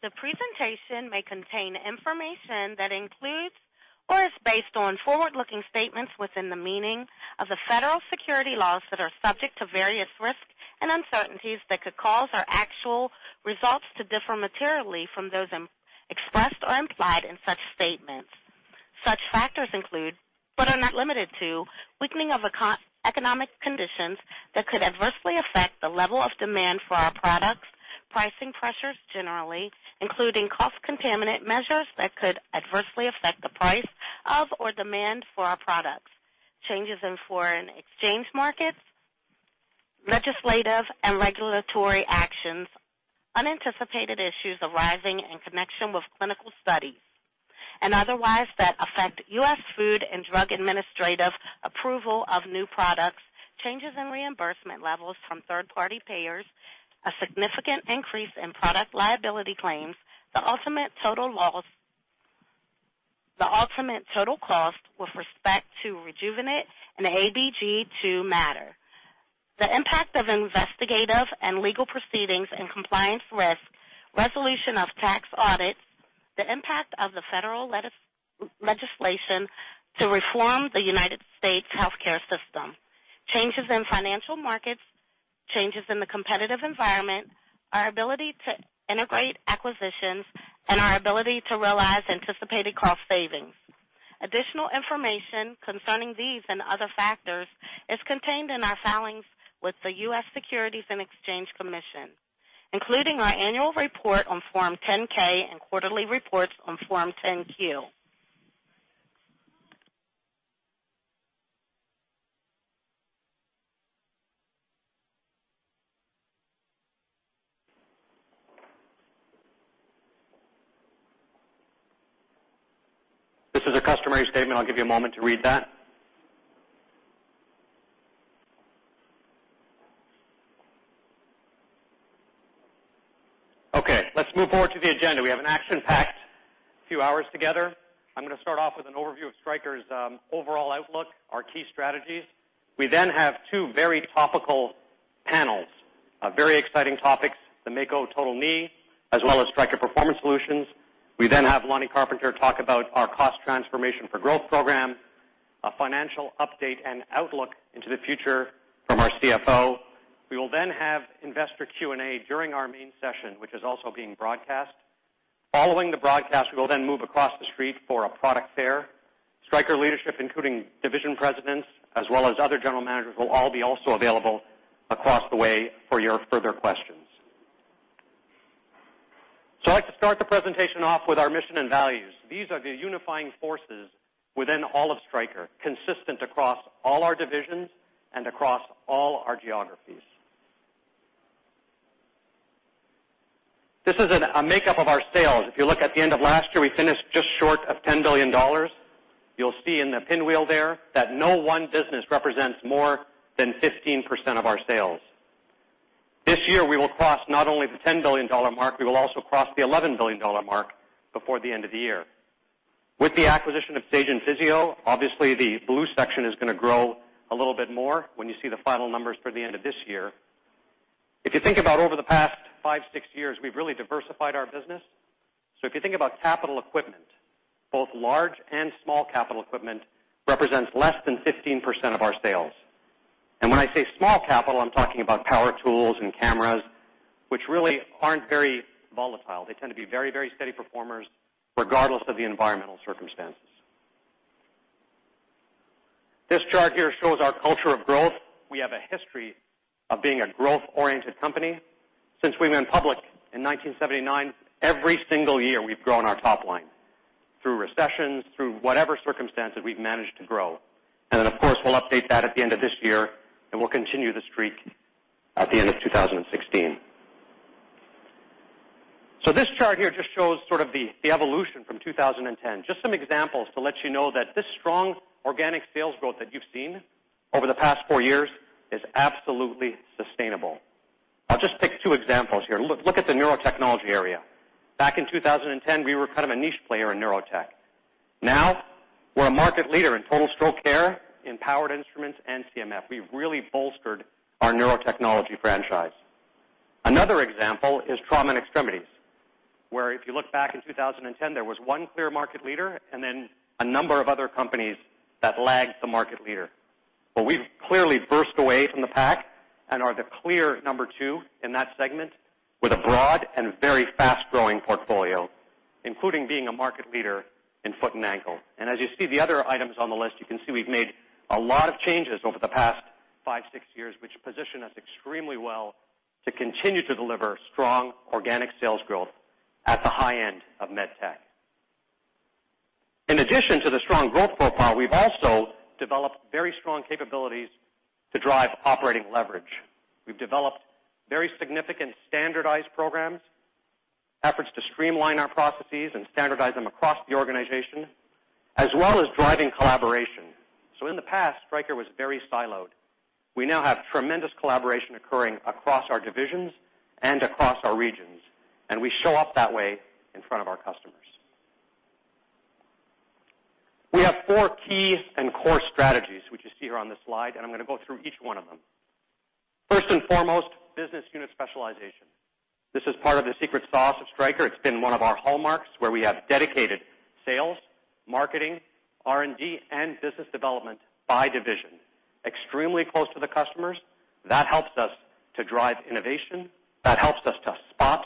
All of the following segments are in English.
The presentation may contain information that includes or is based on forward-looking statements within the meaning of the federal securities laws that are subject to various risks and uncertainties that could cause our actual results to differ materially from those expressed or implied in such statements. Such factors include, but are not limited to, weakening of economic conditions that could adversely affect the level of demand for our products, pricing pressures, generally, including cost containment measures that could adversely affect the price of or demand for our products, changes in foreign exchange markets, legislative and regulatory actions, unanticipated issues arising in connection with clinical studies and otherwise that affect U.S. Food and Drug Administration approval of new products, changes in reimbursement levels from third-party payers, a significant increase in product liability claims, the ultimate total cost with respect to Rejuvenate and the ABG II matter, the impact of investigative and legal proceedings and compliance risk, resolution of tax audits, the impact of the federal legislation to reform the U.S. healthcare system, changes in financial markets, changes in the competitive environment, our ability to integrate acquisitions, and our ability to realize anticipated cost savings. Additional information concerning these and other factors is contained in our filings with the U.S. Securities and Exchange Commission, including our annual report on Form 10-K and quarterly reports on Form 10-Q. This is a customary statement. I'll give you a moment to read that. Okay, let's move forward to the agenda. We have an action-packed few hours together. I'm going to start off with an overview of Stryker's overall outlook, our key strategies. We have two very topical panels, very exciting topics, the Mako Total Knee, as well as Stryker Performance Solutions. We have Lonny Carpenter talk about our Cost Transformation for Growth program, a financial update and outlook into the future from our CFO. We will have investor Q&A during our main session, which is also being broadcast. Following the broadcast, we will move across the street for a product fair. Stryker leadership, including division presidents as well as other general managers, will all be also available across the way for your further questions. I'd like to start the presentation off with our mission and values. These are the unifying forces within all of Stryker, consistent across all our divisions and across all our geographies. This is a makeup of our sales. If you look at the end of last year, we finished just short of $10 billion. You'll see in the pinwheel there that no one business represents more than 15% of our sales. This year, we will cross not only the $10 billion mark, we will also cross the $11 billion mark before the end of the year. With the acquisition of Sage and Physio, obviously, the blue section is going to grow a little bit more when you see the final numbers for the end of this year. If you think about over the past five, six years, we've really diversified our business. If you think about capital equipment, both large and small capital equipment represents less than 15% of our sales. When I say small capital, I'm talking about power tools and cameras, which really aren't very volatile. They tend to be very steady performers, regardless of the environmental circumstances. This chart here shows our culture of growth. We have a history of being a growth-oriented company. Since we went public in 1979, every single year, we've grown our top line. Through recessions, through whatever circumstances, we've managed to grow. Then, of course, we'll update that at the end of this year, and we'll continue the streak at the end of 2016. This chart here just shows sort of the evolution from 2010. Just some examples to let you know that this strong organic sales growth that you've seen over the past four years is absolutely sustainable. I'll just pick two examples here. Look at the neurotechnology area. Back in 2010, we were kind of a niche player in neurotech. Now we're a market leader in total stroke care, in powered instruments, and CMF. We've really bolstered our neurotechnology franchise. Another example is trauma and extremities, where if you look back in 2010, there was one clear market leader and then a number of other companies that lagged the market leader. We've clearly burst away from the pack and are the clear number 2 in that segment with a broad and very fast-growing portfolio, including being a market leader in foot and ankle. As you see the other items on the list, you can see we've made a lot of changes over the past five, six years, which position us extremely well to continue to deliver strong organic sales growth at the high end of medtech. In addition to the strong growth profile, we've also developed very strong capabilities to drive operating leverage. We've developed very significant standardized programs, efforts to streamline our processes and standardize them across the organization, as well as driving collaboration. In the past, Stryker was very siloed. We now have tremendous collaboration occurring across our divisions and across our regions, and we show up that way in front of our customers. We have four key and core strategies which you see here on this slide, and I'm going to go through each one of them. First and foremost, business unit specialization. This is part of the secret sauce of Stryker. It has been one of our hallmarks where we have dedicated sales, marketing, R&D, and business development by division. Extremely close to the customers. That helps us to drive innovation. That helps us to spot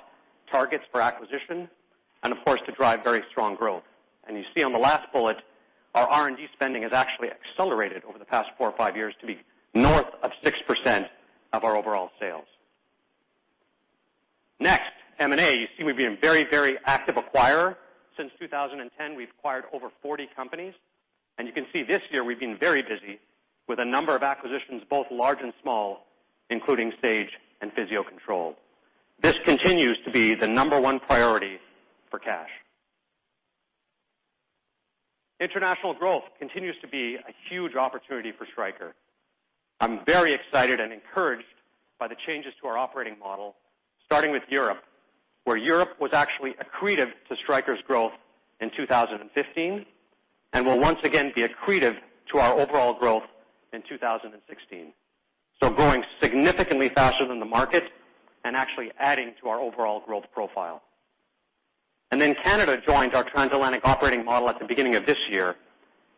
targets for acquisition and, of course, to drive very strong growth. You see on the last bullet, our R&D spending has actually accelerated over the past four or five years to be north of 6% of our overall sales. Next, M&A. You see we have been very active acquirers since 2010. We have acquired over 40 companies, and you can see this year we have been very busy with a number of acquisitions, both large and small, including Sage and Physio-Control. This continues to be the number 1 priority for cash. International growth continues to be a huge opportunity for Stryker. I am very excited and encouraged by the changes to our operating model, starting with Europe, where Europe was actually accretive to Stryker's growth in 2015 and will once again be accretive to our overall growth in 2016. Growing significantly faster than the market and actually adding to our overall growth profile. Canada joined our transatlantic operating model at the beginning of this year.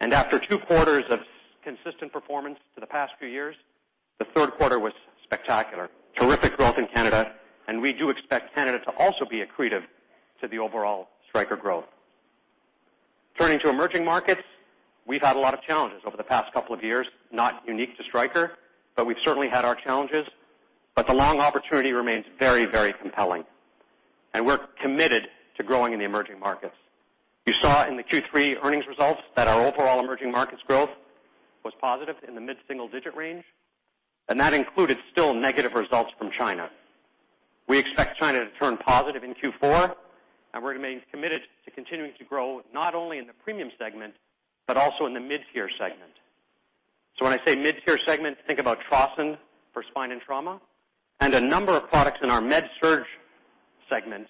After 2 quarters of consistent performance for the past few years, the 3rd quarter was spectacular. Terrific growth in Canada, and we do expect Canada to also be accretive to the overall Stryker growth. Turning to emerging markets, we have had a lot of challenges over the past couple of years, not unique to Stryker, but we have certainly had our challenges. The long opportunity remains very compelling, and we are committed to growing in the emerging markets. You saw in the Q3 earnings results that our overall emerging markets growth was positive in the mid-single digit range, and that included still negative results from China. We expect China to turn positive in Q4, and we remain committed to continuing to grow not only in the premium segment but also in the mid-tier segment. When I say mid-tier segment, think about Trauson for Spine and Trauma and a number of products in our MedSurg segment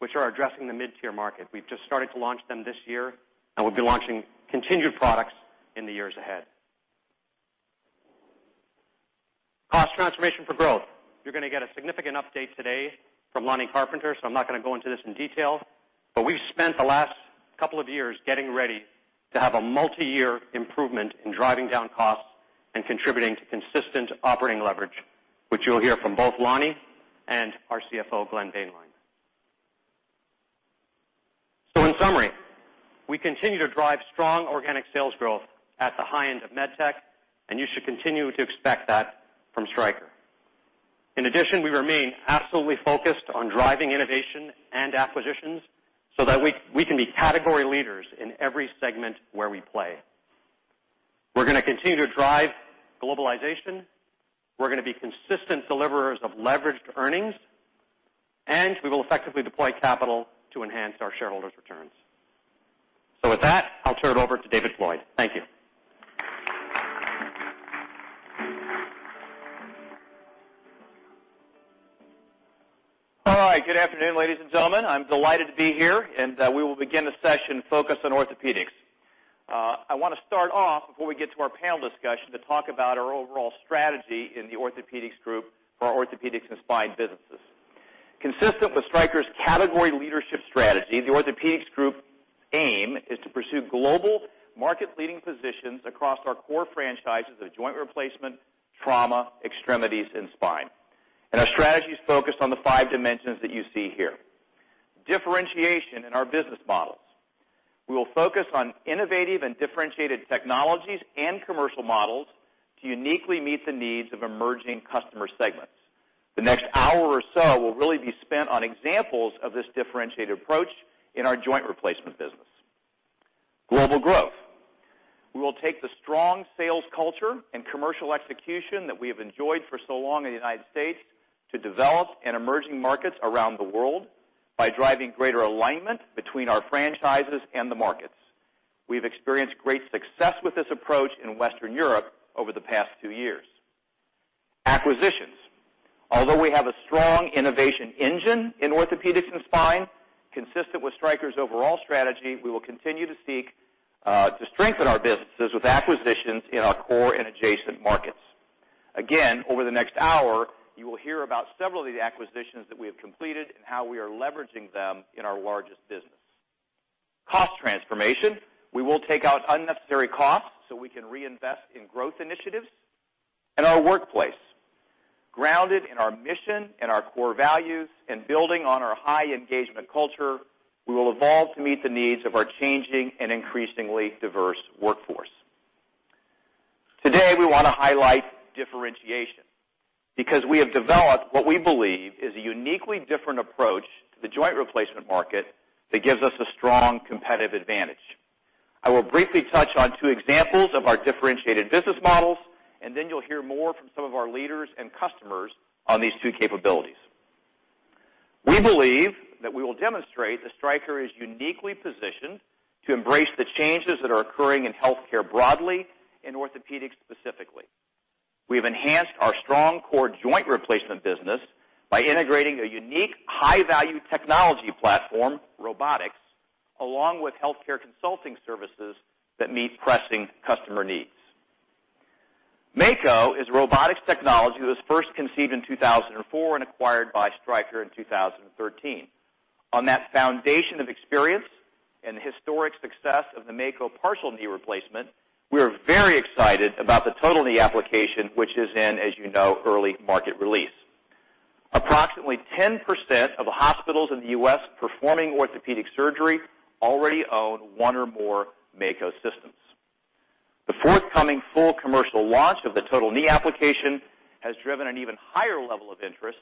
which are addressing the mid-tier market. We have just started to launch them this year, and we will be launching continued products in the years ahead. Cost Transformation for Growth. You are going to get a significant update today from Lonny Carpenter, so I am not going to go into this in detail, but we have spent the last couple of years getting ready to have a multi-year improvement in driving down costs and contributing to consistent operating leverage, which you will hear from both Lonny and our CFO, Glenn Boehnlein. In summary, we continue to drive strong organic sales growth at the high end of MedTech, and you should continue to expect that from Stryker. In addition, we remain absolutely focused on driving innovation and acquisitions so that we can be category leaders in every segment where we play. We are going to continue to drive globalization. We are going to be consistent deliverers of leveraged earnings, and we will effectively deploy capital to enhance our shareholders' returns. With that, I will turn it over to David Floyd. Thank you. Good afternoon, ladies and gentlemen. I'm delighted to be here. We will begin the session focused on Orthopaedics. I want to start off before we get to our panel discussion to talk about our overall strategy in the Orthopaedics Group for our Orthopaedics and Spine businesses. Consistent with Stryker's category leadership strategy, the Orthopaedics Group aim is to pursue global market-leading positions across our core franchises of joint replacement, trauma, extremities, and spine. Our strategy is focused on the 5 dimensions that you see here. Differentiation in our business models. We will focus on innovative and differentiated technologies and commercial models to uniquely meet the needs of emerging customer segments. The next hour or so will really be spent on examples of this differentiated approach in our joint replacement business. Global growth. We will take the strong sales culture and commercial execution that we have enjoyed for so long in the U.S. to develop in emerging markets around the world by driving greater alignment between our franchises and the markets. We've experienced great success with this approach in Western Europe over the past two years. Acquisitions. Although we have a strong innovation engine in Orthopaedics and Spine, consistent with Stryker's overall strategy, we will continue to seek to strengthen our businesses with acquisitions in our core and adjacent markets. Again, over the next hour, you will hear about several of the acquisitions that we have completed and how we are leveraging them in our largest business. Cost transformation. We will take out unnecessary costs so we can reinvest in growth initiatives in our workplace. Grounded in our mission and our core values and building on our high engagement culture, we will evolve to meet the needs of our changing and increasingly diverse workforce. Today, we want to highlight differentiation because we have developed what we believe is a uniquely different approach to the joint replacement market that gives us a strong competitive advantage. I will briefly touch on two examples of our differentiated business models, and then you'll hear more from some of our leaders and customers on these two capabilities. We believe that we will demonstrate that Stryker is uniquely positioned to embrace the changes that are occurring in healthcare broadly, in Orthopaedics specifically. We've enhanced our strong core joint replacement business by integrating a unique high-value technology platform, robotics, along with healthcare consulting services that meet pressing customer needs. Mako is a robotics technology that was first conceived in 2004 and acquired by Stryker in 2013. On that foundation of experience and the historic success of the Mako partial knee replacement, we are very excited about the total knee application, which is in, as you know, early market release. Approximately 10% of hospitals in the U.S. performing orthopedic surgery already own one or more Mako systems. The forthcoming full commercial launch of the total knee application has driven an even higher level of interest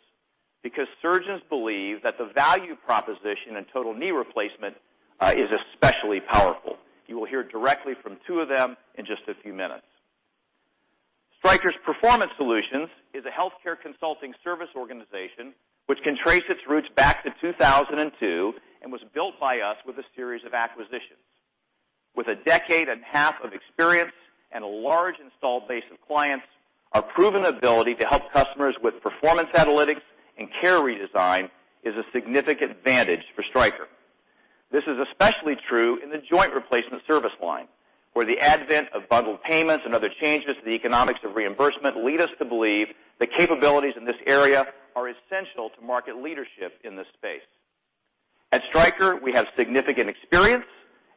because surgeons believe that the value proposition in total knee replacement is especially powerful. You will hear directly from two of them in just a few minutes. Stryker's Performance Solutions is a healthcare consulting service organization which can trace its roots back to 2002 and was built by us with a series of acquisitions. With a decade and half of experience and a large installed base of clients, our proven ability to help customers with performance analytics and care redesign is a significant advantage for Stryker. This is especially true in the Joint Replacement service line, where the advent of bundled payments and other changes to the economics of reimbursement lead us to believe the capabilities in this area are essential to market leadership in this space. At Stryker, we have significant experience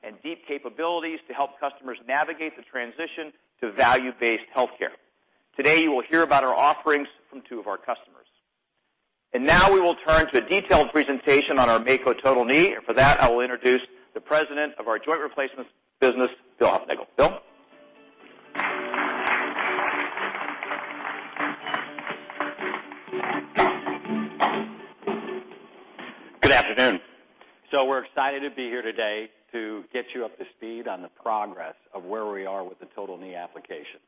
and deep capabilities to help customers navigate the transition to value-based healthcare. Today, you will hear about our offerings from two of our customers. Now we will turn to a detailed presentation on our Mako total knee, and for that, I will introduce the President of our Joint Replacements business, Bill Hoffmeister. Bill? Good afternoon. We're excited to be here today to get you up to speed on the progress of where we are with the total knee application.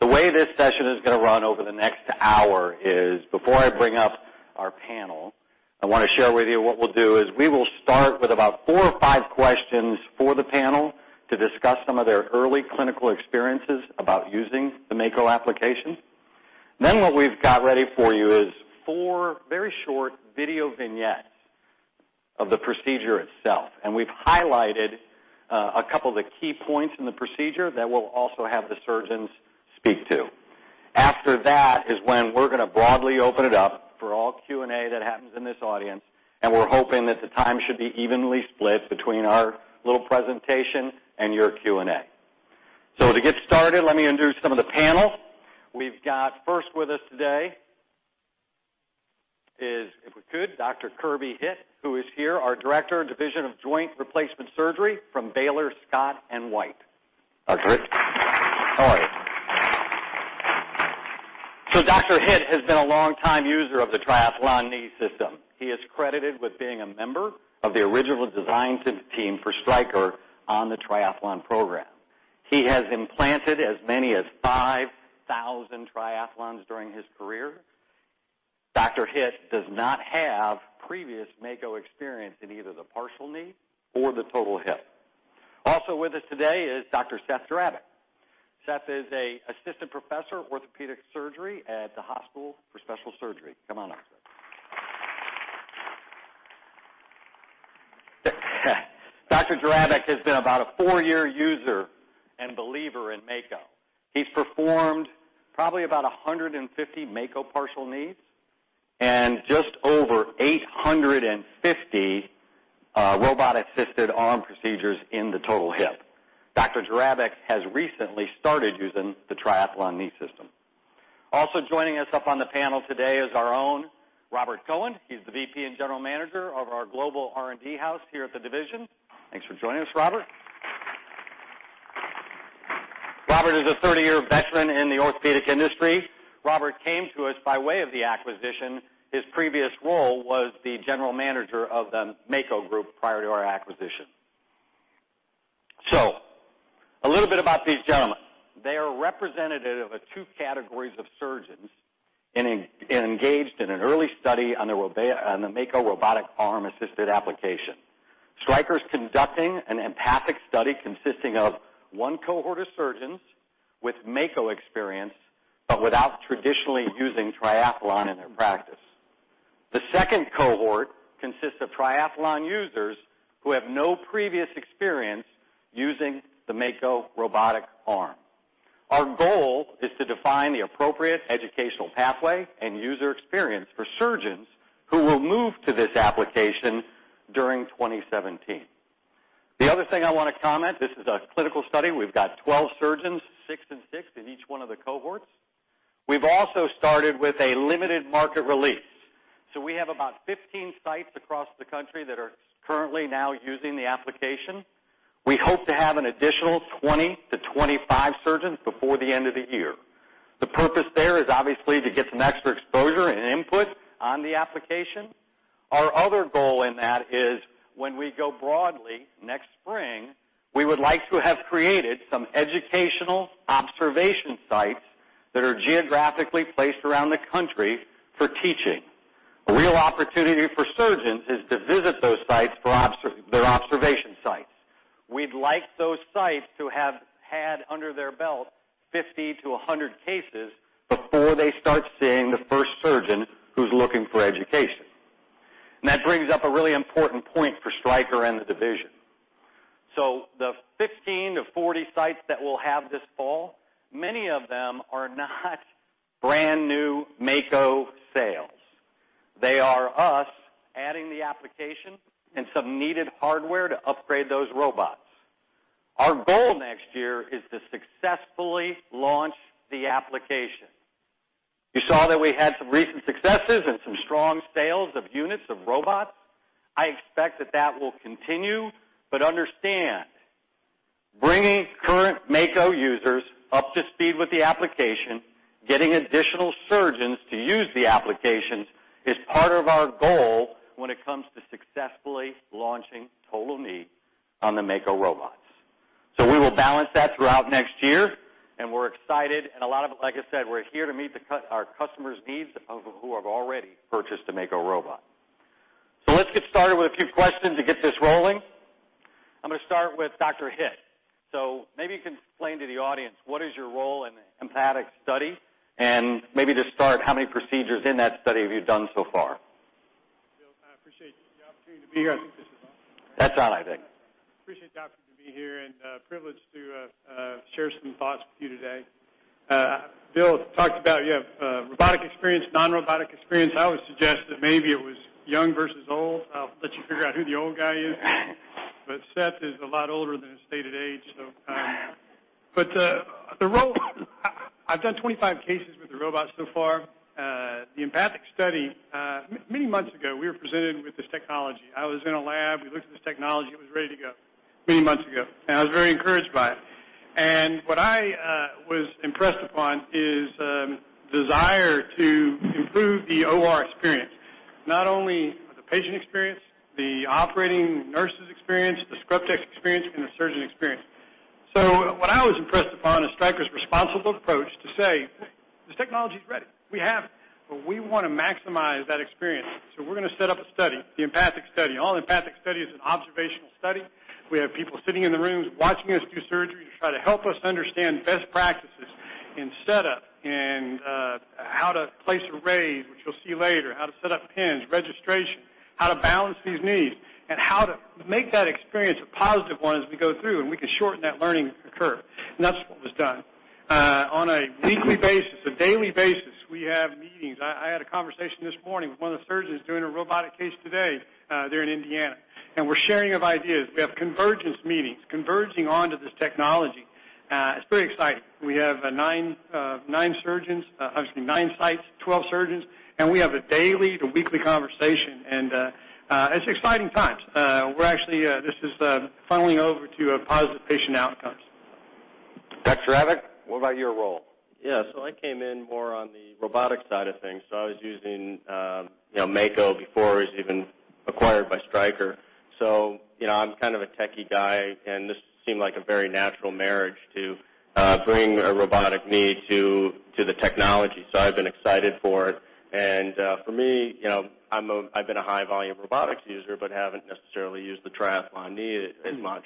The way this session is going to run over the next hour is, before I bring up our panel, I want to share with you what we'll do is we will start with about four or five questions for the panel to discuss some of their early clinical experiences about using the Mako application. What we've got ready for you is four very short video vignettes of the procedure itself, and we've highlighted a couple of the key points in the procedure that we'll also have the surgeons speak to. After that is when we're going to broadly open it up for all Q&A that happens in this audience, and we're hoping that the time should be evenly split between our little presentation and your Q&A. To get started, let me introduce some of the panel. We've got first with us today is, if we could, Dr. Kirby Hitt, who is here, our Director, Division of Joint Replacement Surgery from Baylor Scott & White. Doctor, how are you? Dr. Hitt has been a long-time user of the Triathlon knee system. He is credited with being a member of the original design team for Stryker on the Triathlon program. He has implanted as many as 5,000 Triathlons during his career. Dr. Hitt does not have previous Mako experience in either the partial knee or the total hip. Also with us today is Dr. Seth Jerabek. Seth is a Assistant Professor of Orthopedic Surgery at the Hospital for Special Surgery. Come on up, Seth. Dr. Jerabek has been about a four-year user and believer in Mako. He's performed probably about 150 Mako partial knees and just over 850 robot-assisted arm procedures in the total hip. Dr. Jerabek has recently started using the Triathlon knee system. Also joining us up on the panel today is our own Robert Cohen. He's the VP and General Manager of our global R&D house here at the division. Thanks for joining us, Robert. Robert is a 30-year veteran in the orthopedic industry. Robert came to us by way of the acquisition. His previous role was the General Manager of the Mako group prior to our acquisition. A little bit about these gentlemen. They are representative of two categories of surgeons engaged in an early study on the Mako robotic-arm assisted application. Stryker's conducting an EMPATHIC study consisting of one cohort of surgeons with Mako experience, but without traditionally using Triathlon in their practice. The second cohort consists of Triathlon users who have no previous experience using the Mako robotic arm. Our goal is to define the appropriate educational pathway and user experience for surgeons who will move to this application during 2017. The other thing I want to comment. This is a clinical study. We've got 12 surgeons, six and six in each one of the cohorts. We have about 15 sites across the country that are currently now using the application. We hope to have an additional 20 to 25 surgeons before the end of the year. The purpose there is obviously to get some extra exposure and input on the application. Our other goal in that is when we go broadly next spring, we would like to have created some educational observation sites that are geographically placed around the country for teaching. A real opportunity for surgeons is to visit those sites for their observation sites. We'd like those sites to have had under their belt 50-100 cases before they start seeing the first surgeon who's looking for education. That brings up a really important point for Stryker and the division. The 15-40 sites that we'll have this fall, many of them are not brand-new Mako sales. They are us adding the application and some needed hardware to upgrade those robots. Our goal next year is to successfully launch the application. You saw that we had some recent successes and some strong sales of units of robots. I expect that that will continue. Understand, bringing current Mako users up to speed with the application, getting additional surgeons to use the applications is part of our goal when it comes to successfully launching total knee on the Mako robots. We will balance that throughout next year, and we're excited, and a lot of it, like I said, we're here to meet our customers' needs who have already purchased a Mako robot. Let's get started with a few questions to get this rolling. I'm going to start with Dr. Hitt. Maybe you can explain to the audience what is your role in the EMPATHIC study, and maybe just start how many procedures in that study have you done so far? Bill, I appreciate the opportunity to be here. I think this is on. That's on, I think. Appreciate the opportunity to be here and privileged to share some thoughts with you today. Bill talked about you have robotic experience, non-robotic experience. I would suggest that maybe it was young versus old. I'll let you figure out who the old guy is, but Seth is a lot older than his stated age. I've done 25 cases with the robot so far. The EMPATHIC study, many months ago, we were presented with this technology. I was in a lab. We looked at this technology. It was ready to go many months ago, and I was very encouraged by it. What I was impressed upon is desire to improve the OR experience, not only the patient experience, the operating nurses' experience, the scrub tech's experience, and the surgeon experience. What I was impressed upon is Stryker's responsible approach to say, "This technology's ready. We have it. We want to maximize that experience. We're going to set up a study, the EMPATHIC study." All an EMPATHIC study is an observational study. We have people sitting in the rooms watching us do surgeries to try to help us understand best practices in setup and how to place arrays, which you'll see later, how to set up pins, registration, how to balance these knees, and how to make that experience a positive one as we go through, and we can shorten that learning curve. That's what was done. On a weekly basis, a daily basis, we have meetings. I had a conversation this morning with one of the surgeons doing a robotic case today there in Indiana, and we're sharing of ideas. We have convergence meetings, converging onto this technology. It's pretty exciting. We have nine sites, 12 surgeons, and we have a daily to weekly conversation, and it's exciting times. This is funneling over to positive patient outcomes. Dr. Jerabek, what about your role? I came in more on the robotic side of things, I was using Mako before it was even acquired by Stryker. I'm kind of a techy guy, and this seemed like a very natural marriage to bring a robotic knee to the technology. I've been excited for it. For me, I've been a high-volume robotics user but haven't necessarily used the Triathlon knee as much.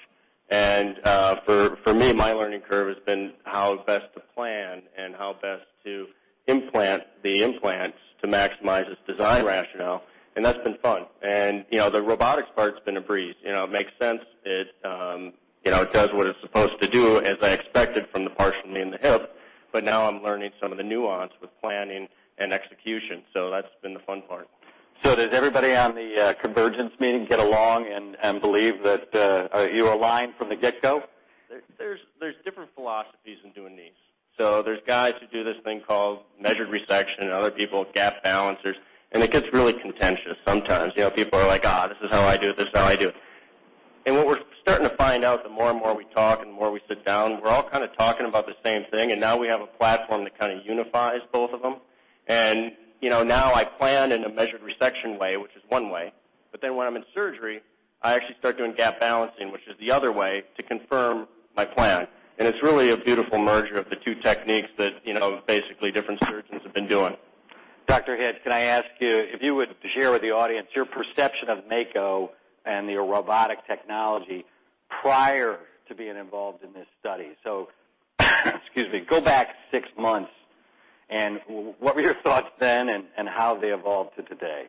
For me, my learning curve has been how best to plan and how best to implant the implants to maximize its design rationale, and that's been fun. The robotics part's been a breeze. It makes sense. It does what it's supposed to do, as I expected from the partial knee and the hip. Now I'm learning some of the nuance with planning and execution, that's been the fun part. Does everybody on the convergence meeting get along and believe that you align from the get-go? There's different philosophies in doing these. There's guys who do this thing called measured resection, and other people, gap balancers, and it gets really contentious sometimes. People are like, "This is how I do it. This is how I do it." What we're starting to find out the more and more we talk and the more we sit down, we're all kind of talking about the same thing, and now we have a platform that kind of unifies both of them. Now I plan in a measured resection way, which is one way, but then when I'm in surgery, I actually start doing gap balancing, which is the other way to confirm my plan. It's really a beautiful merger of the two techniques that basically different surgeons have been doing. Dr. Hitt, can I ask you if you would share with the audience your perception of Mako and your robotic technology prior to being involved in this study? Excuse me. Go back six months and what were your thoughts then and how have they evolved to today?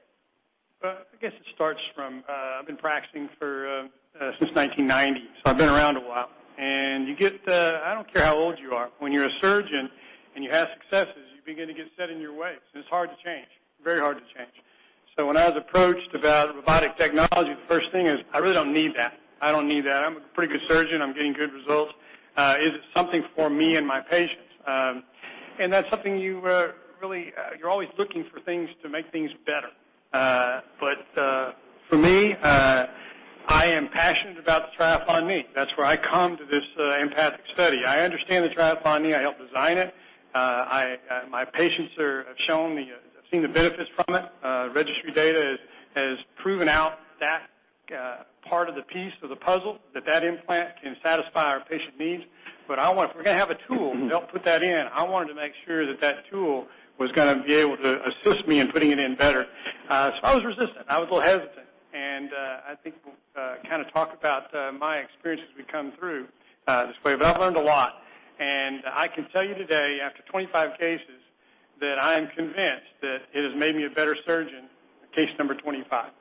I guess it starts from I've been practicing since 1990, I've been around a while. I don't care how old you are, when you're a surgeon and you have successes, you begin to get set in your ways, and it's hard to change. Very hard to change. When I was approached about robotic technology, the first thing is I really don't need that. I don't need that. I'm a pretty good surgeon. I'm getting good results. Is it something for me and my patients? That's something you're always looking for things to make things better. For me, I am passionate about the Triathlon knee. That's where I come to this EMPATHIC study. I understand the Triathlon knee. I helped design it. My patients have seen the benefits from it. Registry data has proven out that part of the piece of the puzzle, that that implant can satisfy our patient needs. If we're going to have a tool to help put that in, I wanted to make sure that that tool was going to be able to assist me in putting it in better. I was resistant. I was a little hesitant, and I think we'll talk about my experience as we come through this way. I've learned a lot, and I can tell you today, after 25 cases, that I am convinced that it has made me a better surgeon, case number 25.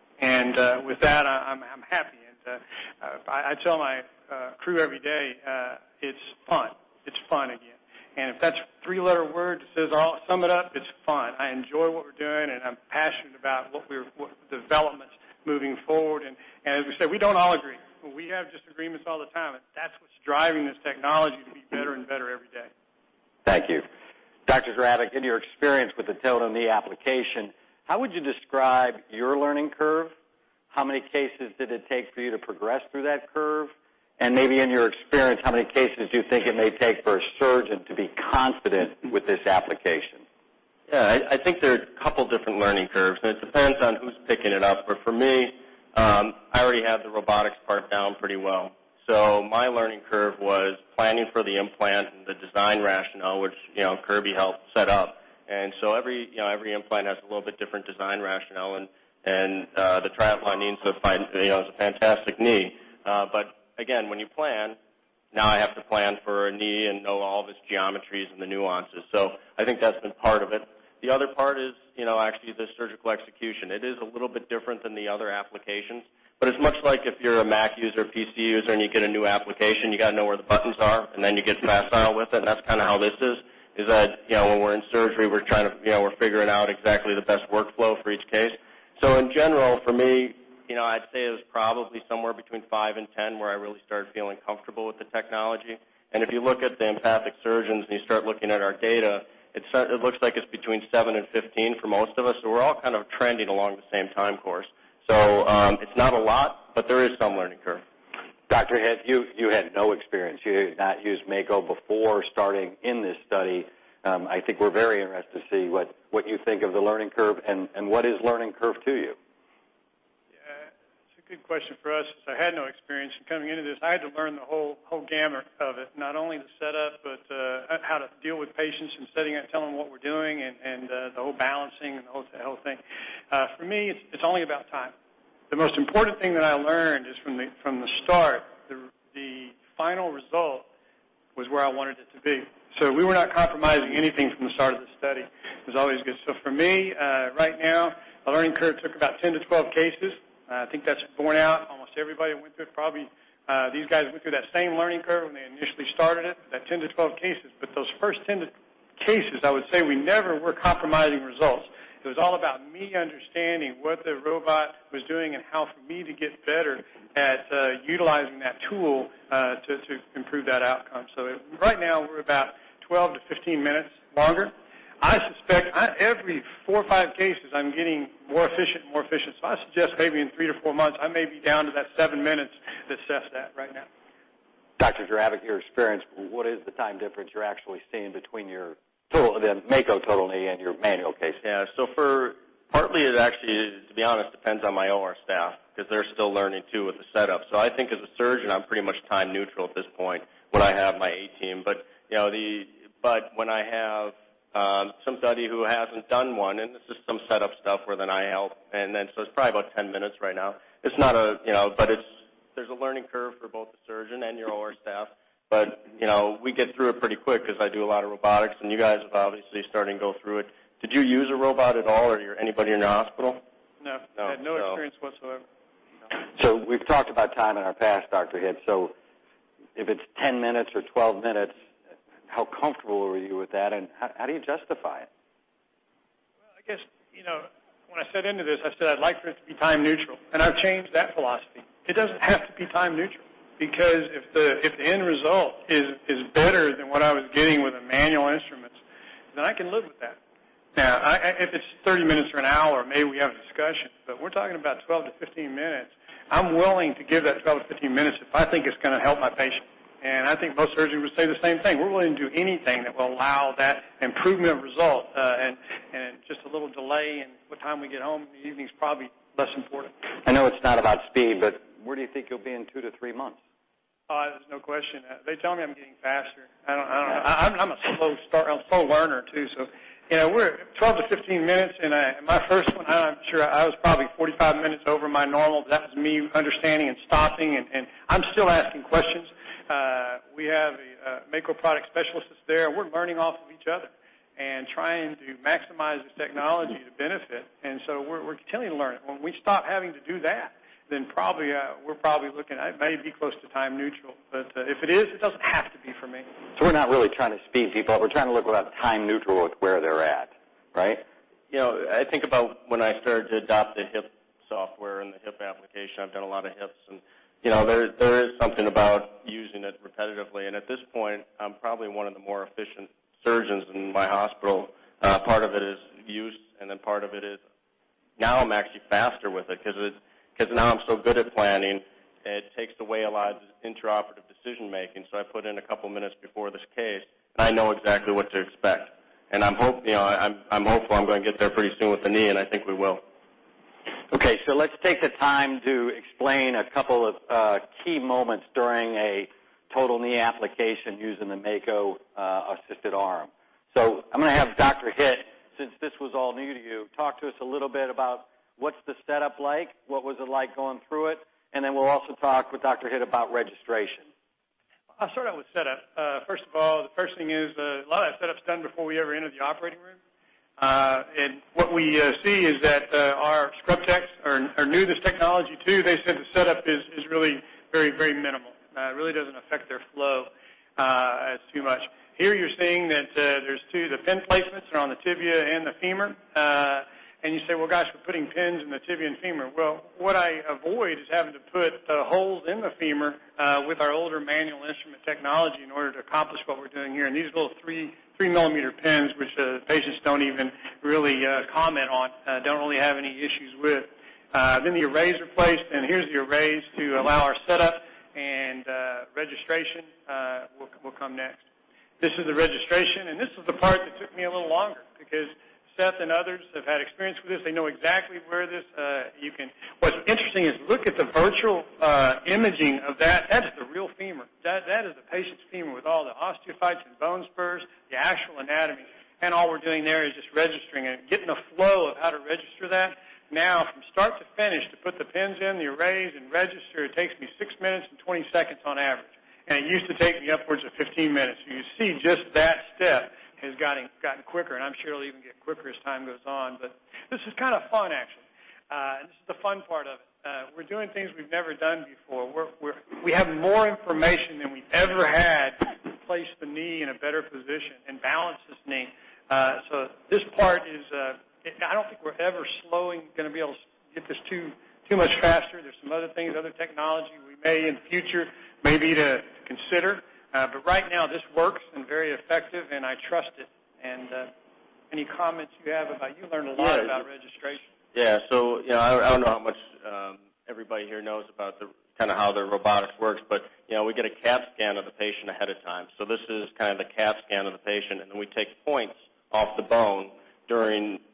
With that, I'm happy. I tell my crew every day, "It's fun. It's fun again." If that's a three-letter word that sums it up, it's fun. I enjoy what we're doing, and I'm passionate about development moving forward. As we said, we don't all agree. We have disagreements all the time, and that's what's driving this technology to be better and better every day. Thank you. Dr. Jerabek, in your experience with the total knee application, how would you describe your learning curve? How many cases did it take for you to progress through that curve? Maybe in your experience, how many cases do you think it may take for a surgeon to be confident with this application? I think there are a couple different learning curves, it depends on who's picking it up. For me, I already had the robotics part down pretty well. My learning curve was planning for the implant and the design rationale, which Kirby helped set up. Every implant has a little bit different design rationale, and the Triathlon knee is a fantastic knee. Again, when you plan, now I have to plan for a knee and know all of its geometries and the nuances. I think that's been part of it. The other part is actually the surgical execution. It is a little bit different than the other applications, but it's much like if you're a Mac user, PC user, you get a new application, you got to know where the buttons are, then you get fast and agile with it, that's kind of how this is. When we're in surgery, we're figuring out exactly the best workflow for each case. In general, for me, I'd say it was probably somewhere between 5 and 10 where I really started feeling comfortable with the technology. If you look at the EMPATHIC surgeons and you start looking at our data, it looks like it's between 7 and 15 for most of us. We're all kind of trending along the same time course. It's not a lot, but there is some learning curve. Dr. Hitt, you had no experience. You had not used Mako before starting in this study. I think we're very interested to see what you think of the learning curve and what is learning curve to you? It's a good question for us, because I had no experience in coming into this. I had to learn the whole gamut of it, not only the setup, but how to deal with patients from setting up, tell them what we're doing, and the whole balancing and the whole thing. For me, it's only about time. The most important thing that I learned is from the start, the final result was where I wanted it to be. We were not compromising anything from the start of the study. It was always good. For me, right now, the learning curve took about 10 to 12 cases. I think that's borne out. Almost everybody went through it, probably. These guys went through that same learning curve when they initially started it, that 10 to 12 cases. Those first 10 cases, I would say we never were compromising results. It was all about me understanding what the robot was doing and how for me to get better at utilizing that tool to improve that outcome. Right now, we're about 12 to 15 minutes longer. I suspect every four or five cases, I'm getting more efficient and more efficient. I suggest maybe in three to four months, I may be down to that seven minutes that Seth's at right now. Dr. Jerabek, your experience, what is the time difference you're actually seeing between your Mako total knee and your manual cases? Partly it actually, to be honest, depends on my OR staff because they're still learning too with the setup. I think as a surgeon, I'm pretty much time neutral at this point when I have my A team. When I have somebody who hasn't done one, and it's just some setup stuff where then I help, and then it's probably about 10 minutes right now. There's a learning curve for both the surgeon and your OR staff. We get through it pretty quick because I do a lot of robotics, and you guys have obviously started to go through it. Did you use a robot at all or anybody in your hospital? No. No. I had no experience whatsoever. We've talked about time in our past, Dr. Hitt. If it's 10 minutes or 12 minutes, how comfortable are you with that, and how do you justify it? I guess, when I set into this, I said I'd like for it to be time neutral, and I've changed that philosophy. It doesn't have to be time neutral because if the end result is better than what I was getting with the manual instruments, then I can live with that. Now, if it's 30 minutes or an hour, maybe we have a discussion. We're talking about 12-15 minutes. I'm willing to give that 12-15 minutes if I think it's going to help my patient, and I think most surgeons would say the same thing. We're willing to do anything that will allow that improvement of result, and just a little delay in what time we get home in the evening is probably less important. I know it's not about speed, but where do you think you'll be in two to three months? There's no question. They tell me I'm getting faster. I'm a slow learner too. We're at 12 to 15 minutes, and my first one, I'm sure I was probably 45 minutes over my normal, but that was me understanding and stopping, and I'm still asking questions. We have Mako product specialists there. We're learning off of each other and trying to maximize this technology to benefit. We're continuing to learn it. When we stop having to do that, we're probably looking at maybe close to time neutral. If it is, it doesn't have to be for me. We're not really trying to speed people up. We're trying to look without time neutral at where they're at, right? I think about when I started to adopt the hip software and the hip application. I've done a lot of hips, and there is something about using it repetitively. At this point, I'm probably one of the more efficient surgeons in my hospital. Part of it is use, and then part of it is now I'm actually faster with it because now I'm so good at planning, it takes away a lot of this intraoperative decision-making. I put in a couple of minutes before this case, and I know exactly what to expect. I'm hopeful I'm going to get there pretty soon with the knee, and I think we will. Let's take the time to explain a couple of key moments during a total knee application using the Mako assisted arm. I'm going to have Dr. Hitt, since this was all new to you, talk to us a little bit about what's the setup like, what was it like going through it, and then we'll also talk with Dr. Hitt about registration. I'll start out with setup. First of all, the first thing is a lot of that setup's done before we ever enter the operating room. What we see is that our scrub techs are new to this technology too. They said the setup is really very minimal. It really doesn't affect their flow too much. Here, you're seeing that there's two, the pin placements are on the tibia and the femur. You say, well, gosh, we're putting pins in the tibia and femur. What I avoid is having to put the holes in the femur with our older manual instrument technology in order to accomplish what we're doing here. These little 3-millimeter pins, which the patients don't even really comment on, don't really have any issues with. The arrays are placed, and here's the arrays to allow our setup, and registration will come next. This is the registration, and this is the part that took me a little longer because Seth and others have had experience with this. They know exactly where. What's interesting is look at the virtual imaging of that. That is the real femur. That is the patient's femur with all the osteophytes and bone spurs, the actual anatomy. All we're doing there is just registering it and getting the flow of how to register that. From start to finish, to put the pins in, the arrays, and register, it takes me 6 minutes and 20 seconds on average, and it used to take me upwards of 15 minutes. You see just that step has gotten quicker, and I'm sure it'll even get quicker as time goes on. This is kind of fun, actually. This is the fun part of it. We're doing things we've never done before. We have more information than we ever had to place the knee in a better position and balance this knee. This part is, I don't think we're ever going to be able to get this too much faster. There's some other things, other technology we may in the future maybe to consider. Right now, this works and very effective, and I trust it. Any comments you have about, you learned a lot about registration. Yeah. I don't know how much everybody here knows about how the robotics works, but we get a CAT scan of the patient ahead of time. This is the CAT scan of the patient, and then we take points off the bone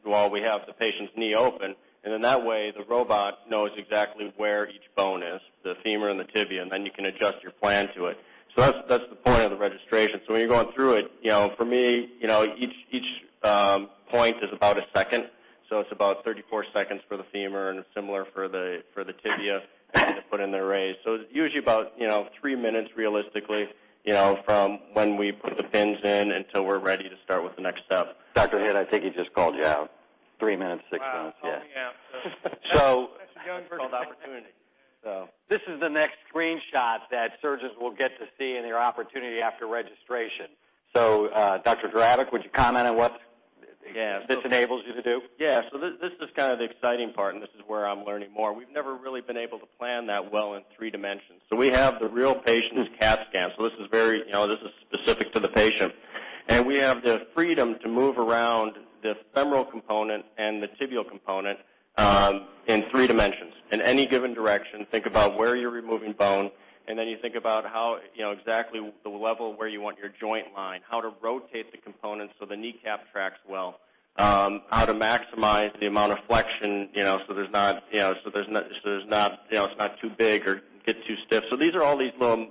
while we have the patient's knee open, and then that way, the robot knows exactly where each bone is, the femur and the tibia, and then you can adjust your plan to it. That's the point of the registration. When you're going through it, for me, each point is about a second. It's about 34 seconds for the femur and similar for the tibia to put in the arrays. It's usually about 3 minutes, realistically, from when we put the pins in until we're ready to start with the next step. Dr. Hitt, I think he just called you out. Three minutes, six seconds. Wow, called me out. That's called opportunity. This is the next screenshot that surgeons will get to see in your opportunity after registration. Dr. Jerabek, would you comment on what this enables you to do? Yeah. This is kind of the exciting part, this is where I'm learning more. We've never really been able to plan that well in three dimensions. We have the real patient's CAT scan. This is specific to the patient. We have the freedom to move around the femoral component and the tibial component in three dimensions. In any given direction, think about where you're removing bone, you think about how exactly the level where you want your joint line, how to rotate the components the kneecap tracks well, how to maximize the amount of flexion it's not too big or gets too stiff. These are all these little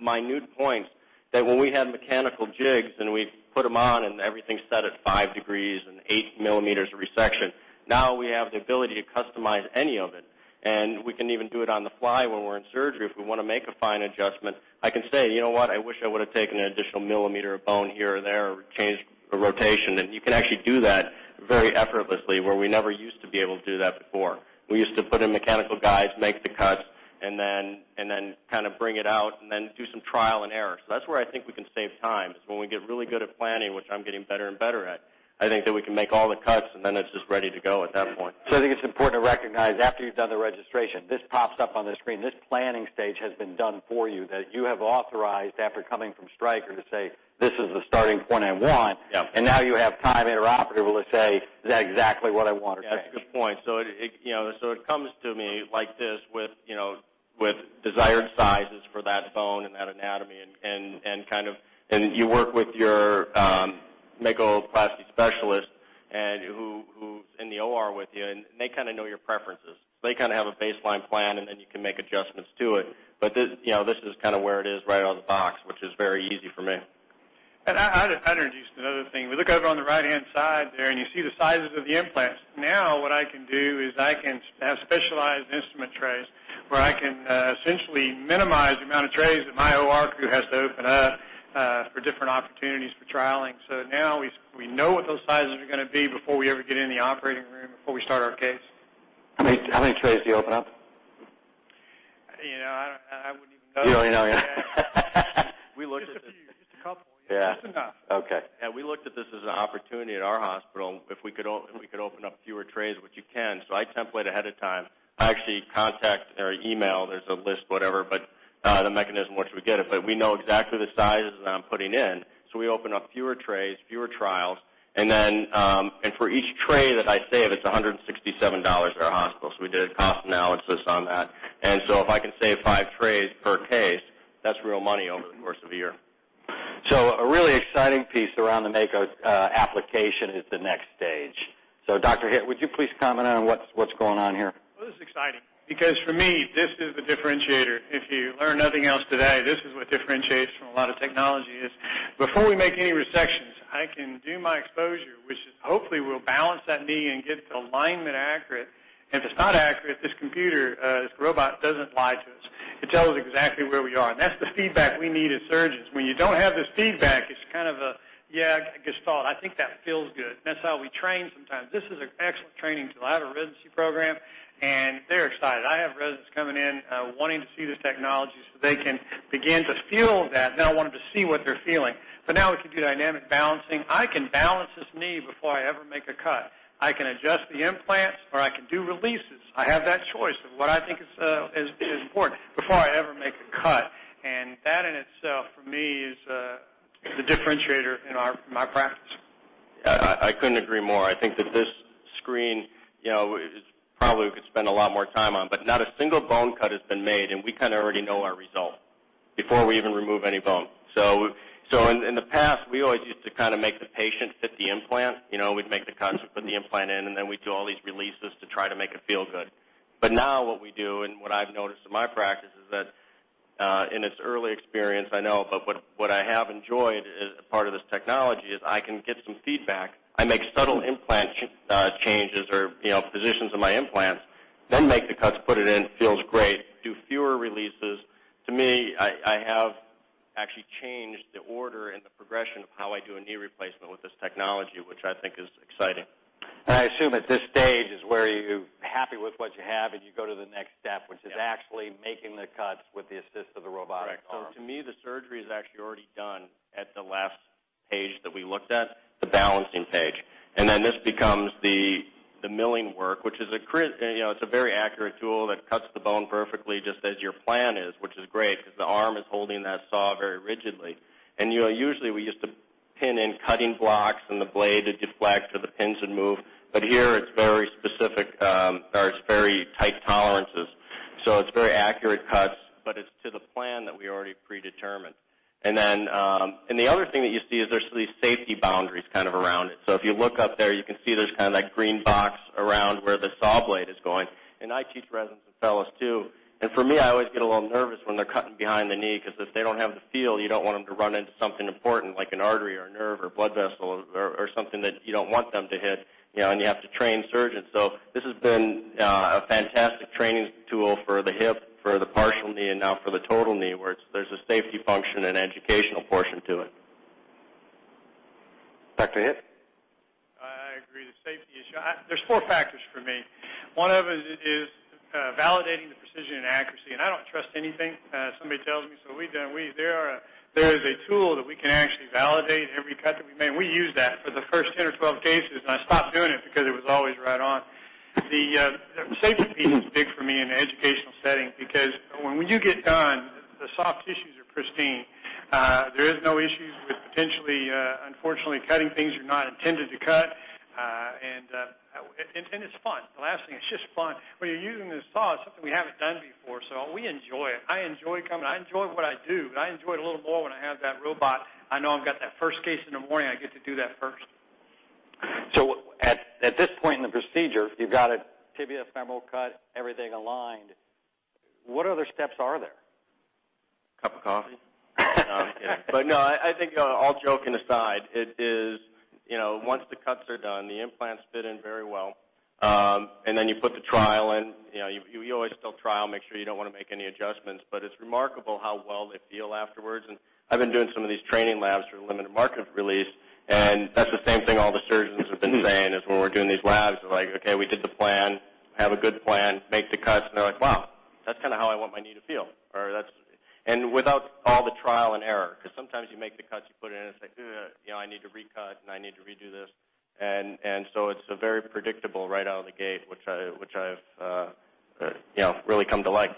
minute points that when we had mechanical jigs and we put them on and everything's set at five degrees and eight millimeters of resection, now we have the ability to customize any of it, and we can even do it on the fly when we're in surgery. If we want to make a fine adjustment, I can say, "You know what? I wish I would've taken an additional millimeter of bone here or there or changed the rotation." You can actually do that very effortlessly, where we never used to be able to do that before. We used to put in mechanical guides, make the cuts, and then kind of bring it out, and then do some trial and error. That's where I think we can save time is when we get really good at planning, which I'm getting better and better at. I think that we can make all the cuts, and then it's just ready to go at that point. I think it's important to recognize after you've done the registration, this pops up on the screen. This planning stage has been done for you, that you have authorized after coming from Stryker to say, "This is the starting point I want. Yep. Now you have time intraoperatively to say, "Is that exactly what I want or change it? It comes to me like this with desired sizes for that bone and that anatomy and you work with your MAKOplasty specialist who's in the OR with you, they kind of know your preferences. They kind of have a baseline plan, you can make adjustments to it. This is kind of where it is right out of the box, which is very easy for me. I'd introduce another thing. We look over on the right-hand side there, you see the sizes of the implants. What I can do is I can have specialized instrument trays where I can essentially minimize the amount of trays that my OR crew has to open up for different opportunities for trialing. Now we know what those sizes are going to be before we ever get in the operating room, before we start our case. How many trays do you open up? I wouldn't even know. You don't even know yet. We looked at. Just a few. Just a couple. Yeah. Just enough. Okay. We looked at this as an opportunity at our hospital if we could open up fewer trays, which you can. I template ahead of time. I actually contact or email, there's a list, whatever, but the mechanism in which we get it, but we know exactly the sizes that I'm putting in. We open up fewer trays, fewer trials. For each tray that I save, it's $167 at our hospital. We did a cost analysis on that, if I can save five trays per case, that's real money over the course of a year. A really exciting piece around the Mako application is the next stage. Dr. Hitt, would you please comment on what's going on here? This is exciting because, for me, this is the differentiator. If you learn nothing else today, this is what differentiates from a lot of technology is before we make any resections, I can do my exposure, which hopefully will balance that knee and get the alignment accurate. If it's not accurate, this robot doesn't lie to us. It tells exactly where we are, and that's the feedback we need as surgeons. When you don't have this feedback, it's kind of a, yeah, gestalt. I think that feels good. That's how we train sometimes. This is an excellent training tool. I have a residency program, and they're excited. I have residents coming in wanting to see this technology so they can begin to feel that. Now I want them to see what they're feeling. Now we can do dynamic balancing. I can balance this knee before I ever make a cut. I can adjust the implants, or I can do releases. I have that choice of what I think is important before I ever make a cut. That in itself, for me, is the differentiator in my practice. I couldn't agree more. I think that this screen probably we could spend a lot more time on, but not a single bone cut has been made, and we kind of already know our result before we even remove any bone. In the past, we always used to make the patient fit the implant. We'd make the cut, put the implant in, and then we'd do all these releases to try to make it feel good. Now what we do, and what I've noticed in my practice, is that in its early experience, I know, but what I have enjoyed as a part of this technology is I can get some feedback. I make subtle implant changes or positions of my implants, make the cuts, put it in, feels great, do fewer releases. To me, I have actually changed the order and the progression of how I do a knee replacement with this technology, which I think is exciting. I assume at this stage is where you're happy with what you have, and you go to the next step. Yeah which is actually making the cuts with the assist of the robotic arm. Right. To me, the surgery is actually already done at the last page that we looked at, the balancing page. This becomes the milling work, which is a very accurate tool that cuts the bone perfectly, just as your plan is, which is great because the arm is holding that saw very rigidly. Usually we used to pin in cutting blocks, and the blade would deflect or the pins would move. Here it's very specific, or it's very tight tolerances. It's very accurate cuts, but it's to the plan that we already predetermined. The other thing that you see is there's these safety boundaries around it. If you look up there, you can see there's that green box around where the saw blade is going. I teach residents and fellows too, and for me, I always get a little nervous when they're cutting behind the knee because if they don't have the feel, you don't want them to run into something important like an artery or a nerve or blood vessel or something that you don't want them to hit, and you have to train surgeons. This has been a fantastic training tool for the hip, for the partial knee, and now for the total knee, where there's a safety function and educational portion to it. Dr. Hitt? I agree, the safety issue. There's four factors for me. One of them is validating the precision and accuracy, and I don't trust anything somebody tells me. There is a tool that we can actually validate every cut that we make. We used that for the first 10 or 12 cases, and I stopped doing it because it was always right on. The safety piece is big for me in the educational setting because when you get done, the soft tissues are pristine. There is no issues with potentially, unfortunately, cutting things you're not intended to cut, and it's fun. The last thing, it's just fun. When you're using this saw, it's something we haven't done before, so we enjoy it. I enjoy coming. I enjoy what I do, but I enjoy it a little more when I have that robot. I know I've got that first case in the morning. I get to do that first. At this point in the procedure, you've got a tibia femoral cut, everything aligned. What other steps are there? Cup of coffee? No, I think all joking aside, it is once the cuts are done, the implants fit in very well. Then you put the trial in. You always still trial, make sure you don't want to make any adjustments. It's remarkable how well they feel afterwards. I've been doing some of these training labs for the limited market release, and that's the same thing all the surgeons have been saying is when we're doing these labs, it's like, okay, we did the plan, have a good plan, make the cuts, and they're like, "Wow, that's kind of how I want my knee to feel." Without all the trial and error, because sometimes you make the cuts, you put it in, it's like, eh, I need to recut, and I need to redo this. It's very predictable right out of the gate, which I've really come to like.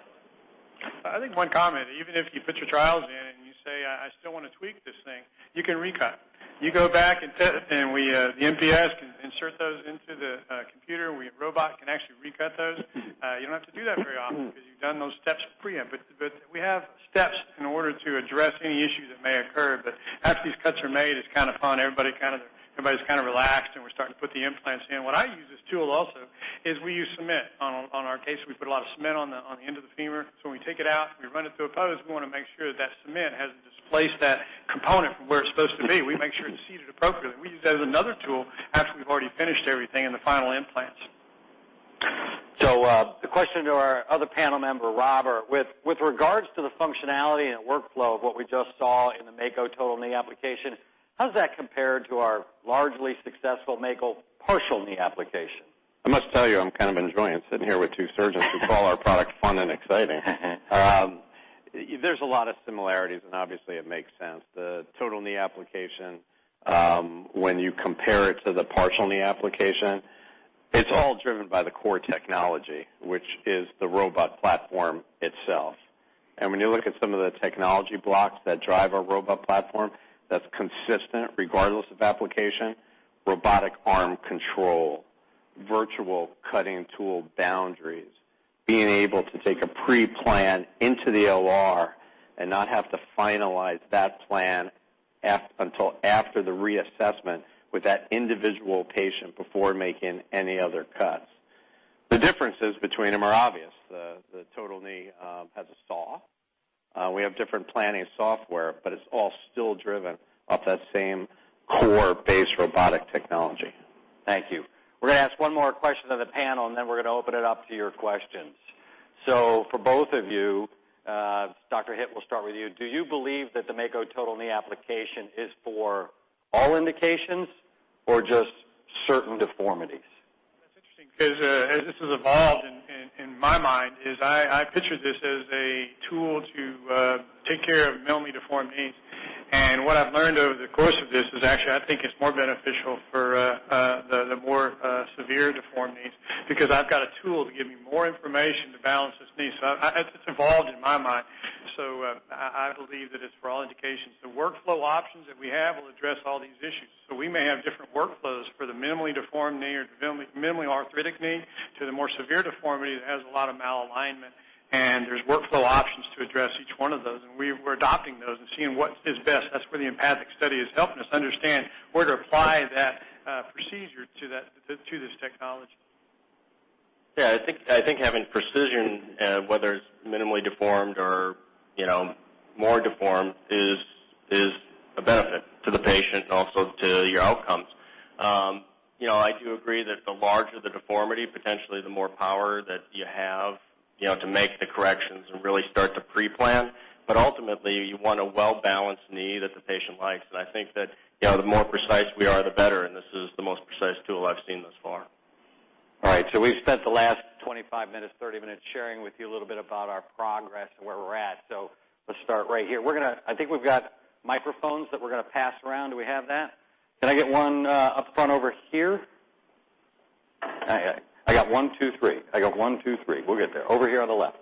I think one comment, even if you put your trials in and you say, "I still want to tweak this thing," you can recut. You go back and the MPS can insert those into the computer. We have a robot that can actually recut those. You don't have to do that very often because you've done those steps pre-op. We have steps in order to address any issues that may occur. After these cuts are made, it's kind of fun. Everybody's kind of relaxed, and we're starting to put the implants in. When I use this tool also is we use cement on our case. We put a lot of cement on the end of the femur. When we take it out, we run it through a pose. We want to make sure that that cement hasn't displaced that component from where it's supposed to be. We make sure it's seated appropriately. We use that as another tool after we've already finished everything in the final implants. The question to our other panel member, Robert, with regards to the functionality and workflow of what we just saw in the Mako total knee application, how does that compare to our largely successful Mako partial knee application? I must tell you, I'm kind of enjoying it, sitting here with two surgeons who call our product fun and exciting. There's a lot of similarities, and obviously it makes sense. The total knee application, when you compare it to the partial knee application, it's all driven by the core technology, which is the robot platform itself. When you look at some of the technology blocks that drive our robot platform, that's consistent regardless of application, robotic arm control Virtual cutting tool boundaries, being able to take a pre-plan into the OR and not have to finalize that plan until after the reassessment with that individual patient before making any other cuts. The differences between them are obvious. The total knee has a saw. We have different planning software, it's all still driven off that same core base robotic technology. Thank you. We're going to ask one more question of the panel, and then we're going to open it up to your questions. For both of you, Dr. Hitt, we'll start with you. Do you believe that the Mako total knee application is for all indications or just certain deformities? That's interesting because as this has evolved in my mind is I pictured this as a tool to take care of mildly deformed knees. What I've learned over the course of this is actually I think it's more beneficial for the more severe deformed knees because I've got a tool to give me more information to balance this knee. It's evolved in my mind, so I believe that it's for all indications. The workflow options that we have will address all these issues. We may have different workflows for the minimally deformed knee or the minimally arthritic knee to the more severe deformity that has a lot of malalignment, and there's workflow options to address each one of those. We're adopting those and seeing what is best. That's where the EMPATHIC study is helping us understand where to apply that procedure to this technology. Yeah, I think having precision, whether it's minimally deformed or more deformed is a benefit to the patient and also to your outcomes. I do agree that the larger the deformity, potentially the more power that you have to make the corrections and really start to pre-plan. Ultimately, you want a well-balanced knee that the patient likes. I think that the more precise we are, the better, and this is the most precise tool I've seen thus far. All right, we've spent the last 25 minutes, 30 minutes sharing with you a little bit about our progress and where we're at. Let's start right here. I think we've got microphones that we're going to pass around. Do we have that? Can I get one up front over here? I got one, two, three. I got one, two, three. We'll get there. Over here on the left.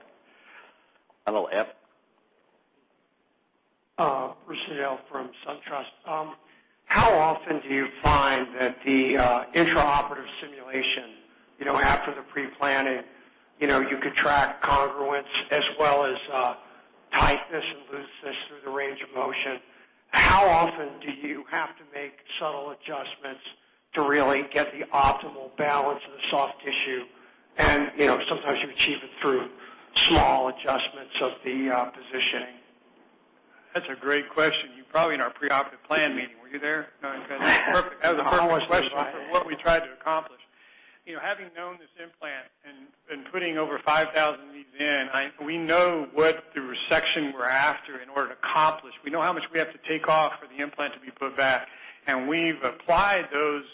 On the left. Bruce Nudell from SunTrust. How often do you find that the intraoperative simulation after the pre-planning, you can track congruence as well as tightness and looseness through the range of motion? How often do you have to make subtle adjustments to really get the optimal balance of the soft tissue? Sometimes you achieve it through small adjustments of the positioning. That's a great question. You were probably in our pre-operative plan meeting. Were you there? No, that was a perfect question for what we tried to accomplish. Having known this implant and putting over 5,000 of these in, we know what the resection we're after in order to accomplish. We know how much we have to take off for the implant to be put back. We've applied those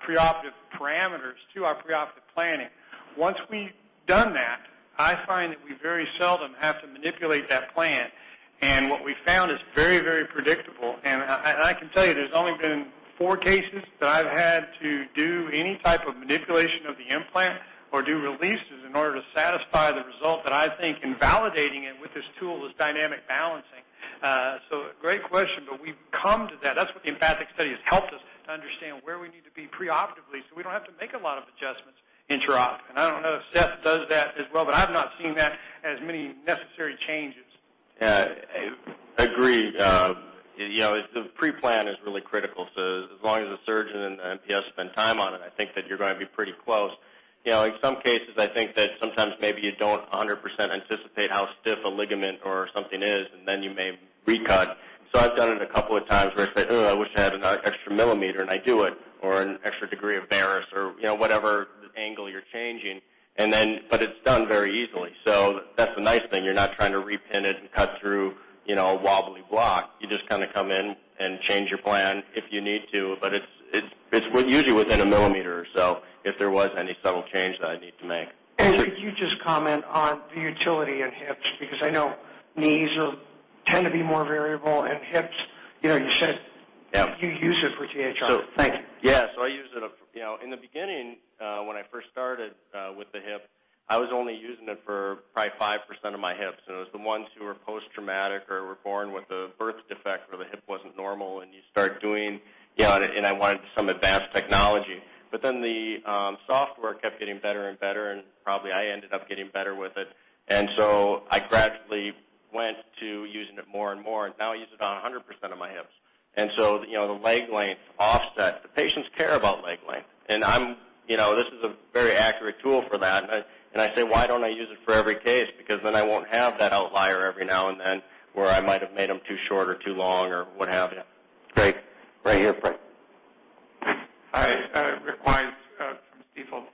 pre-operative parameters to our pre-operative planning. Once we've done that, I find that we very seldom have to manipulate that plan. What we found is very, very predictable. I can tell you there's only been four cases that I've had to do any type of manipulation of the implant or do releases in order to satisfy the result that I think in validating it with this tool is dynamic balancing. A great question, but we've come to that. That's what the EMPATHIC study has helped us to understand where we need to be pre-operatively so we don't have to make a lot of adjustments intra-op. I don't know if Seth does that as well, but I've not seen that as many necessary changes. Yeah, agreed. The pre-plan is really critical. As long as the surgeon and the NPS spend time on it, I think that you're going to be pretty close. In some cases, I think that sometimes maybe you don't 100% anticipate how stiff a ligament or something is. Then you may recut. I've done it a couple of times where I say, "Ugh, I wish I had another extra millimeter," and I do it, or an extra degree of varus or whatever the angle you're changing. It's done very easily. That's the nice thing. You're not trying to re-pin it and cut through a wobbly block. You just kind of come in and change your plan if you need to, but it's usually within a millimeter or so if there was any subtle change that I need to make. Could you just comment on the utility in hips? I know knees tend to be more variable, hips you said- Yeah. You use it for THR. Thank you. Yeah. In the beginning when I first started with the hip, I was only using it for probably 5% of my hips, it was the ones who were post-traumatic or were born with a birth defect where the hip wasn't normal, I wanted some advanced technology. The software kept getting better and better, probably I ended up getting better with it. I gradually went to using it more and more. Now I use it on 100% of my hips. The leg lengths offset. The patients care about leg length, this is a very accurate tool for that. I say why don't I use it for every case because then I won't have that outlier every now and then where I might have made them too short or too long or what have you. Great. Right here, Frank. Hi, Rick Wise from Stifel.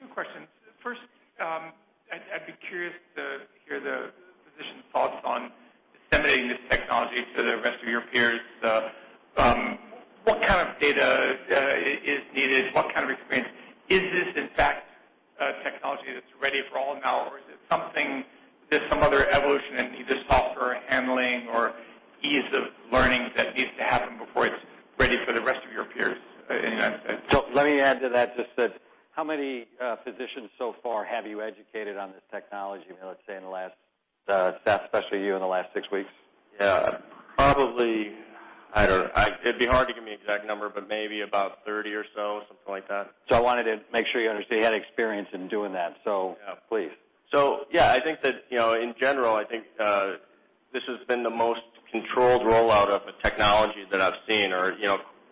Two questions. First, I'd be curious to hear the physician's thoughts on disseminating this technology to the rest of your peers. What kind of data is needed? What kind of experience? Is this in fact a technology that's ready for all now, or is it something there's some other evolution in either software handling or ease of learning that needs to happen before it's ready for the rest of your peers in that sense? Let me add to that, just that how many physicians so far have you educated on this technology, let's say in the last, Seth, especially you, in the last six weeks? Yeah. Probably It'd be hard to give me an exact number, but maybe about 30 or so, something like that. I wanted to make sure you understand you had experience in doing that, so please. I think that, in general, I think this has been the most controlled rollout of a technology that I've seen, or I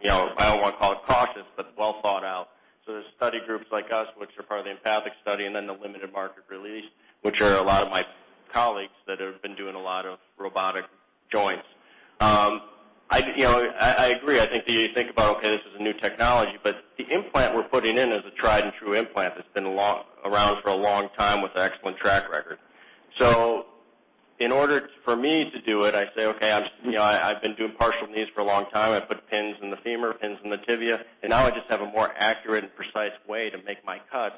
don't want to call it cautious, but well thought out. There's study groups like us, which are part of the EMPATHIC study, and then the limited market release, which are a lot of my colleagues that have been doing a lot of robotic joints. I agree. I think you think about, okay, this is a new technology, but the implant we're putting in is a tried and true implant that's been around for a long time with an excellent track record. In order for me to do it, I say, okay, I've been doing partial knees for a long time. I put pins in the femur, pins in the tibia, and now I just have a more accurate and precise way to make my cuts.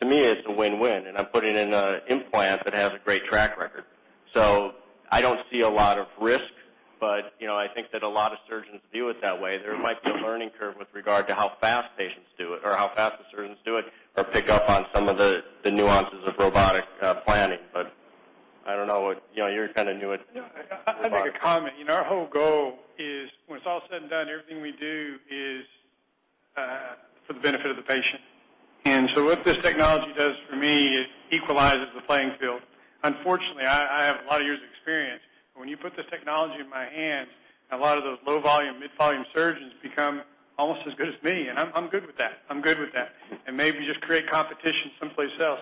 To me, it's a win-win, and I'm putting in an implant that has a great track record. I don't see a lot of risk, but I think that a lot of surgeons view it that way. There might be a learning curve with regard to how fast patients do it or how fast the surgeons do it or pick up on some of the nuances of robotic planning. You're kind of new at robotic. I'll make a comment. Our whole goal is when it's all said and done, everything we do is for the benefit of the patient. What this technology does for me, it equalizes the playing field. Unfortunately, I have a lot of years of experience, but when you put the technology in my hands, a lot of those low volume, mid-volume surgeons become almost as good as me, and I'm good with that. Maybe just create competition someplace else.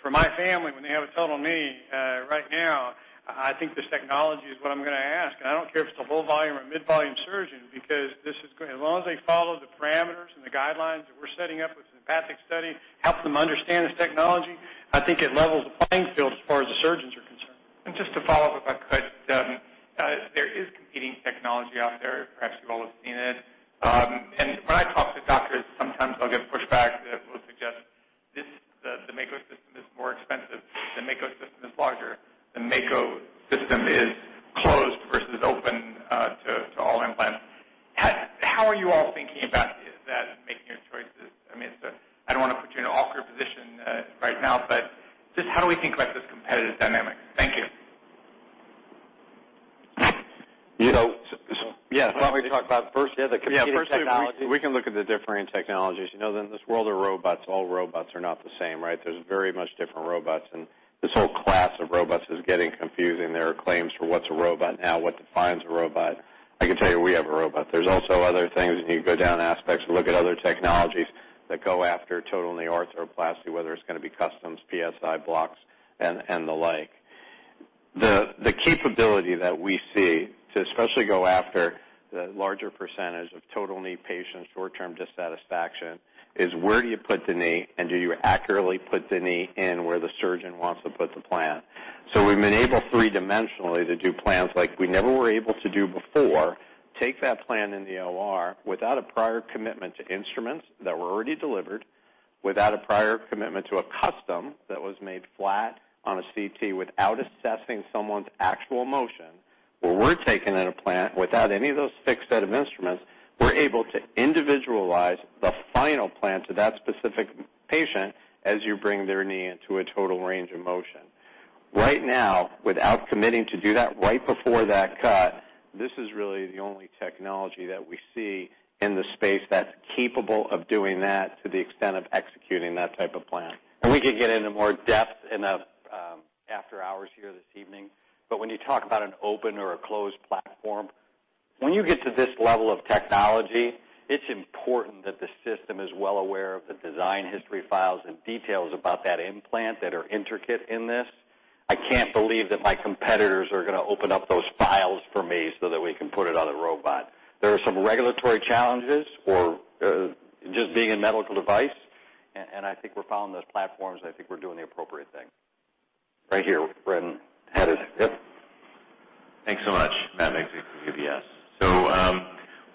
For my family, when they have a total knee right now, I think this technology is what I'm going to ask, and I don't care if it's a low volume or a mid-volume surgeon because as long as they follow the parameters and the guidelines that we're setting up with the EMPATHIC study, help them understand this technology, I think it levels the playing field as far as the surgeons are concerned. Just to follow up, if I could. There is competing technology out there. Perhaps you all have seen it. When I talk to doctors, sometimes I'll get pushback that will suggest the Mako system is more expensive, the Mako system is larger, the Mako system is closed versus open to all implants. How are you all thinking about that in making your choices? I don't want to put you in an awkward position right now, but just how do we think about this competitive dynamic? Thank you. Why don't we talk about first the competing technology? Firstly, we can look at the differing technologies. In this world of robots, all robots are not the same, right? There's very much different robots, and this whole class of robots is getting confusing. There are claims for what's a robot now, what defines a robot. I can tell you we have a robot. There's also other things, and you can go down aspects and look at other technologies that go after total knee arthroplasty, whether it's going to be customs, PSI blocks, and the like. The capability that we see to especially go after the larger percentage of total knee patients, short-term dissatisfaction, is where do you put the knee and do you accurately put the knee in where the surgeon wants to put the plan. We've been able three-dimensionally to do plans like we never were able to do before, take that plan in the OR without a prior commitment to instruments that were already delivered, without a prior commitment to a custom that was made flat on a CT, without assessing someone's actual motion. Where we're taking in a plan without any of those fixed set of instruments, we're able to individualize the final plan to that specific patient as you bring their knee into a total range of motion. Right now, without committing to do that right before that cut, this is really the only technology that we see in the space that's capable of doing that to the extent of executing that type of plan. We could get into more depth in the after hours here this evening. When you talk about an open or a closed platform, when you get to this level of technology, it's important that the system is well aware of the design history files and details about that implant that are intricate in this. I can't believe that my competitors are going to open up those files for me so that we can put it on a robot. There are some regulatory challenges for just being a medical device, and I think we're following those platforms, and I think we're doing the appropriate thing. Right here. Yep. Thanks so much. Matt Miksic from UBS.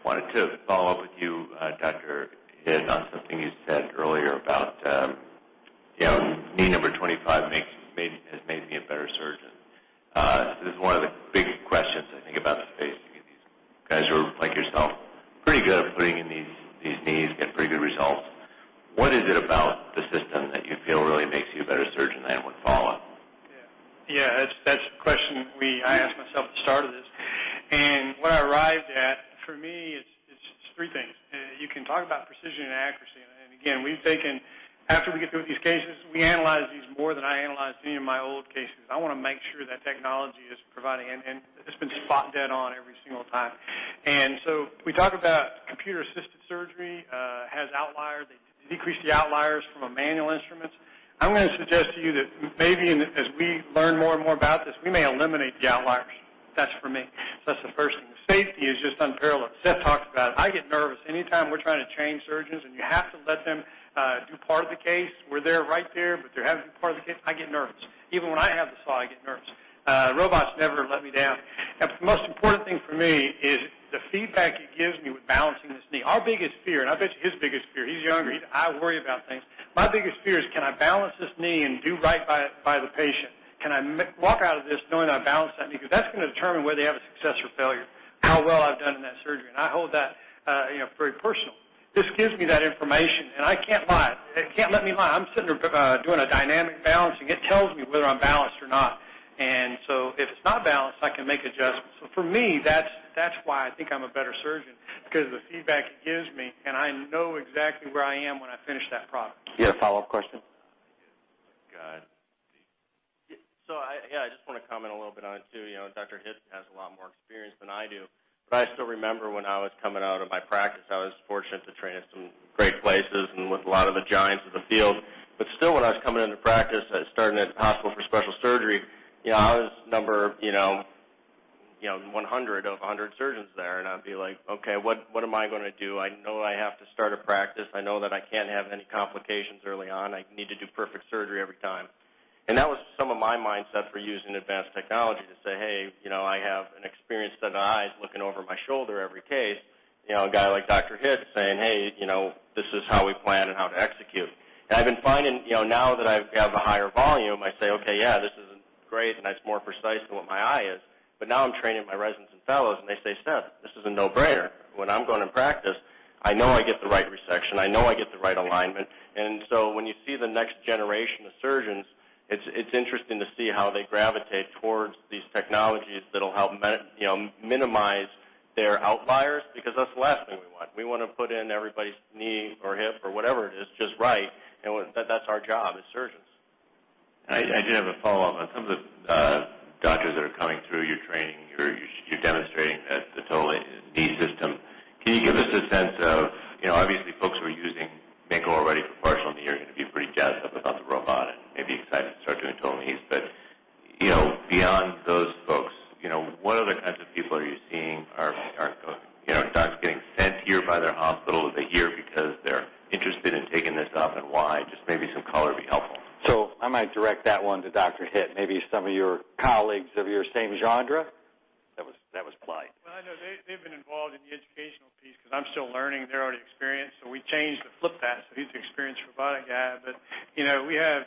Wanted to follow up with you, Doctor, on something you said earlier about knee number 25 has made me a better surgeon. This is one of the big questions I think about the space. You get these guys who are, like yourself, pretty good at putting in these knees, get pretty good results. What is it about the system that you feel really makes you a better surgeon than with follow-up? That's a question I asked myself at the start of this. What I arrived at, for me, it's three things. You can talk about precision and accuracy, again, after we get through with these cases, we analyze these more than I analyzed any of my old cases. I want to make sure that technology is providing, and it's been spot dead on every single time. We talk about computer-assisted surgery has outliers. They decrease the outliers from a manual instrument. I'm going to suggest to you that maybe as we learn more and more about this, we may eliminate the outliers. That's for me. That's the first thing. Safety is just unparalleled. Seth talked about it. I get nervous anytime we're trying to train surgeons, and you have to let them do part of the case where they're right there, but they're having to do part of the case. I get nervous. Even when I have the saw, I get nervous. Robots never let me down. The most important thing for me is the feedback it gives me with balancing this knee. Our biggest fear, and I bet you his biggest fear, he's younger, I worry about things. My biggest fear is can I balance this knee and do right by the patient? Can I walk out of this knowing I balanced that knee? Because that's going to determine whether they have a success or failure, how well I've done in that surgery. I hold that very personal. This gives me that information, and I can't lie. It can't let me lie. I'm sitting there doing a dynamic balancing. It tells me whether I'm balanced or not. If it's not balanced, I can make adjustments. For me, that's why I think I'm a better surgeon, because of the feedback it gives me, and I know exactly where I am when I finish that product. You have a follow-up question? I do. I just want to comment a little bit on it, too. Dr. Hitt has a lot more experience than I do, I still remember when I was coming out of my practice. I was fortunate to train at some great places and with a lot of the giants of the field. Still, when I was coming into practice, starting at the Hospital for Special Surgery, I was number 100 of 100 surgeons there, and I'd be like, "Okay, what am I going to do? I know I have to start a practice. I know that I can't have any complications early on. I need to do perfect surgery every time." That was some of my mindset for using advanced technology to say, "Hey, I have an experienced set of eyes looking over my shoulder every case." A guy like Dr. Hitt saying, "Hey, this is how we plan and how to execute." I've been finding now that I have a higher volume, I say, "Okay, yeah, this is great, and it's more precise than what my eye is." Now I'm training my residents and fellows, and they say, "Seth, this is a no-brainer. When I'm going to practice, I know I get the right resection. I know I get the right alignment." When you see the next generation of surgeons, it's interesting to see how they gravitate towards these technologies that'll help minimize their outliers because that's the last thing we want. We want to put in everybody's knee or hip or whatever it is just right, and that's our job as surgeons. I did have a follow-up on some of the doctors that are coming through your training. You're demonstrating the total knee system. Can you give us a sense of, obviously, folks who are using Mako already for partial knee are going to be pretty jazzed about the robot and maybe excited to start doing total knees. Beyond those folks, what other kinds of people are you seeing? Are docs getting sent here by their hospital of the year because they're interested in taking this up, and why? Just maybe some color would be helpful. I might direct that one to Dr. Hitt. Maybe some of your colleagues of your same genre. That was polite. I know they've been involved in the educational piece because I'm still learning, they're already experienced. We changed and flipped that. He's the experienced robotic guy, but we have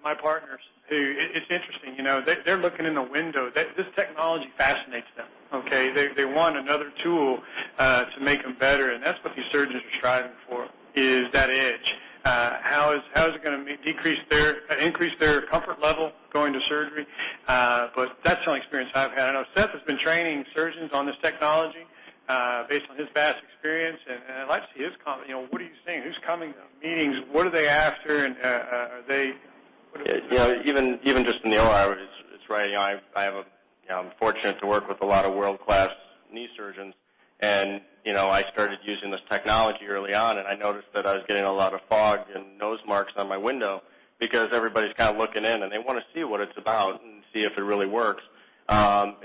my partners who, it's interesting, they're looking in the window. This technology fascinates them. Okay. They want another tool to make them better, and that's what these surgeons are striving for is that edge. How is it going to increase their comfort level going to surgery? That's the only experience I've had. I know Seth has been training surgeons on this technology based on his vast experience, and I'd like to see his comment. What are you seeing? Who's coming to meetings? What are they after? Even just in the OR, I'm fortunate to work with a lot of world-class knee surgeons, and I started using this technology early on, and I noticed that I was getting a lot of fog and nose marks on my window because everybody's kind of looking in, and they want to see what it's about and see if it really works. That's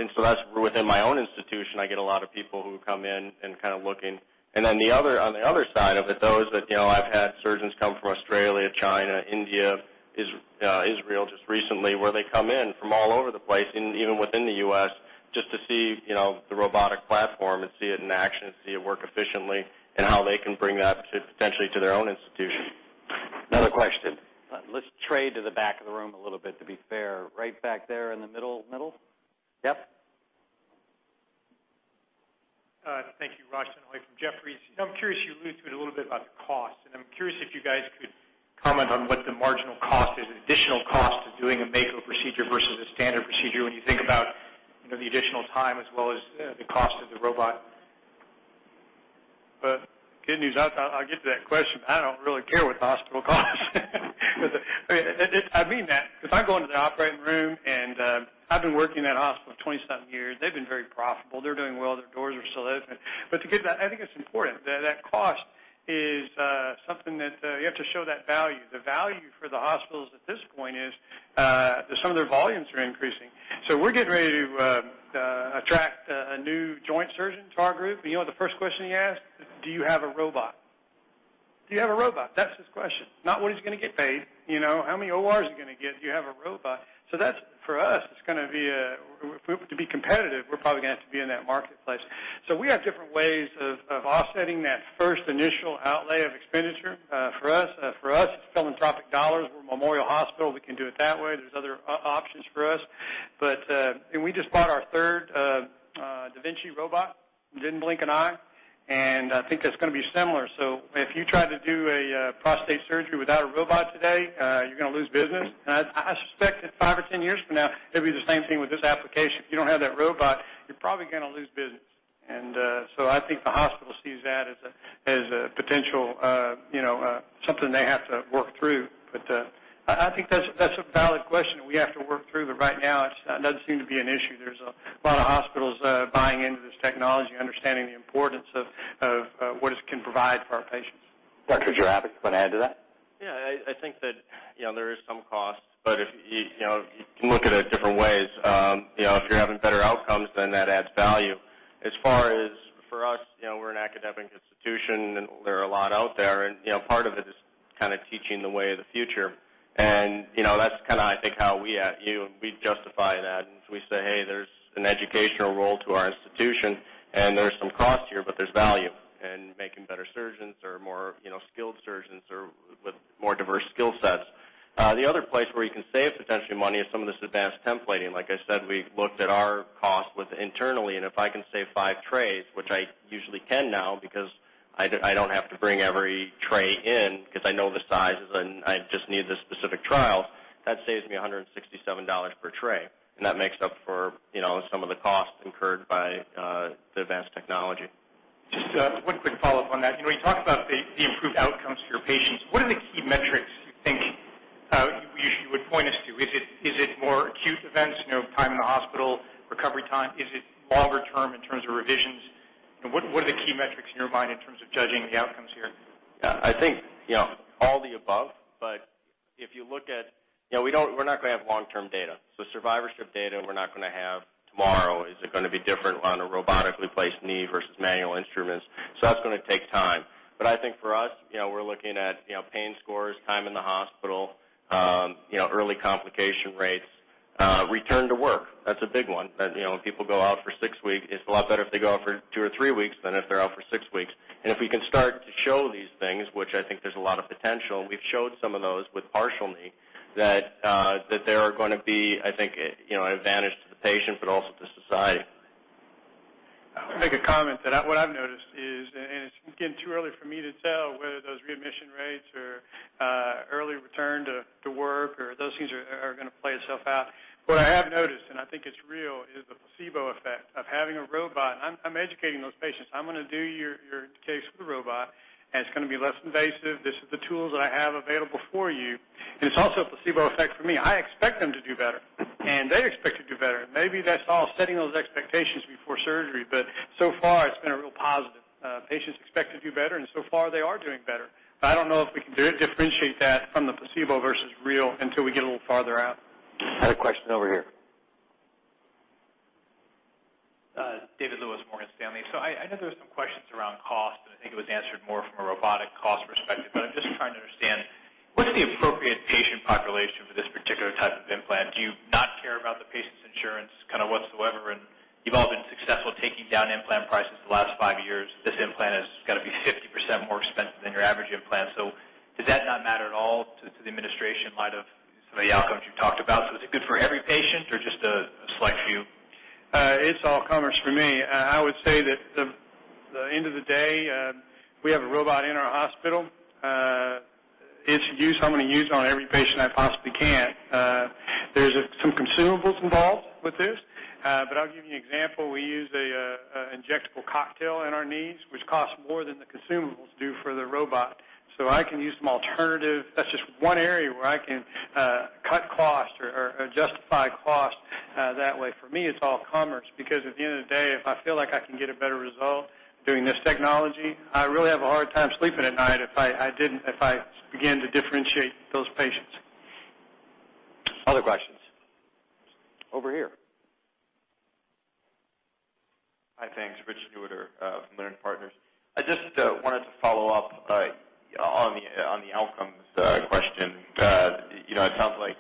within my own institution, I get a lot of people who come in and kind of looking. On the other side of it, those that I've had surgeons come from Australia, China, India, Israel just recently, where they come in from all over the place and even within the U.S. just to see the robotic platform and see it in action and see it work efficiently and how they can bring that potentially to their own institution. Another question. Let's trade to the back of the room a little bit to be fair. Right back there in the middle. Yep. Thank you. Raj Denhoy from Jefferies. I'm curious, you alluded to it a little about the cost. I'm curious if you guys could comment on what the marginal cost is, additional cost of doing a Mako procedure versus a standard procedure when you think about the additional time as well as the cost of the robot. The good news, I'll get to that question. I don't really care what the hospital costs. I mean that because I go into the operating room, and I've been working at that hospital for 27 years. They've been very profitable. They're doing well. Their doors are still open. I think it's important. That cost is something that you have to show that value. The value for the hospitals at this point is that some of their volumes are increasing. We're getting ready to attract a new joint surgeon to our group, and you know what the first question he asked? "Do you have a robot?" Do you have a robot? That's his question. Not what he's going to get paid. How many ORs is he going to get? Do you have a robot? That, for us, it's going to be, if we were to be competitive, we're probably going to have to be in that marketplace. We have different ways of offsetting that first initial outlay of expenditure. For us, it's philanthropic dollars. We're Memorial Hospital. We can do it that way. There's other options for us. We just bought our third da Vinci robot, didn't blink an eye. I think that's going to be similar. If you try to do a prostate surgery without a robot today, you're going to lose business. I suspect that five or 10 years from now, it'll be the same thing with this application. If you don't have that robot, you're probably going to lose business. I think the hospital sees that as a potential, something they have to work through. I think that's a valid question, and we have to work through, but right now, it doesn't seem to be an issue. There's a lot of hospitals buying into this technology, understanding the importance of what it can provide for our patients. Dr. Jerabek, you want to add to that? I think that there is some cost, but you can look at it different ways. If you're having better outcomes, then that adds value. As far as for us, we're an academic institution, and there are a lot out there, and part of it is kind of teaching the way of the future. That's kind of I think how we at, [inaudible] we justify that, and we say, "Hey, there's an educational role to our institution, and there's some cost here, but there's value in making better surgeons or more skilled surgeons or with more diverse skill sets." The other place where you can save potentially money is some of this advanced templating. Like I said, we looked at our cost internally, and if I can save five trays, which I usually can now because I don't have to bring every tray in because I know the sizes and I just need the specific trial, that saves me $167 per tray. That makes up for some of the costs incurred by the advanced technology. Just one quick follow-up on that. When you talk about the improved outcomes for your patients, what are the key metrics you think you usually would point us to? Is it more acute events, time in the hospital, recovery time? Is it longer-term in terms of revisions? What are the key metrics in your mind in terms of judging the outcomes here? I think all the above. We're not going to have long-term data. Survivorship data, we're not going to have tomorrow. Is it going to be different on a robotically placed knee versus manual instruments? That's going to take time. I think for us, we're looking at pain scores, time in the hospital, early complication rates, return to work. That's a big one. When people go out for six weeks, it's a lot better if they go out for two or three weeks than if they're out for six weeks. If we can start to show these things, which I think there's a lot of potential, we've showed some of those with partial knee, that there are going to be, I think, an advantage to the patient, but also to society. I want to make a comment that what I've noticed is, it's, again, too early for me to tell whether those readmission rates or early return to work or those things are going to play itself out. What I have noticed, I think it's real, is the placebo effect of having a robot. I'm educating those patients. I'm going to do your case with a robot, it's going to be less invasive. This is the tools that I have available for you, it's also a placebo effect for me. I expect them to do better, they expect to do better. Maybe that's all setting those expectations before surgery, so far it's been a real positive. Patients expect to do better, so far they are doing better. I don't know if we can differentiate that from the placebo versus real until we get a little farther out. I had a question over here. David Lewis, Morgan Stanley. I know there were some questions around cost, and I think it was answered more from a robotic cost perspective, but I'm just trying to understand, what is the appropriate patient population for this particular type of implant? Do you not care about the patient's insurance whatsoever? And you've all been successful taking down implant prices the last five years. This implant has got to be 50% more expensive than your average implant. Does that not matter at all to the administration in light of some of the outcomes you talked about? Is it good for every patient or just a select few? It's all comers for me. I would say that the end of the day, we have a robot in our hospital. It's used. I'm going to use it on every patient I possibly can. There's some consumables involved with this, but I'll give you an example. We use an injectable cocktail in our knees, which costs more than the consumables do for the robot. I can use some alternative. That's just one area where I can cut costs or justify costs that way. For me, it's all comers, because at the end of the day, if I feel like I can get a better result doing this technology, I really have a hard time sleeping at night if I begin to differentiate those patients. Other questions? Over here. Hi, thanks. Rich Newitter from Leerink Partners. I just wanted to follow up on the outcomes question. It sounds like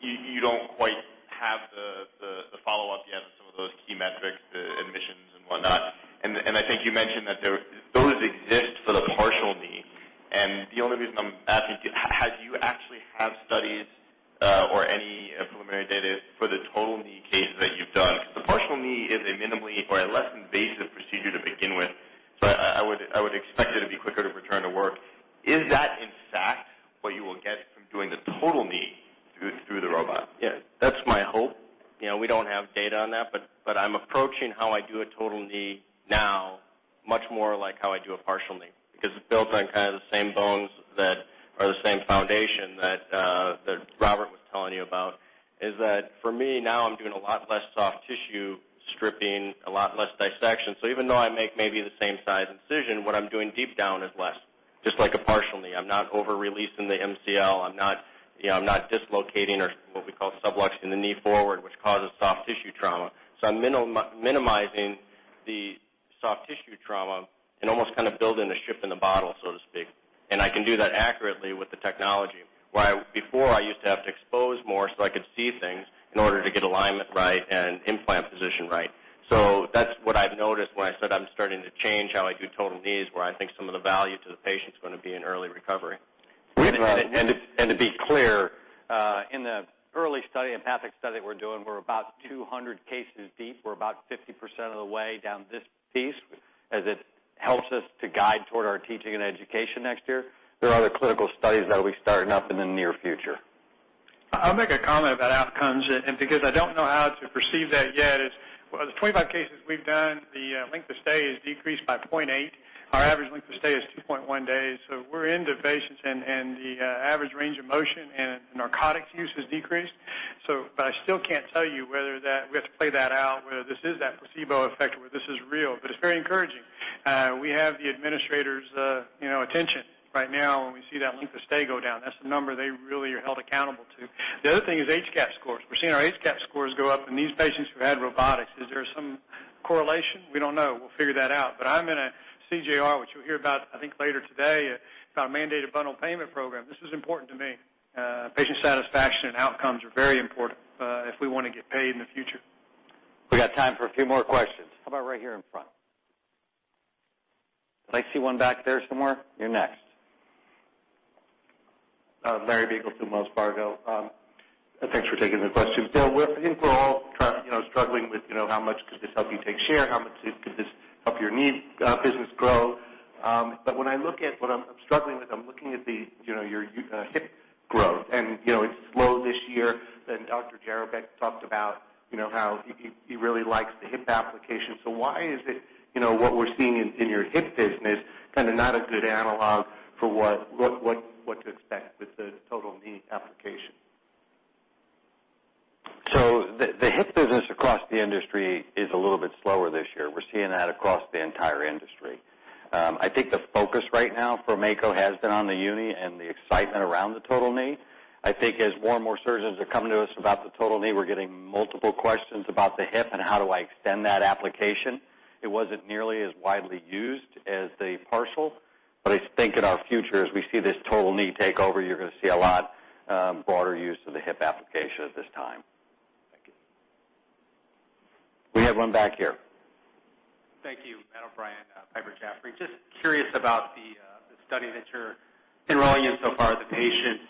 you don't quite have the follow-up yet on some of those key metrics, the admissions and whatnot. I think you mentioned that those exist for the partial knee. The only reason I'm asking, do you actually have studies or any preliminary data for the total knee cases that you've done? Because the partial knee is a minimally or a less invasive procedure to begin with. I would expect it to be quicker to return to work. Is that in fact what you will get from doing the total knee through the robot? Yeah, that's my hope. We don't have data on that, but I'm approaching how I do a total knee now much more like how I do a partial knee because it builds on the same bones that are the same foundation that Robert was telling you about, is that for me now, I'm doing a lot less soft tissue stripping, a lot less dissection. Even though I make maybe the same size incision, what I'm doing deep down is less. Just like a partial knee. I'm not over-releasing the MCL. I'm not dislocating or what we call subluxing the knee forward, which causes soft tissue trauma. I'm minimizing the soft tissue trauma and almost building a ship in the bottle, so to speak. I can do that accurately with the technology. Before, I used to have to expose more so I could see things in order to get alignment right and implant position right. That's what I've noticed when I said I'm starting to change how I do total knees, where I think some of the value to the patient is going to be in early recovery. To be clear, in the early study, EMPATHIC study we're doing, we're about 200 cases deep. We're about 50% of the way down this piece as it helps us to guide toward our teaching and education next year. There are other clinical studies that'll be starting up in the near future. I'll make a comment about outcomes, because I don't know how to perceive that yet is, the 25 cases we've done, the length of stay is decreased by .8. Our average length of stay is 2.1 days, so we're into patients, the average range of motion and narcotics use has decreased. I still can't tell you whether that We have to play that out, whether this is that placebo effect or whether this is real, but it's very encouraging. We have the administrator's attention right now when we see that length of stay go down. That's the number they really are held accountable to. The other thing is HCAHPS scores. We're seeing our HCAHPS scores go up in these patients who had robotics. Is there some correlation? We don't know. We'll figure that out. I'm in a CJR, which you'll hear about, I think, later today about a mandated bundle payment program. This is important to me. Patient satisfaction and outcomes are very important if we want to get paid in the future. We got time for a few more questions. How about right here in front? I see one back there somewhere. You're next. Larry Biegelsen from Wells Fargo. Thanks for taking the questions. Bill, I think we're all struggling with how much could this help you take share, how much could this help your knee business grow. What I'm struggling with, I'm looking at your hip growth, and it's slow this year. Dr. Jerabek talked about how he really likes the hip application. Why is it what we're seeing in your hip business kind of not a good analog for what to expect with the total knee application? The hip business across the industry is a little bit slower this year. We're seeing that across the entire industry. I think the focus right now for Mako has been on the uni and the excitement around the total knee. I think as more and more surgeons are coming to us about the total knee, we're getting multiple questions about the hip and how do I extend that application. It wasn't nearly as widely used as the partial, but I think in our future, as we see this total knee take over, you're going to see a lot broader use of the hip application at this time. Thank you. We had one back here. Thank you, Matt O'Brien, Piper Jaffray. Curious about the study that you're enrolling in so far, the patients.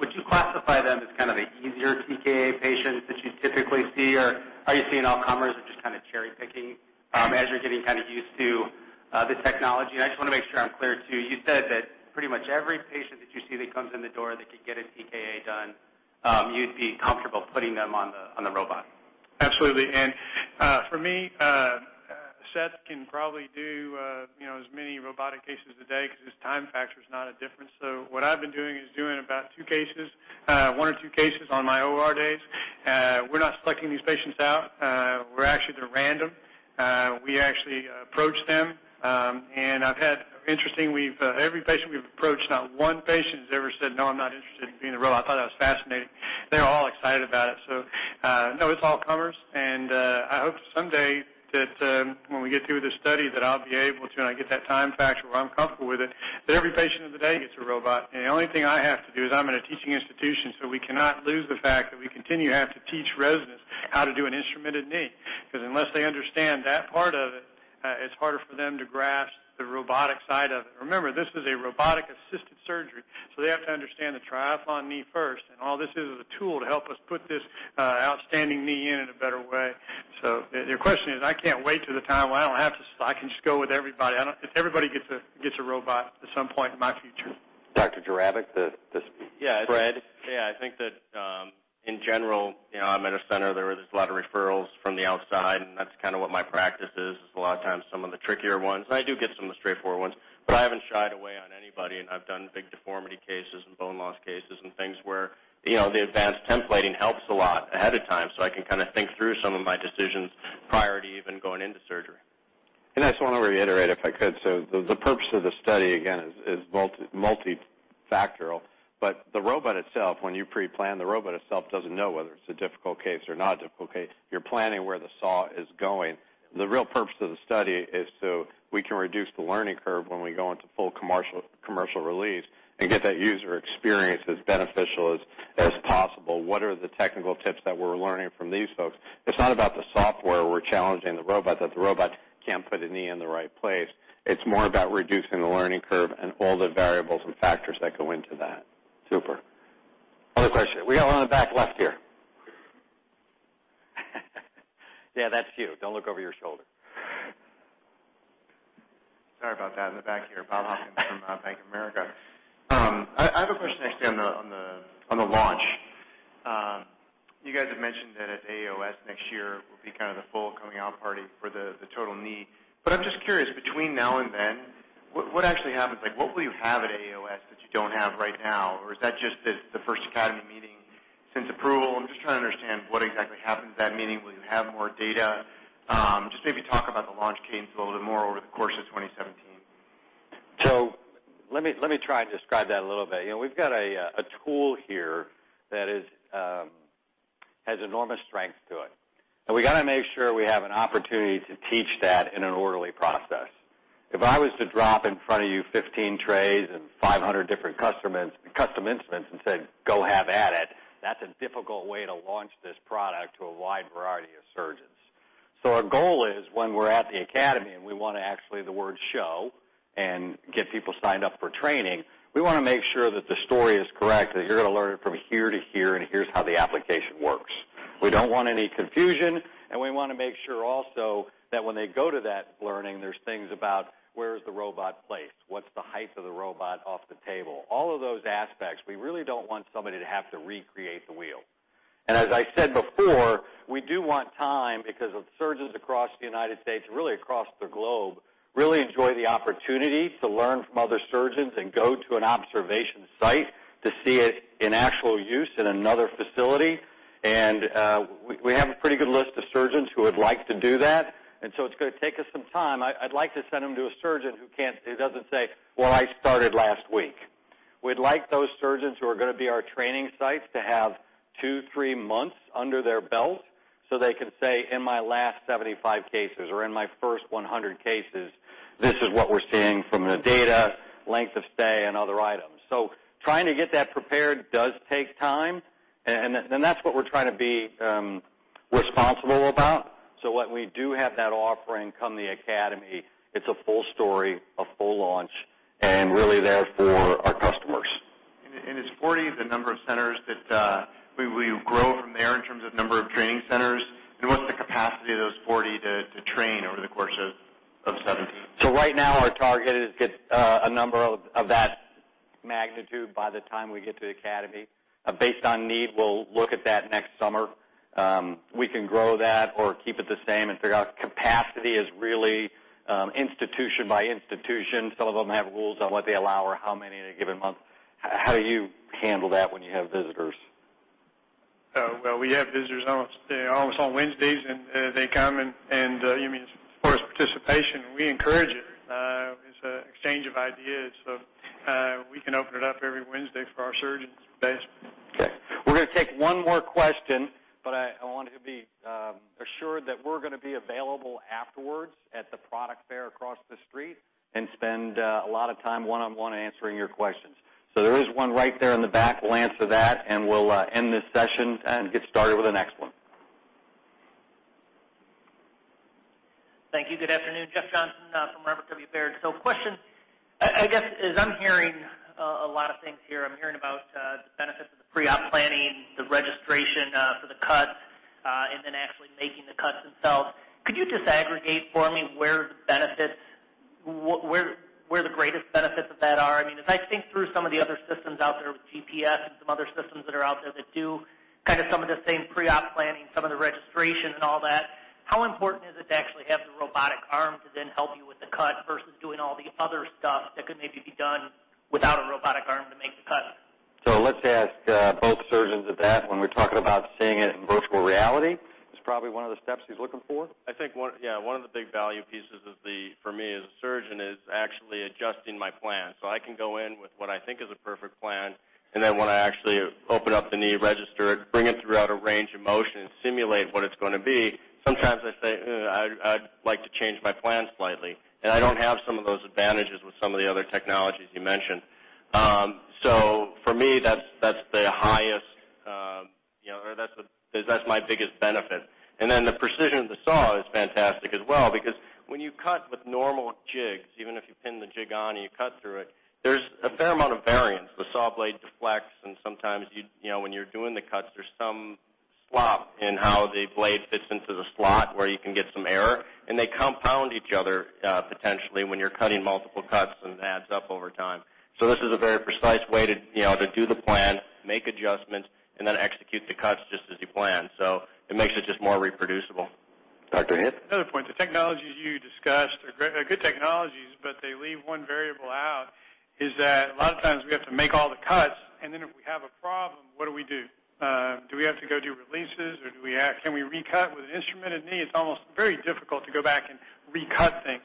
Would you classify them as kind of the easier TKA patients that you typically see, or are you seeing all comers or just kind of cherry-picking as you're getting used to the technology? I just want to make sure I'm clear, too. You said that pretty much every patient that you see that comes in the door that could get a TKA done, you'd be comfortable putting them on the robot. Absolutely. For me, Seth can probably do as many robotic cases a day because his time factor is not a difference. What I've been doing is doing about one or two cases on my OR days. We're not selecting these patients out. We're actually at random. We actually approach them. Interesting, every patient we've approached, not one patient has ever said, "No, I'm not interested in being a robot." I thought that was fascinating. They're all excited about it. No, it's all comers. I hope someday that when we get through with this study, that I'll be able to, and I get that time factor where I'm comfortable with it, that every patient in the day gets a robot. The only thing I have to do is I'm in a teaching institution, we cannot lose the fact that we continue to have to teach residents how to do an instrumented knee. Unless they understand that part of it's harder for them to grasp the robotic side of it. Remember, this is a robotic-assisted surgery, they have to understand the Triathlon knee first, and all this is a tool to help us put this outstanding knee in in a better way. Your question is, I can't wait till the time when I can just go with everybody. Everybody gets a robot at some point in my future. Dr. Jerabek, the spread? Yeah. I think that in general, I'm at a center, there are just a lot of referrals from the outside, that's kind of what my practice is a lot of times some of the trickier ones. I do get some of the straightforward ones. I haven't shied away on anybody, I've done big deformity cases and bone loss cases and things where the advanced templating helps a lot ahead of time, I can kind of think through some of my decisions prior to even going into surgery. I just want to reiterate, if I could. The purpose of the study, again, is multifactorial. The robot itself, when you pre-plan, the robot itself doesn't know whether it's a difficult case or not a difficult case. You're planning where the saw is going. The real purpose of the study is so we can reduce the learning curve when we go into full commercial release and get that user experience as beneficial as possible. What are the technical tips that we're learning from these folks? It's not about the software, we're challenging the robot that the robot can't put a knee in the right place. It's more about reducing the learning curve and all the variables and factors that go into that. Super. Other questions. We got one on the back left here. Yeah, that's you. Don't look over your shoulder. Sorry about that. In the back here, Bob Hopkins from Bank of America. I have a question, actually, on the launch. You guys have mentioned that at AAOS next year will be kind of the full coming out party for the total knee. I'm just curious, between now and then, what actually happens? What will you have at AAOS that you don't have right now? Is that just the first academy meeting since approval? I'm just trying to understand what exactly happens at that meeting. Will you have more data? Just maybe talk about the launch cadence a little bit more over the course of 2017. Let me try and describe that a little bit. We've got a tool here that has enormous strength to it, and we got to make sure we have an opportunity to teach that in an orderly process. If I was to drop in front of you 15 trays and 500 different custom instruments and said, "Go have at it," that's a difficult way to launch this product to a wide variety of surgeons. Our goal is when we're at the academy, and we want to actually the word show and get people signed up for training, we want to make sure that the story is correct, that you're going to learn it from here to here, and here's how the application works. We don't want any confusion, and we want to make sure also that when they go to that learning, there's things about where is the robot placed, what's the height of the robot off the table, all of those aspects. We really don't want somebody to have to recreate the wheel. As I said before, we do want time because of surgeons across the U.S., really across the globe, really enjoy the opportunity to learn from other surgeons and go to an observation site to see it in actual use in another facility. We have a pretty good list of surgeons who would like to do that, it's going to take us some time. I'd like to send them to a surgeon who doesn't say, "Well, I started last week." We'd like those surgeons who are going to be our training sites to have two, three months under their belt so they can say, "In my last 75 cases or in my first 100 cases, this is what we're seeing from the data, length of stay and other items." Trying to get that prepared does take time, and that's what we're trying to be responsible about. When we do have that offering come the Academy, it's a full story, a full launch, and really there for our customers. Is 40 the number of centers that will you grow from there in terms of number of training centers? What's the capacity of those 40 to train over the course of seven? Right now our target is get a number of that magnitude by the time we get to the Academy. Based on need, we'll look at that next summer. We can grow that or keep it the same and figure out capacity is really institution by institution. Some of them have rules on what they allow or how many in a given month. How do you handle that when you have visitors? Well, we have visitors almost on Wednesdays, and they come, you mean as far as participation, we encourage it. It's an exchange of ideas. We can open it up every Wednesday for our surgeons base. We're going to take one more question. I want to be assured that we're going to be available afterwards at the product fair across the street and spend a lot of time one-on-one answering your questions. There is one right there in the back. We'll answer that, and we'll end this session and get started with the next one. Thank you. Good afternoon. Jeff Johnson from Robert W. Baird. Question, I guess, as I'm hearing a lot of things here, I'm hearing about the benefits of the pre-op planning, the registration for the cuts, and then actually making the cuts themselves. Could you just aggregate for me where the greatest benefits of that are? I mean, as I think through some of the other systems out there with GPS and some other systems that are out there that do kind of some of the same pre-op planning, some of the registration and all that, how important is it to actually have the robotic arm to then help you with the cut versus doing all the other stuff that could maybe be done without a robotic arm to make the cut? Let's ask both surgeons of that when we're talking about seeing it in virtual reality. It's probably one of the steps he's looking for. I think one of the big value pieces for me as a surgeon is actually adjusting my plan. I can go in with what I think is a perfect plan, and then when I actually open up the knee register, bring it throughout a range of motion and simulate what it's going to be. Sometimes I say, "I'd like to change my plan slightly." I don't have some of those advantages with some of the other technologies you mentioned. For me, that's my biggest benefit. Then the precision of the saw is fantastic as well because when you cut with normal jigs, even if you pin the jig on and you cut through it, there's a fair amount of variance. The saw blade deflects, sometimes when you're doing the cuts, there's some slop in how the blade fits into the slot where you can get some error, they compound each other potentially when you're cutting multiple cuts, and it adds up over time. This is a very precise way to do the plan, make adjustments, and then execute the cuts just as you plan. It makes it just more reproducible. Dr. Hitt. The other point, the technologies you discussed are good technologies, they leave one variable out, is that a lot of times we have to make all the cuts, then if we have a problem, what do we do? Do we have to go do releases, or can we recut with an instrumented knee? It's almost very difficult to go back and recut things.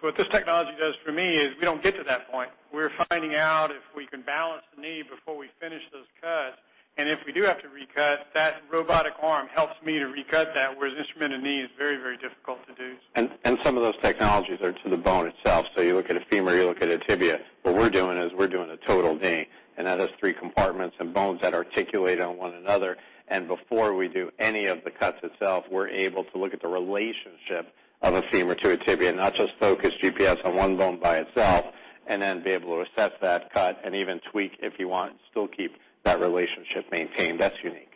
What this technology does for me is we don't get to that point. We're finding out if we can balance the knee before we finish those cuts. If we do have to recut, that robotic arm helps me to recut that, whereas instrumented knee is very difficult to do. Some of those technologies are to the bone itself, you look at a femur, you look at a tibia. What we're doing is we're doing a total knee, that has three compartments and bones that articulate on one another. Before we do any of the cuts itself, we're able to look at the relationship of a femur to a tibia, not just focus GPS on one bone by itself, then be able to assess that cut and even tweak if you want and still keep that relationship maintained. That's unique.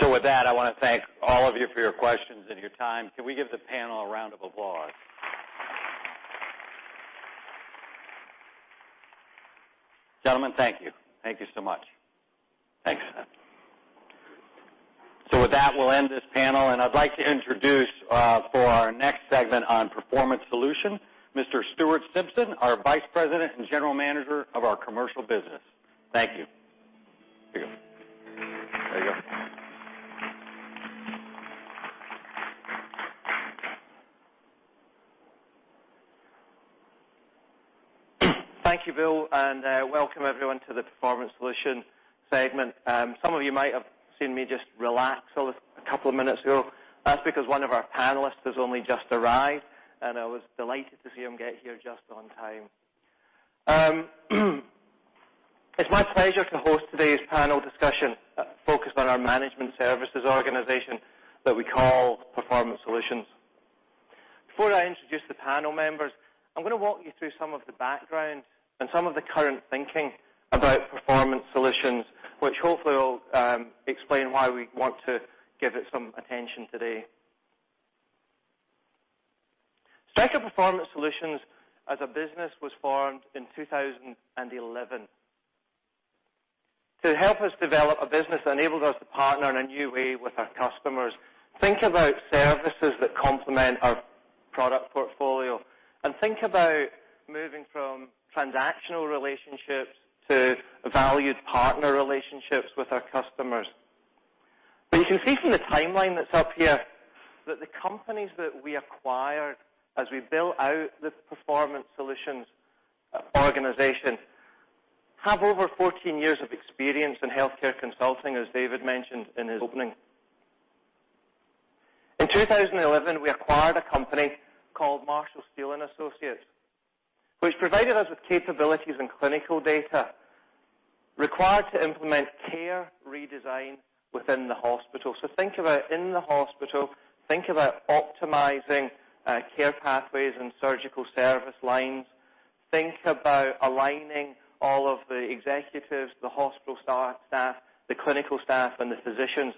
With that, I want to thank all of you for your questions and your time. Can we give the panel a round of applause? Gentlemen, thank you. Thank you so much. Thanks. With that, we'll end this panel, and I'd like to introduce for our next segment on Performance Solutions, Mr. Stuart Simpson, our Vice President and General Manager of our commercial business. Thank you. There you go. Thank you, Bill, and welcome everyone to the Performance Solutions segment. Some of you might have seen me just relax a couple of minutes ago. That's because one of our panelists has only just arrived, and I was delighted to see him get here just on time. It's my pleasure to host today's panel discussion focused on our management services organization that we call Performance Solutions. Before I introduce the panel members, I'm going to walk you through some of the background and some of the current thinking about Performance Solutions, which hopefully will explain why we want to give it some attention today. Stryker Performance Solutions as a business was formed in 2011 to help us develop a business that enables us to partner in a new way with our customers, think about services that complement our product portfolio, and think about moving from transactional relationships to valued partner relationships with our customers. You can see from the timeline that's up here that the companies that we acquired as we built out this Performance Solutions organization have over 14 years of experience in healthcare consulting, as David mentioned in his opening. In 2011, we acquired a company called Marshall Steele & Associates, which provided us with capabilities in clinical data required to implement care redesign within the hospital. Think about in the hospital, think about optimizing care pathways and surgical service lines. Think about aligning all of the executives, the hospital staff, the clinical staff, and the physicians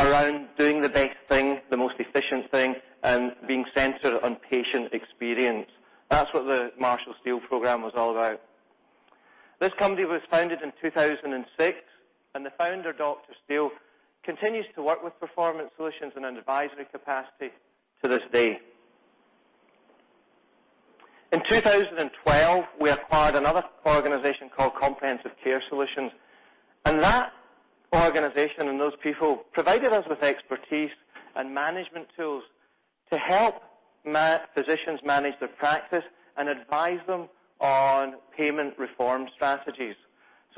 around doing the best thing, the most efficient thing, and being centered on patient experience. That's what the Marshall Steele program was all about. This company was founded in 2006, and the founder, Dr. Steele, continues to work with Performance Solutions in an advisory capacity to this day. In 2012, we acquired another organization called Comprehensive Care Solutions, and that organization and those people provided us with expertise and management tools to help physicians manage their practice and advise them on payment reform strategies.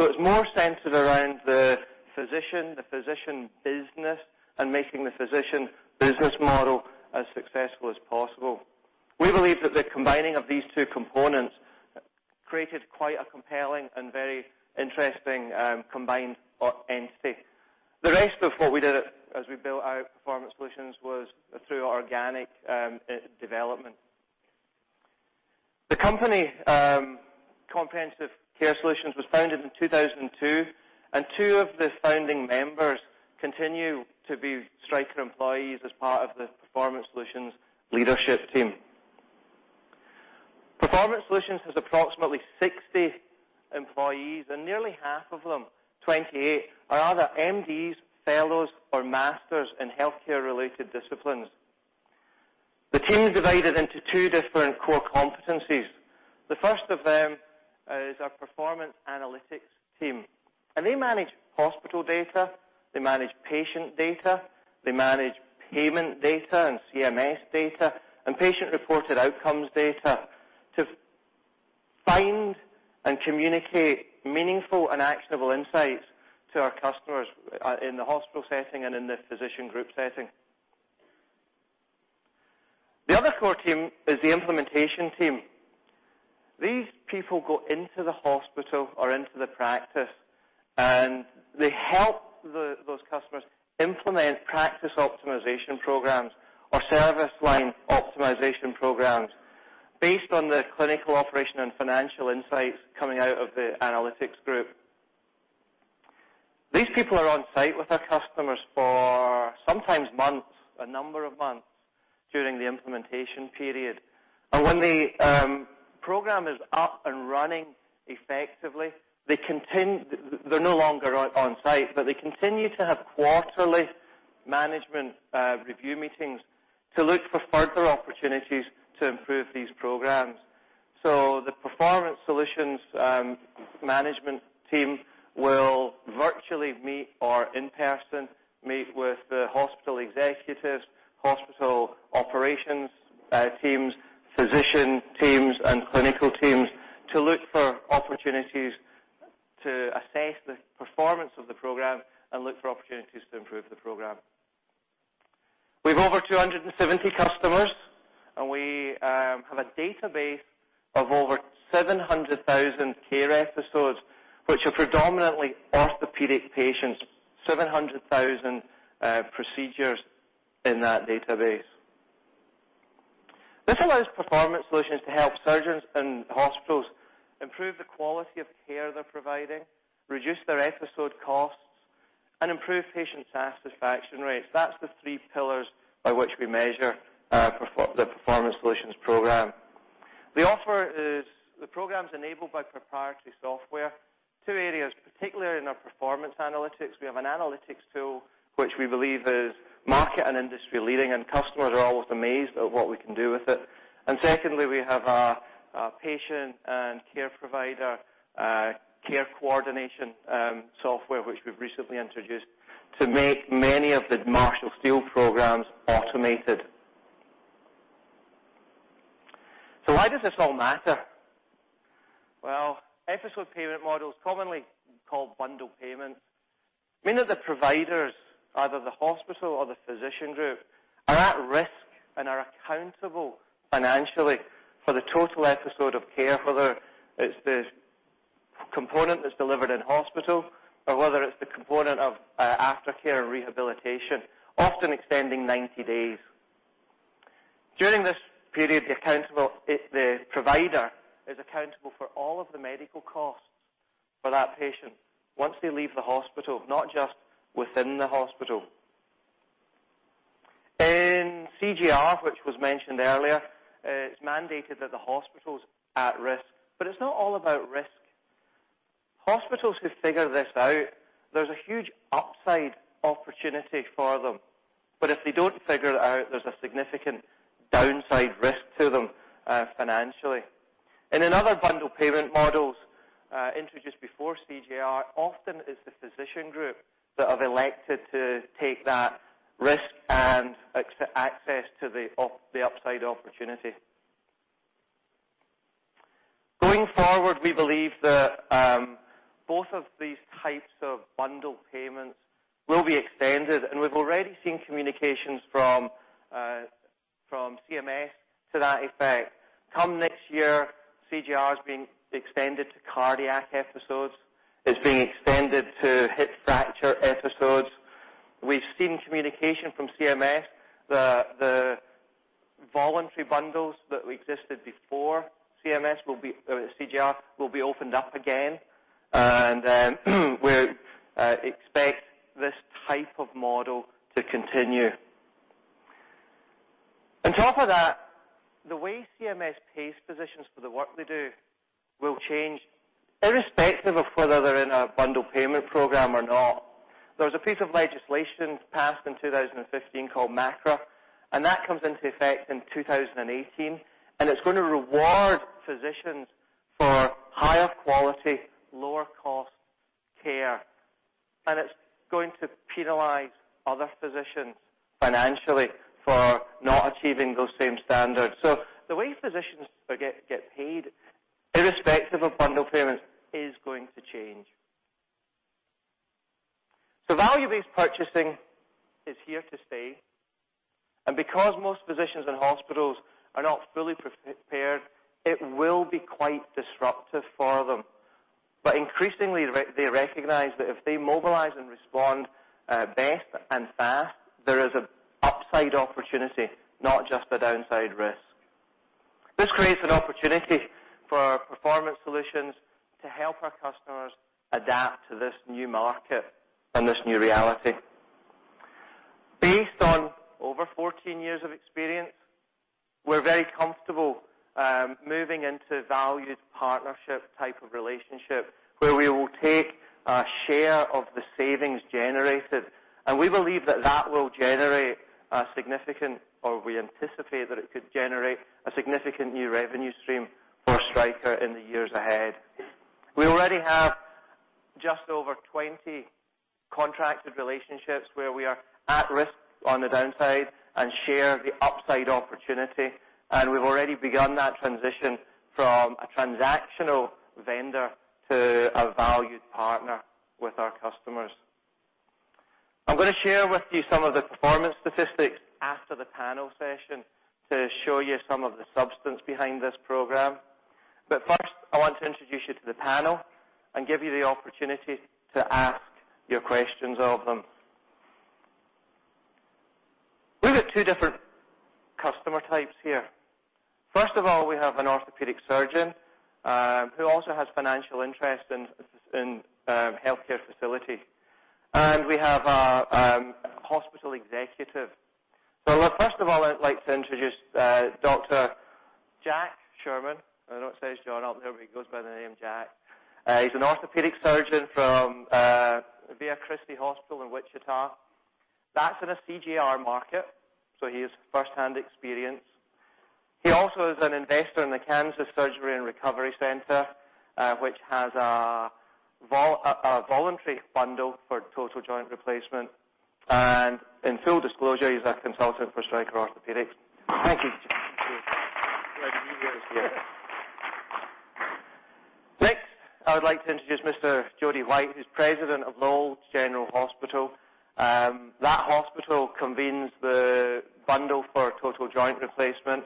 It's more centered around the physician, the physician business, and making the physician business model as successful as possible. We believe that the combining of these two components created quite a compelling and very interesting combined entity. The rest of what we did as we built out Performance Solutions was through organic development. The company, Comprehensive Care Solutions, was founded in 2002, and two of the founding members continue to be Stryker employees as part of the Performance Solutions leadership team. Performance Solutions has approximately 60 employees, and nearly half of them, 28, are either MDs, fellows, or masters in healthcare-related disciplines. The team is divided into two different core competencies. The first of them is our performance analytics team, and they manage hospital data, they manage patient data, they manage payment data and CMS data, and patient-reported outcomes data to find and communicate meaningful and actionable insights to our customers in the hospital setting and in the physician group setting. The other core team is the implementation team. These people go into the hospital or into the practice, and they help those customers implement practice optimization programs or service line optimization programs based on the clinical operation and financial insights coming out of the analytics group. These people are on-site with our customers for sometimes months, a number of months, during the implementation period. When the program is up and running effectively, they're no longer on-site, but they continue to have quarterly management review meetings to look for further opportunities to improve these programs. The Performance Solutions management team will virtually meet or in-person meet with the hospital executives, hospital operations teams, physician teams, and clinical teams to look for opportunities to assess the performance of the program and look for opportunities to improve the program. We have over 270 customers, and we have a database of over 700,000 care episodes, which are predominantly orthopedic patients, 700,000 procedures in that database. This allows Performance Solutions to help surgeons and hospitals improve the quality of care they're providing, reduce their episode costs, and improve patients' satisfaction rates. That's the three pillars by which we measure the Performance Solutions program. The offer is the program's enabled by proprietary software. Two areas, particularly in our performance analytics, we have an analytics tool, which we believe is market and industry-leading, and customers are always amazed at what we can do with it. Secondly, we have a patient and care provider care coordination software, which we've recently introduced to make many of the Marshall Steele programs automated. Why does this all matter? Well, episode payment models, commonly called bundle payments, mean that the providers, either the hospital or the physician group, are at risk and are accountable financially for the total episode of care, whether it's the component that's delivered in hospital or whether it's the component of aftercare rehabilitation, often extending 90 days. During this period, the provider is accountable for all of the medical costs for that patient once they leave the hospital, not just within the hospital. In CJR, which was mentioned earlier, it's mandated that the hospital's at risk, but it's not all about risk. Hospitals who figure this out, there's a huge upside opportunity for them. If they don't figure it out, there's a significant downside risk to them financially. In another bundle payment models introduced before CJR, often it's the physician group that have elected to take that risk and access to the upside opportunity. Going forward, we believe that both of these types of bundle payments will be extended, and we've already seen communications from CMS to that effect. Come next year, CJR is being extended to cardiac episodes. It's being extended to hip fracture episodes. We've seen communication from CMS, the voluntary bundles that existed before CJR will be opened up again, and we expect this type of model to continue. On top of that, the way CMS pays physicians for the work they do will change irrespective of whether they're in a bundle payment program or not. There was a piece of legislation passed in 2015 called MACRA, and that comes into effect in 2018, and it's going to reward physicians for higher quality, lower cost care. It's going to penalize other physicians financially for not achieving those same standards. The way physicians get paid, irrespective of bundle payments, is going to change. Value-based purchasing is here to stay, and because most physicians and hospitals are not fully prepared, it will be quite disruptive for them. Increasingly, they recognize that if they mobilize and respond best and fast, there is an upside opportunity, not just a downside risk. This creates an opportunity for Performance Solutions to help our customers adapt to this new market and this new reality. Based on over 14 years of experience, we're very comfortable moving into valued partnership type of relationship where we will take a share of the savings generated, and we believe that that will generate a significant, or we anticipate that it could generate a significant new revenue stream for Stryker in the years ahead. We already have just over 20 contracted relationships where we are at risk on the downside and share the upside opportunity. We've already begun that transition from a transactional vendor to a valued partner with our customers. I'm going to share with you some of the performance statistics after the panel session to show you some of the substance behind this program. First, I want to introduce you to the panel and give you the opportunity to ask your questions of them. We've got two different customer types here. First of all, we have an orthopedic surgeon who also has financial interest in healthcare facility, and we have a hospital executive. First of all, I'd like to introduce Dr. Jack Sherman. I know it says John up there, but he goes by the name Jack. He's an orthopedic surgeon from Via Christi Hospital in Wichita. That's in a CJR market, so he has first-hand experience. He also is an investor in the Kansas Surgery and Recovery Center, which has a voluntary bundle for total joint replacement. In full disclosure, he's a consultant for Stryker Orthopedics. Thank you, Jack. Thank you. Glad to be here. Next, I would like to introduce Mr. Jody White, who is President of Lowell General Hospital. That hospital convenes the bundle for total joint replacement.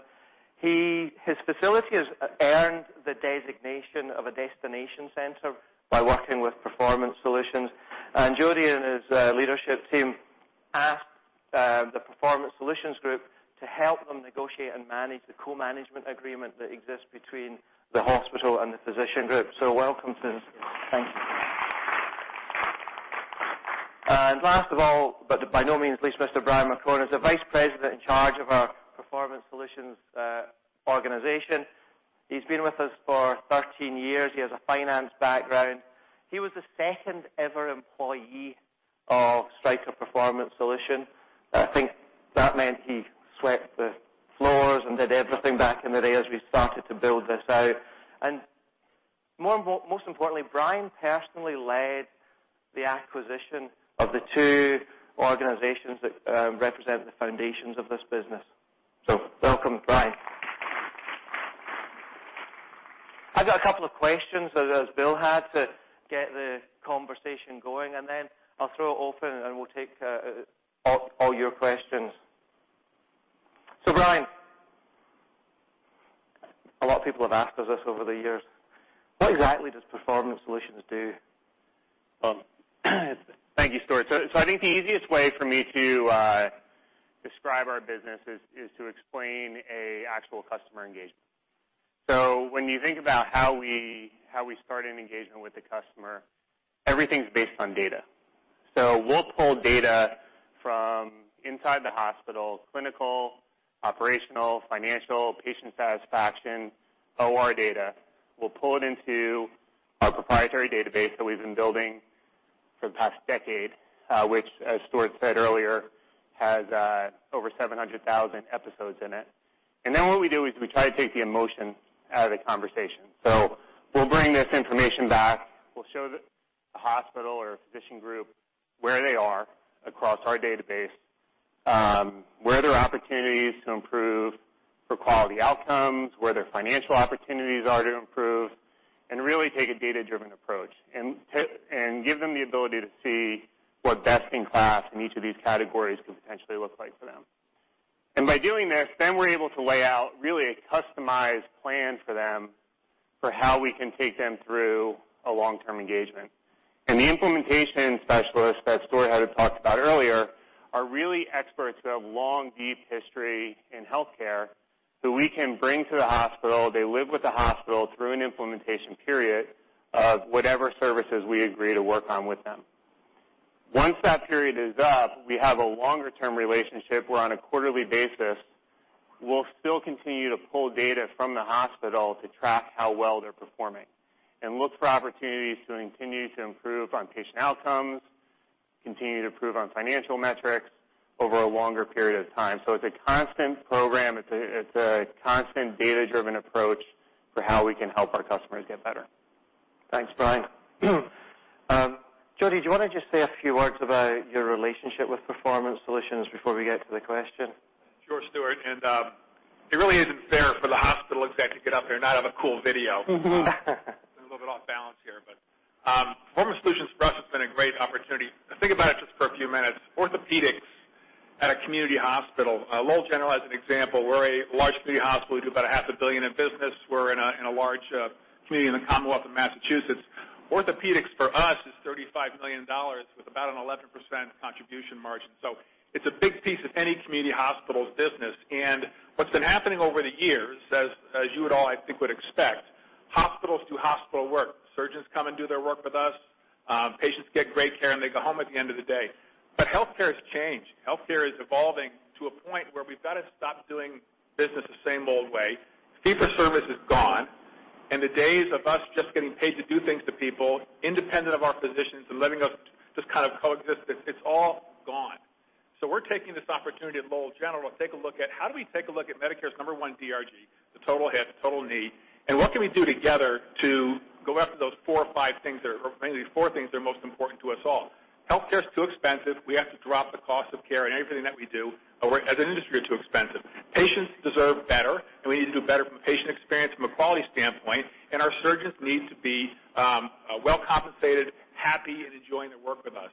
His facility has earned the designation of a destination center by working with Performance Solutions. Jody and his leadership team asked the Performance Solutions group to help them negotiate and manage the co-management agreement that exists between the hospital and the physician group. Welcome, Jody. Thank you. Last of all, but by no means least, Mr. Brian McCrone is the Vice President in charge of our Performance Solutions organization. He has been with us for 13 years. He has a finance background. He was the second-ever employee of Stryker Performance Solutions. I think that meant he swept the floors and did everything back in the day as we started to build this out. Most importantly, Brian personally led the acquisition of the two organizations that represent the foundations of this business. Welcome, Brian. I have got a couple of questions, as Bill had, to get the conversation going, and then I will throw it open, and we will take all your questions. Brian, a lot of people have asked us this over the years. What exactly does Performance Solutions do? Thank you, Stuart. I think the easiest way for me to describe our business is to explain an actual customer engagement. When you think about how we start an engagement with the customer, everything's based on data. We'll pull data from inside the hospital, clinical, operational, financial, patient satisfaction, OR data. We'll pull it into our proprietary database that we've been building for the past decade, which, as Stuart said earlier, has over 700,000 episodes in it. What we do is we try to take the emotion out of the conversation. We'll bring this information back. We'll show the hospital or physician group where they are across our database, where there are opportunities to improve for quality outcomes, where their financial opportunities are to improve. Really take a data-driven approach and give them the ability to see what best in class in each of these categories could potentially look like for them. By doing this, we're able to lay out really a customized plan for them for how we can take them through a long-term engagement. The implementation specialists that Stuart had talked about earlier are really experts who have long, deep history in healthcare who we can bring to the hospital. They live with the hospital through an implementation period of whatever services we agree to work on with them. Once that period is up, we have a longer-term relationship. We're on a quarterly basis. We'll still continue to pull data from the hospital to track how well they're performing and look for opportunities to continue to improve on patient outcomes, continue to improve on financial metrics over a longer period of time. It's a constant program. It's a constant data-driven approach for how we can help our customers get better. Thanks, Brian. Jody, do you want to just say a few words about your relationship with Performance Solutions before we get to the question? Sure, Stuart, it really isn't fair for the hospital exec to get up here and not have a cool video. A little bit off balance here, Performance Solutions for us has been a great opportunity. Think about it just for a few minutes. Orthopedics at a community hospital, Lowell General as an example, we're a large city hospital. We do about a half a billion in business. We're in a large community in the Commonwealth of Massachusetts. Orthopedics for us is $35 million with about an 11% contribution margin. It's a big piece of any community hospital's business. What's been happening over the years, as you would all, I think, would expect, hospitals do hospital work. Surgeons come and do their work with us. Patients get great care, they go home at the end of the day. Healthcare has changed. Healthcare is evolving to a point where we've got to stop doing business the same old way. Fee for service is gone, the days of us just getting paid to do things to people independent of our physicians letting us just kind of coexist, it's all gone. We're taking this opportunity at Lowell General to take a look at how do we take a look at Medicare's number one DRG, the total hip, total knee, what can we do together to go after those four or five things, or mainly four things that are most important to us all. Healthcare is too expensive. We have to drop the cost of care in everything that we do. As an industry, we're too expensive. Patients deserve better, we need to do better from a patient experience, from a quality standpoint, our surgeons need to be well compensated, happy, enjoying their work with us.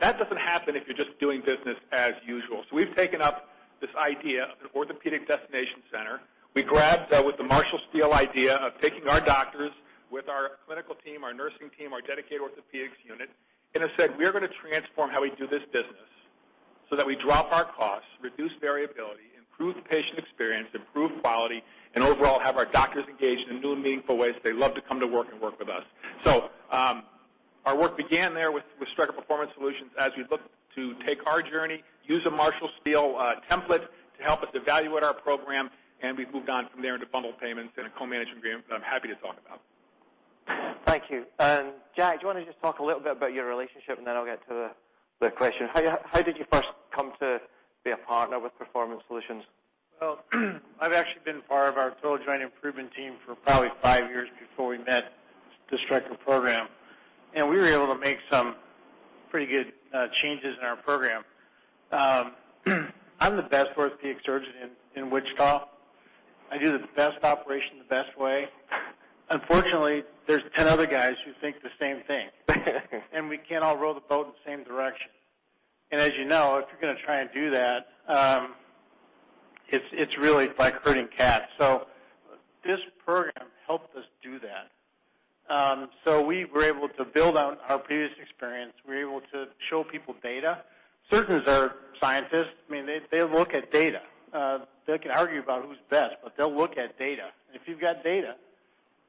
That doesn't happen if you're just doing business as usual. We've taken up this idea of an orthopedic destination center. We grabbed with the Marshall Steele idea of taking our doctors with our clinical team, our nursing team, our dedicated orthopedics unit, have said, "We are going to transform how we do this business so that we drop our costs, reduce variability, improve the patient experience, improve quality, overall, have our doctors engaged in new and meaningful ways, so they love to come to work and work with us." Our work began there with Stryker Performance Solutions as we looked to take our journey, use a Marshall Steele template to help us evaluate our program, we've moved on from there into bundled payments a co-management agreement that I'm happy to talk about. Thank you. Jack, do you want to just talk a little bit about your relationship, then I'll get to the question. How did you first come to be a partner with Performance Solutions? Well, I've actually been part of our total joint improvement team for probably five years before we met the Stryker program, and we were able to make some pretty good changes in our program. I'm the best orthopedic surgeon in Wichita. I do the best operation the best way. Unfortunately, there's 10 other guys who think the same thing. We can't all row the boat in the same direction. As you know, if you're going to try and do that, it's really like herding cats. This program helped us do that. We were able to build on our previous experience. We were able to show people data. Surgeons are scientists. They look at data. They can argue about who's best, but they'll look at data. If you've got data,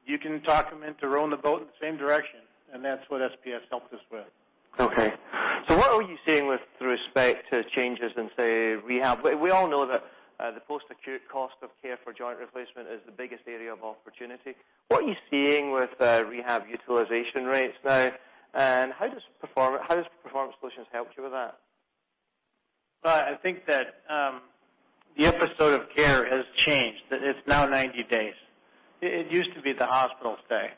you can talk them into rowing the boat in the same direction, and that's what SPS helped us with. Okay. What are you seeing with respect to changes in, say, rehab? We all know that the post-acute cost of care for joint replacement is the biggest area of opportunity. What are you seeing with rehab utilization rates now, and how does Performance Solutions help you with that? I think that the episode of care has changed. It's now 90 days. It used to be the hospital stay.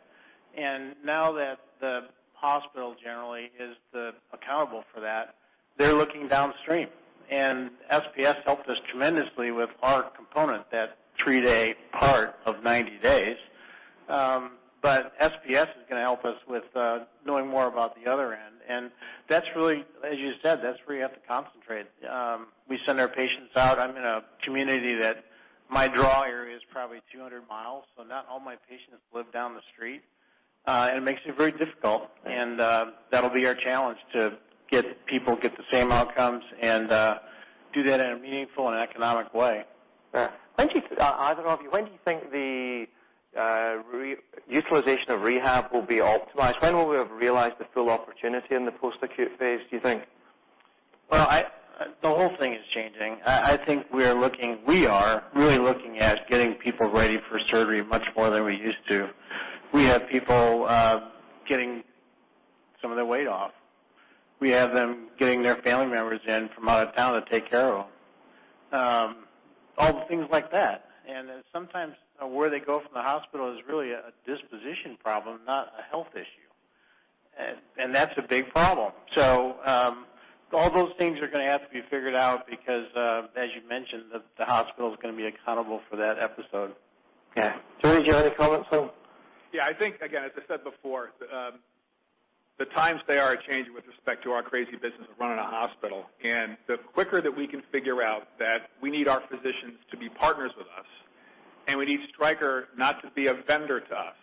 Now that the hospital generally is accountable for that, they're looking downstream. SPS helped us tremendously with our component, that 3-day part of 90 days. SPS is going to help us with knowing more about the other end, and that's really, as you said, that's where you have to concentrate. We send our patients out. I'm in a community that my draw area is probably 200 miles, so not all my patients live down the street. It makes it very difficult, and that'll be our challenge to get people, get the same outcomes, and do that in a meaningful and economic way. Yeah. When do you, either of you, when do you think the utilization of rehab will be optimized? When will we have realized the full opportunity in the post-acute phase, do you think? Well, the whole thing is changing. I think we are really looking at getting people ready for surgery much more than we used to. We have people getting some of their weight off. We have them getting their family members in from out of town to take care of them. All the things like that. Sometimes where they go from the hospital is really a disposition problem, not a health issue. That's a big problem. All those things are going to have to be figured out because, as you mentioned, the hospital's going to be accountable for that episode. Okay. Jody, do you have any comments? I think, again, as I said before, the times they are a changing with respect to our crazy business of running a hospital. The quicker that we can figure out that we need our physicians to be partners with us, and we need Stryker not to be a vendor to us,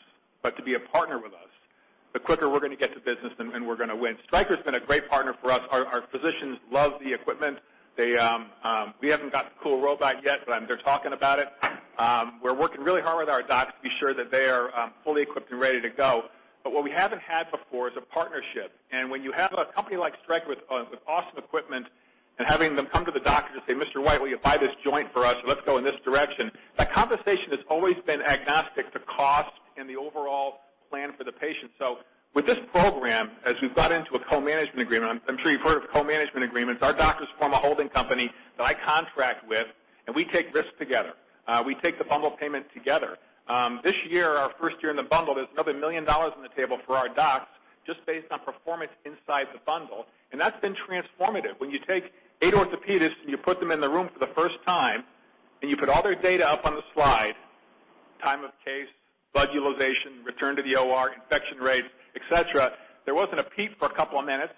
but to be a partner with us, the quicker we're going to get to business and we're going to win. Stryker's been a great partner for us. Our physicians love the equipment. We haven't got the cool robot yet, but they're talking about it. We're working really hard with our docs to be sure that they are fully equipped and ready to go. What we haven't had before is a partnership. When you have a company like Stryker with awesome equipment and having them come to the doctor to say, "Mr. White, will you buy this joint for us? Let's go in this direction." That conversation has always been agnostic to cost and the overall plan for the patient. With this program, as we've got into a co-management agreement, I'm sure you've heard of co-management agreements. Our doctors form a holding company that I contract with, and we take risks together. We take the bundle payment together. This year, our first year in the bundle, there's another $1 million on the table for our docs just based on performance inside the bundle, and that's been transformative. When you take eight orthopedists and you put them in the room for the first time, and you put all their data up on the slide, time of case, blood utilization, return to the OR, infection rate, et cetera. There wasn't a peep for a couple of minutes.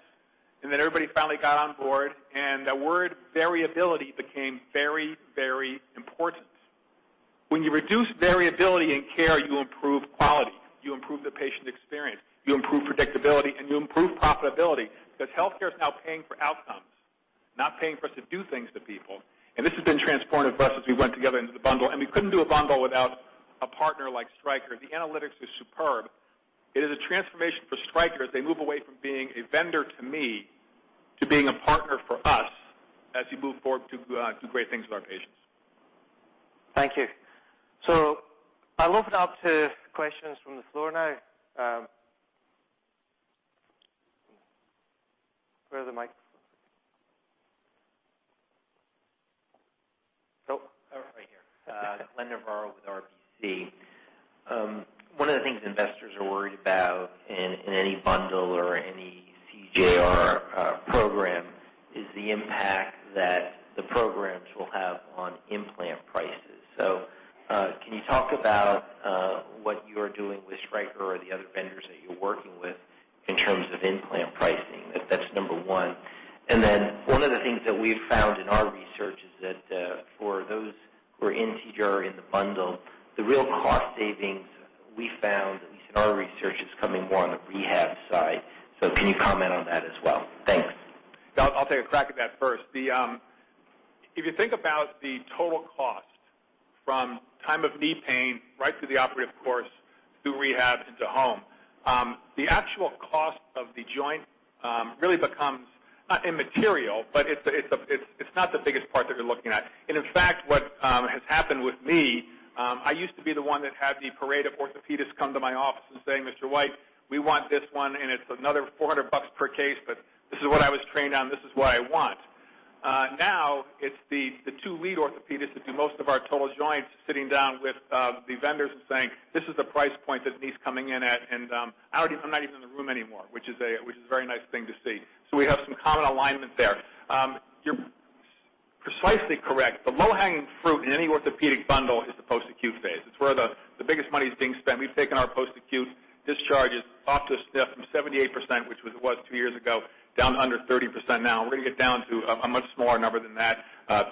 Everybody finally got on board, and the word variability became very important. When you reduce variability in care, you improve quality, you improve the patient experience, you improve predictability, and you improve profitability because healthcare is now paying for outcomes, not paying for us to do things to people. This has been transformative for us as we went together into the bundle, and we couldn't do a bundle without a partner like Stryker. The analytics is superb. It is a transformation for Stryker as they move away from being a vendor to me to being a partner for us as we move forward to do great things with our patients. Thank you. I'll open it up to questions from the floor now. Where are the microphones? Oh. Right here. Glenn Novarro with RBC. One of the things investors are worried about in any bundle or any CJR program is the impact that the programs will have on implant prices. Can you talk about what you're doing with Stryker or the other vendors that you're working with in terms of implant pricing? That's number one. One of the things we've found in our research is that for those who are in CJR, in the bundle, the real cost savings we found, at least in our research, is coming more on the rehab side. Can you comment on that as well? Thanks. I'll take a crack at that first. If you think about the total cost from time of knee pain right through the operative course to rehab into home, the actual cost of the joint really becomes not immaterial, but it's not the biggest part that you're looking at. In fact, what has happened with me, I used to be the one that had the parade of orthopedists come to my office and saying, "Mr. White, we want this one, and it's another $400 per case, but this is what I was trained on. This is what I want." Now it's the two lead orthopedists that do most of our total joints sitting down with the vendors and saying, "This is the price point that knee's coming in at." I'm not even in the room anymore, which is a very nice thing to see. We have some common alignment there. You're precisely correct. The low-hanging fruit in any orthopedic bundle is the post-acute phase. It's where the biggest money is being spent. We've taken our post-acute discharges off the SNF from 78%, which it was two years ago, down to under 30% now. We're going to get down to a much smaller number than that.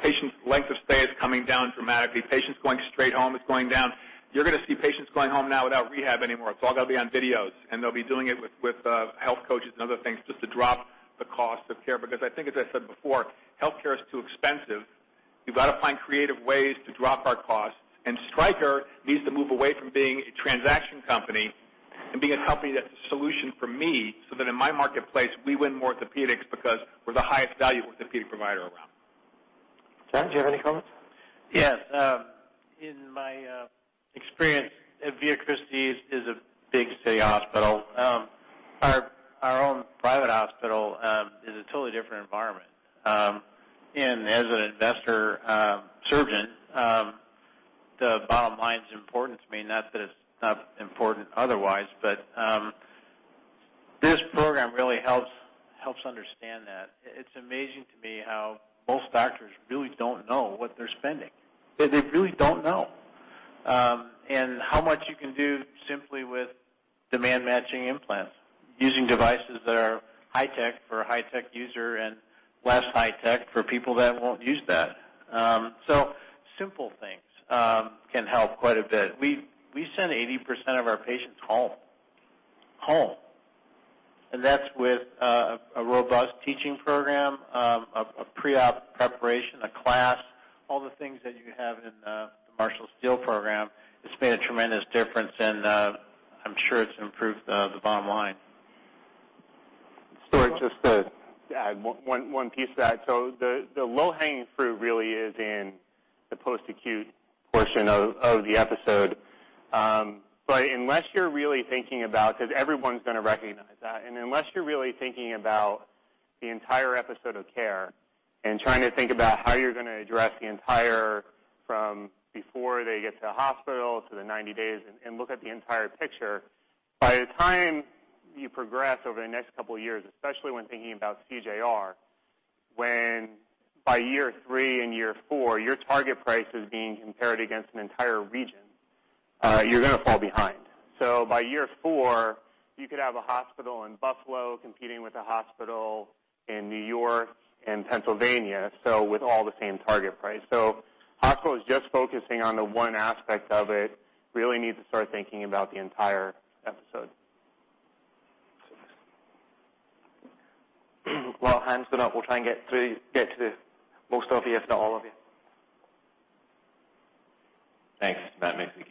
Patients' length of stay is coming down dramatically. Patients going straight home is going down. You're going to see patients going home now without rehab anymore. It's all going to be on videos, and they'll be doing it with health coaches and other things just to drop the cost of care. I think, as I said before, healthcare is too expensive. We've got to find creative ways to drop our costs. Stryker needs to move away from being a transaction company and be a company that's a solution for me so that in my marketplace, we win more orthopedics because we're the highest value orthopedic provider around. John, do you have any comments? Yes. In my experience at Via Christi is a big city hospital. Our own private hospital is a totally different environment. As an investor surgeon, the bottom line's important to me, not that it's not important otherwise, but this program really helps understand that. It's amazing to me how most doctors really don't know what they're spending. They really don't know. How much you can do simply with demand-matching implants, using devices that are high tech for a high tech user and less high tech for people that won't use that. Simple things can help quite a bit. We send 80% of our patients home. Home. That's with a robust teaching program, a pre-op preparation, a class, all the things that you have in the Marshall Steele program. It's made a tremendous difference, and I'm sure it's improved the bottom line. Stuart, just to add one piece to that. The low-hanging fruit really is in the post-acute portion of the episode. Unless you're really thinking about, because everyone's going to recognize that, unless you're really thinking about the entire episode of care and trying to think about how you're going to address the entire, from before they get to the hospital to the 90 days, and look at the entire picture. By the time you progress over the next couple of years, especially when thinking about CJR, when by year three and year four, your target price is being compared against an entire region, you're going to fall behind. By year four, you could have a hospital in Buffalo competing with a hospital in New York and Pennsylvania, with all the same target price. Hospitals just focusing on the one aspect of it really need to start thinking about the entire episode. While hands are up, we'll try and get to the most of you, if not all of you. Thanks. Matt McNeely,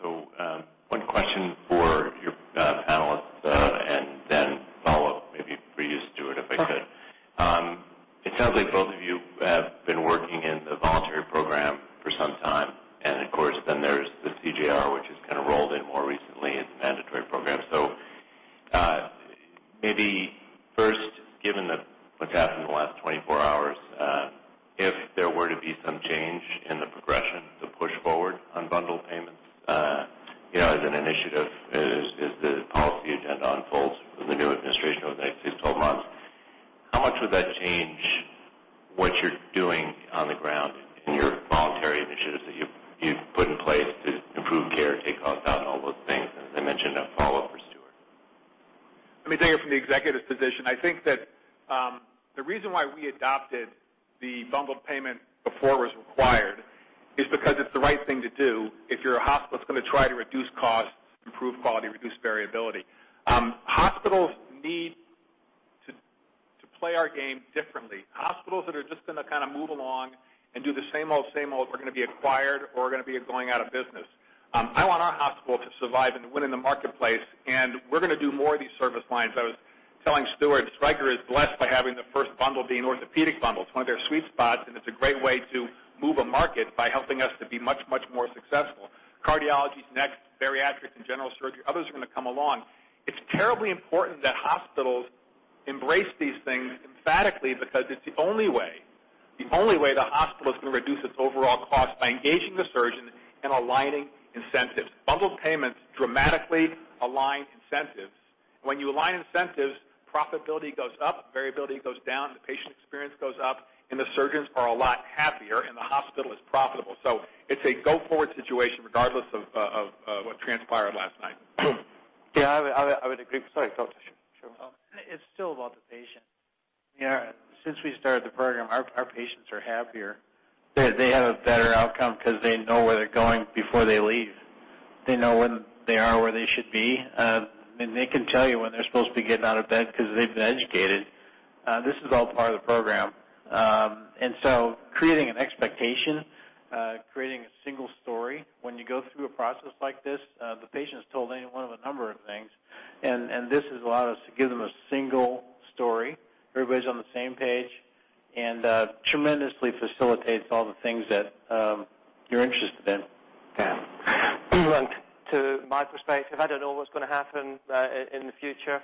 QBAN. One question for your panelists, and then follow-up, maybe for you, Stuart, if I could. Sure. It sounds like both of you have been working in the voluntary program for some time, and of course, then there's the CJR, which has kind of rolled in more recently as a mandatory program. Maybe first, given what's happened in the last 24 hours, if there were to be some change in the progression to push forward on bundled payments, as an initiative as the policy agenda unfolds with the new administration over the next 6 to 12 months, how much would that change what you're doing on the ground in your voluntary initiatives that you've put in place to improve care, take costs out, and all those things? As I mentioned, a follow-up for Stuart. Let me take it from the executive's position. I think that the reason why we adopted the bundled payment before it was required is because it's the right thing to do if you're a hospital that's going to try to reduce costs, improve quality, reduce variability. Hospitals need to play our game differently. Hospitals that are just going to move along and do the same old, same old are going to be acquired or are going to be going out of business. I want our hospital to survive and to win in the marketplace, and we're going to do more of these service lines. I was telling Stuart, Stryker is blessed by having the first bundle being an orthopedic bundle. It's one of their sweet spots, and it's a great way to move a market by helping us to be much, much more successful. Cardiology's next, bariatrics and general surgery. Others are going to come along. It's terribly important that hospitals embrace these things emphatically because it's the only way the hospital is going to reduce its overall cost by engaging the surgeon and aligning incentives. Bundled payments dramatically align incentives. When you align incentives, profitability goes up, variability goes down, the patient experience goes up, and the surgeons are a lot happier, and the hospital is profitable. It's a go-forward situation regardless of what transpired last night. Yeah, I would agree. Sorry, Dr. Sherman. It's still about the patient. Since we started the program, our patients are happier. They have a better outcome because they know where they're going before they leave. They know when they are where they should be. They can tell you when they're supposed to be getting out of bed because they've been educated. This is all part of the program. Creating an expectation, creating a single story. When you go through a process like this, the patient is told any one of a number of things, and this has allowed us to give them a single story. Everybody's on the same page and tremendously facilitates all the things that you're interested in. Okay. To my perspective, I don't know what's going to happen in the future.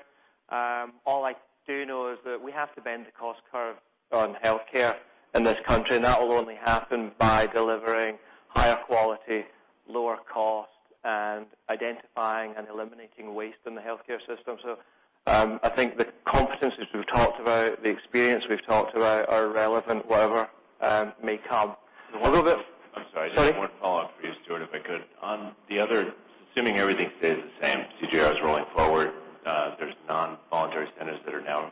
All I do know is that we have to bend the cost curve on healthcare in this country, and that will only happen by delivering higher quality, lower cost, and identifying and eliminating waste in the healthcare system. I think the competencies we've talked about, the experience we've talked about are relevant, whatever may come. I'm sorry. Sorry. One follow-up for you, Stuart, if I could. On the other, assuming everything stays the same, CJR is rolling forward. There's non-voluntary centers that are now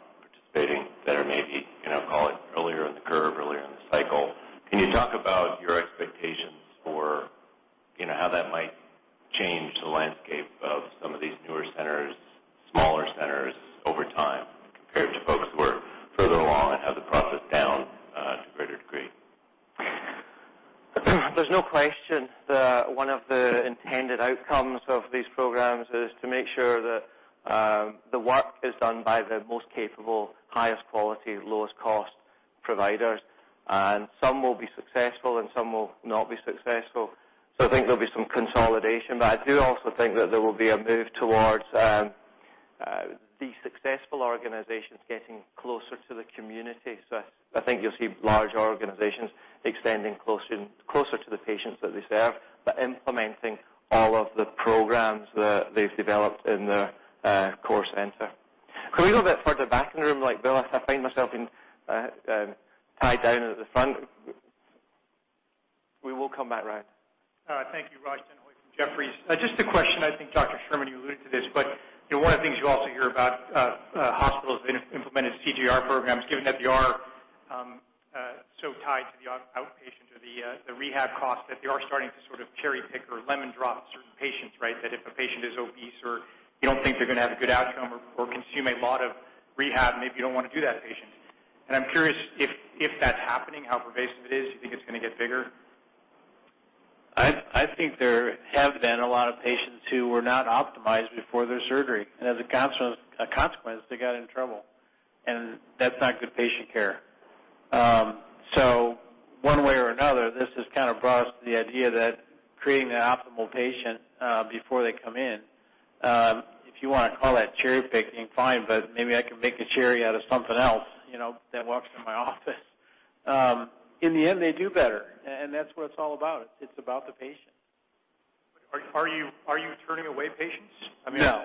participating that are maybe, call it earlier in the curve, earlier in the cycle. Can you talk about your expectations for how that might change the landscape of some of these newer centers, smaller centers over time, compared to folks who are further along and have the process down to a greater degree? There's no question that one of the intended outcomes of these programs is to make sure that the work is done by the most capable, highest quality, lowest cost providers, and some will be successful, and some will not be successful. I think there'll be some consolidation. I do also think that there will be a move towards the successful organizations getting closer to the community. I think you'll see large organizations extending closer to the patients that they serve, but implementing all of the programs that they've developed in their core center. Can we go a bit further back in the room? Bill, I find myself tied down at the front. We will come back around. Thank you. Raj Denhoy from Jefferies. Just a question, I think Dr. Sherman, you alluded to this, but one of the things you also hear about hospitals that have implemented CJR programs, given that we are so tied to the outpatient or the rehab cost, that they are starting to sort of cherry-pick or lemon drop certain patients, right? That if a patient is obese or you don't think they're going to have a good outcome or consume a lot of rehab, maybe you don't want to do that patient. I'm curious if that's happening, how pervasive it is. Do you think it's going to get bigger? I think there have been a lot of patients who were not optimized before their surgery, and as a consequence, they got in trouble. That's not good patient care. One way or another, this has brought us to the idea that creating an optimal patient before they come in, if you want to call that cherry-picking, fine, but maybe I can make a cherry out of something else that walks into my office. In the end, they do better, and that's what it's all about. It's about the patient. Are you turning away patients? No.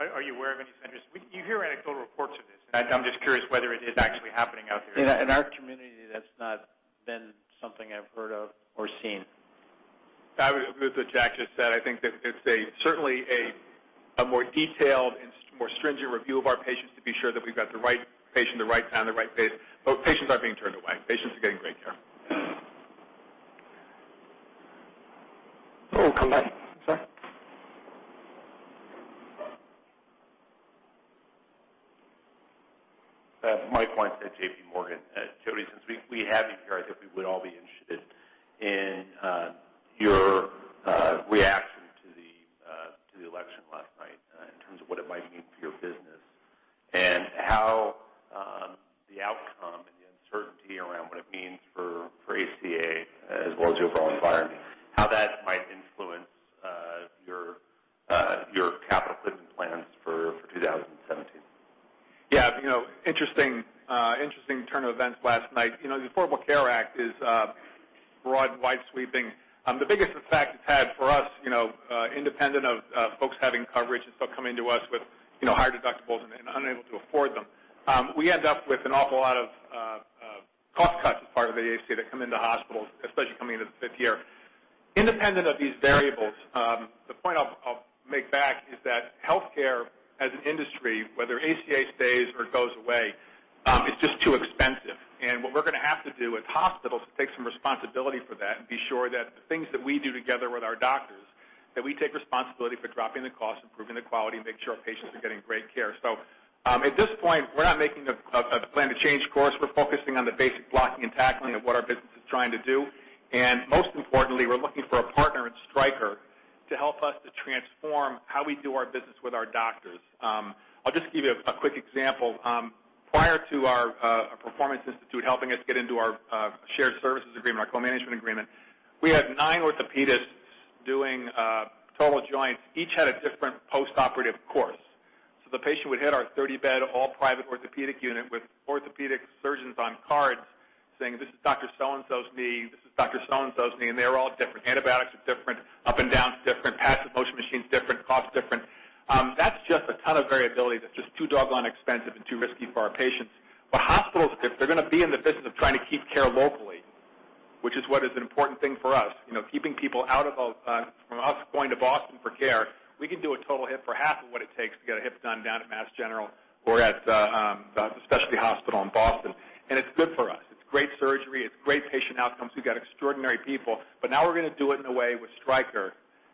Are you aware of any centers? You hear anecdotal reports of this, and I'm just curious whether it is actually happening out there. In our community, that's not been something I've heard of or seen. I would agree with what Jack just said. I think that it's certainly a more detailed and more stringent review of our patients to be sure that we've got the right patient, the right time, the right place. Patients aren't being turned away. Patients are getting great care. We'll come back. I'm sorry. Mike Weinstein, JPMorgan. Jody, since we have you here, I think we would all be interested in your reaction to the election last night, in terms of what it might mean for your business. How the outcome and the uncertainty around what it means for ACA, as well as the overall environment, how that might influence your capital spending plans for 2017. Interesting turn of events last night. The Affordable Care Act is broad, wide-sweeping. The biggest effect it's had for us, independent of folks having coverage and still coming to us with higher deductibles and unable to afford them, we end up with an awful lot of cost cuts as part of the ACA that come into hospitals, especially coming into the fifth year. Independent of these variables, the point I'll make back is that healthcare as an industry, whether ACA stays or goes away, it's just too expensive. What we're going to have to do as hospitals is take some responsibility for that and be sure that the things that we do together with our doctors, that we take responsibility for dropping the cost, improving the quality, and make sure our patients are getting great care. At this point, we're not making a plan to change course. We're focusing on the basic blocking and tackling of what our business is trying to do. Most importantly, we're looking for a partner in Stryker to help us to transform how we do our business with our doctors. I'll just give you a quick example. Prior to our Performance Institute helping us get into our shared services agreement, our co-management agreement, we had nine orthopedists doing total joints. Each had a different post-operative course. The patient would hit our 30-bed, all private orthopedic unit with orthopedic surgeons on cards saying, "This is Dr. So-and-so's knee. This is Dr. So-and-so's knee." They're all different. Antibiotics are different, up and downs different, passive motion machines different, cost different. That's just a ton of variability that's just too doggone expensive and too risky for our patients. Hospitals, if they're going to be in the business of trying to keep care locally, which is what is an important thing for us, keeping people from us going to Boston for care, we can do a total hip for half of what it takes to get a hip done down at Mass General or at the specialty hospital in Boston. It's good for us. It's great surgery. It's great patient outcomes. We've got extraordinary people. Now we're going to do it in a way with Stryker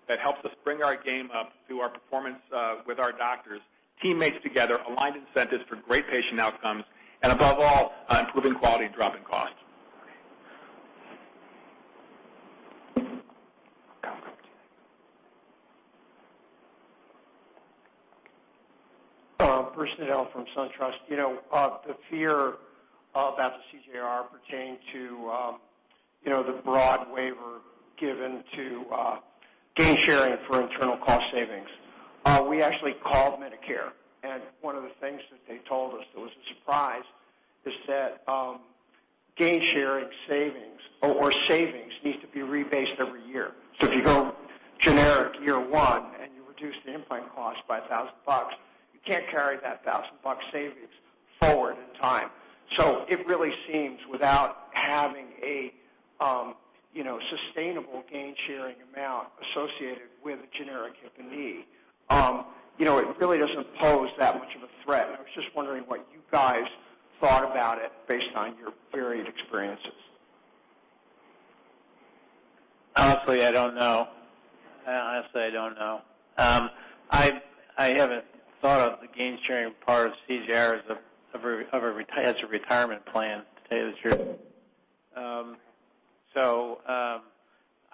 that helps us bring our game up through our performance with our doctors, teammates together, aligned incentives for great patient outcomes, and above all, improving quality and dropping costs. Bruce Nudell from SunTrust. The fear about the CJR pertaining to the broad waiver given to gain-sharing for internal cost savings. We actually called Medicare, and one of the things that they told us that was a surprise is that gain-sharing savings, or savings, needs to be rebased every year. If you go generic year one and you reduce the implant cost by $1,000, you can't carry that $1,000 savings forward in time. It really seems, without having a sustainable gain-sharing amount associated with a generic hip and knee, it really doesn't pose that much of a threat. I was just wondering what you guys thought about it based on your varied experiences. Honestly, I don't know. I haven't thought of the gain-sharing part of CJR as a retirement plan, to tell you the truth.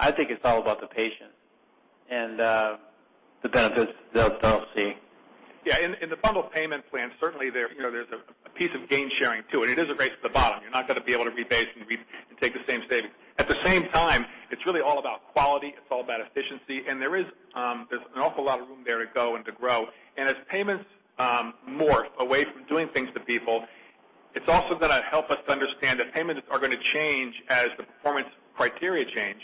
I think it's all about the patient and the benefits that they'll see. In the bundled payment plan, certainly there's a piece of gain-sharing, too. It is a race to the bottom. You're not going to be able to rebase and take the same savings. At the same time, it's really all about quality, it's all about efficiency, there's an awful lot of room there to go and to grow. As payments morph away from doing things to people, it's also going to help us understand that payments are going to change as the performance criteria change.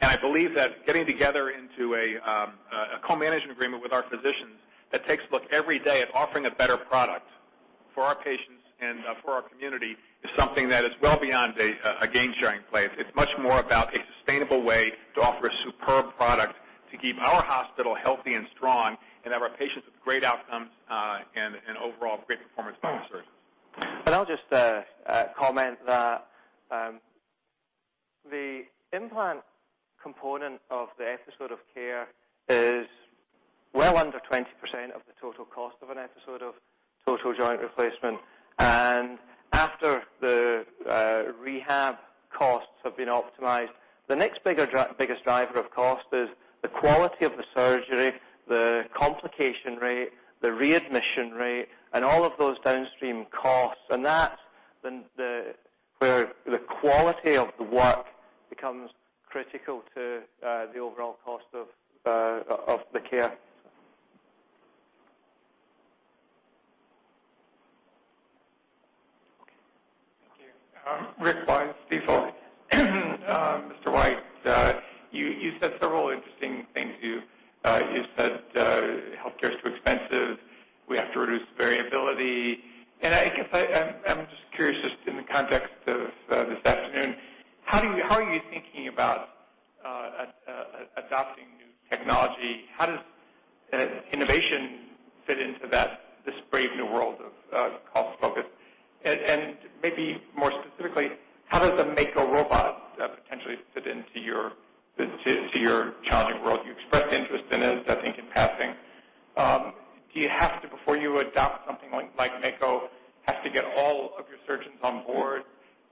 I believe that getting together into a co-management agreement with our physicians that takes a look every day at offering a better product for our patients and for our community is something that is well beyond a gain-sharing play. It's much more about a sustainable way to offer a superb product to keep our hospital healthy and strong and have our patients with great outcomes and overall great performance by the surgeons. I'll just comment that the implant component of the episode of care is well under 20% of the total cost of an episode of total joint replacement. After the rehab costs have been optimized, the next biggest driver of cost is the quality of the surgery, the complication rate, the readmission rate, and all of those downstream costs. That's where the quality of the work becomes critical to the overall cost of the care. Thank you. Rick Wise, Stifel. Mr. White, you said several interesting things. You said healthcare is too expensive. We have to reduce variability. I guess I'm just curious, just in the context of this afternoon, how are you thinking about adopting new technology? How does innovation fit into this brave new world of cost focus? Maybe more specifically, how does the Mako robot potentially fit into your challenging world? You expressed interest in it, I think, in passing. Do you have to, before you adopt something like Mako, have to get all of your surgeons on board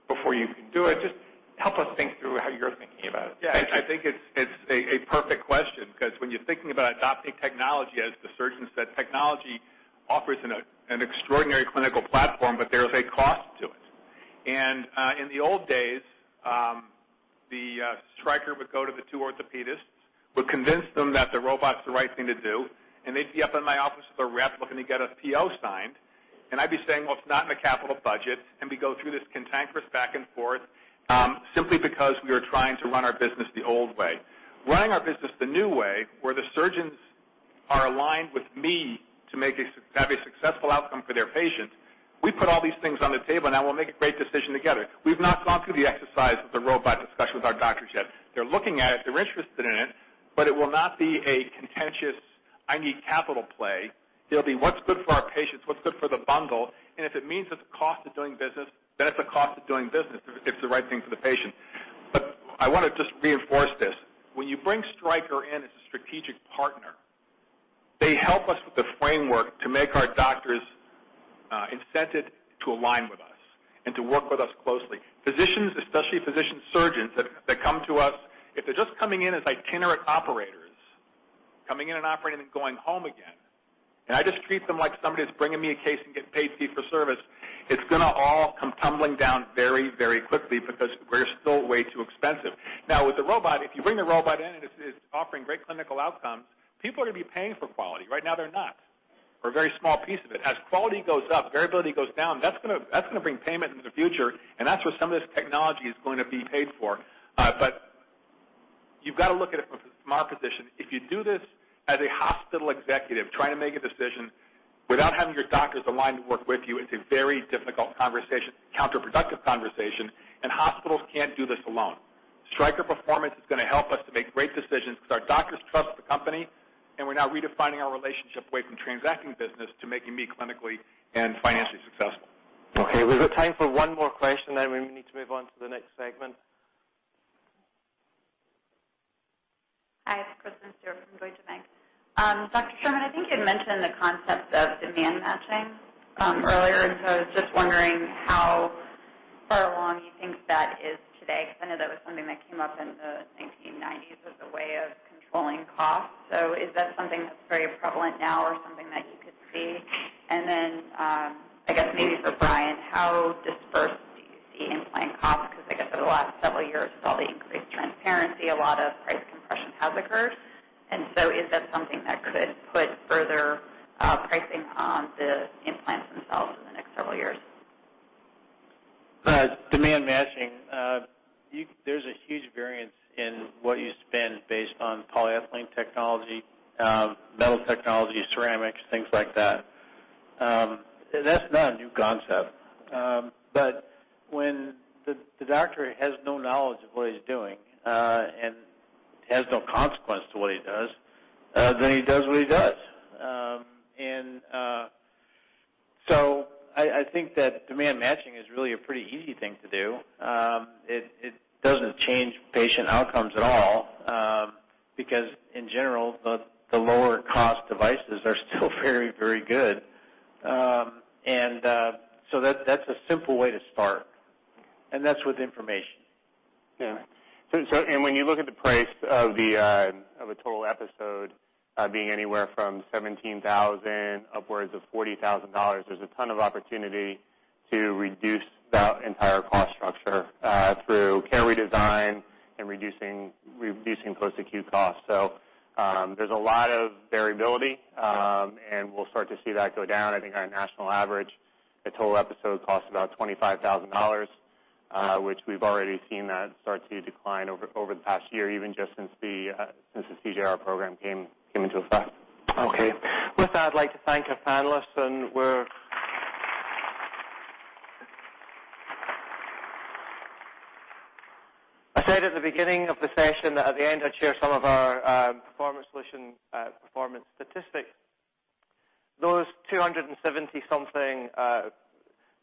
before you can do it? Just help us think through how you're thinking about it. Thank you. Yeah, I think it's a perfect question because when you're thinking about adopting technology, as the surgeon said, technology offers an extraordinary clinical platform, but there is a cost to it. In the old days, Stryker would go to the two orthopedists, would convince them that the robot's the right thing to do, and they'd be up in my office with a rep looking to get a PO signed. I'd be saying, "Well, it's not in the capital budget," and we go through this cantankerous back and forth simply because we are trying to run our business the old way. Running our business the new way, where the surgeons are aligned with me to have a successful outcome for their patients, we put all these things on the table now and we'll make a great decision together. We've not gone through the exercise of the robot discussion with our doctors yet. They're looking at it. They're interested in it, but it will not be a contentious, I need capital play. It'll be what's good for our patients, what's good for the bundle, and if it means it's a cost of doing business, then it's a cost of doing business if it's the right thing for the patient. I want to just reinforce this. When you bring Stryker in as a strategic partner, they help us with the framework to make our doctors incented to align with us and to work with us closely. Physicians, especially physician surgeons that come to us, if they're just coming in as itinerant operators, coming in and operating and going home again, and I just treat them like somebody that's bringing me a case and getting paid fee for service, it's going to all come tumbling down very, very quickly because we're still way too expensive. Now, with the robot, if you bring the robot in and it's offering great clinical outcomes, people are going to be paying for quality. Right now, they're not, or a very small piece of it. As quality goes up, variability goes down. That's going to bring payment into the future, and that's where some of this technology is going to be paid for. You've got to look at it from a smart position. If you do this as a hospital executive trying to make a decision without having your doctors aligned to work with you, it's a very difficult conversation, counterproductive conversation, and hospitals can't do this alone. Stryker Performance is going to help us to make great decisions because our doctors trust the company, and we're now redefining our relationship away from transacting business to making me clinically and financially successful. Okay. We've got time for one more question, then we need to move on to the next segment. Hi, it's Kristen Stewart from Deutsche Bank. Dr. Sherman, I think you'd mentioned the concept of demand matching earlier, I was just wondering how far along you think that is today, because I know that was something that came up in the 1990s as a way of controlling costs. Is that something that's very prevalent now or something that you could see? I guess maybe for Brian, how dispersed do you see implant costs? Because I guess over the last several years, with all the increased transparency, a lot of price compression has occurred. Is that something that could put further pricing on the implants themselves in the next several years? Demand matching. There's a huge variance in what you spend based on polyethylene technology, metal technology, ceramics, things like that. That's not a new concept. When the doctor has no knowledge of what he's doing, and has no consequence to what he does, then he does what he does. I think that demand matching is really a pretty easy thing to do. It doesn't change patient outcomes at all, because in general, the lower cost devices are still very, very good. That's a simple way to start. That's with information. Yeah. When you look at the price of a total episode being anywhere from $17,000 upwards of $40,000, there's a ton of opportunity to reduce that entire cost structure through care redesign and reducing post-acute costs. There's a lot of variability, and we'll start to see that go down. I think our national average, a total episode costs about $25,000, which we've already seen that start to decline over the past year, even just since the CJR program came into effect. With that, I'd like to thank our panelists. I said at the beginning of the session that at the end, I'd share some of our Performance Solutions performance statistics. Those 270-something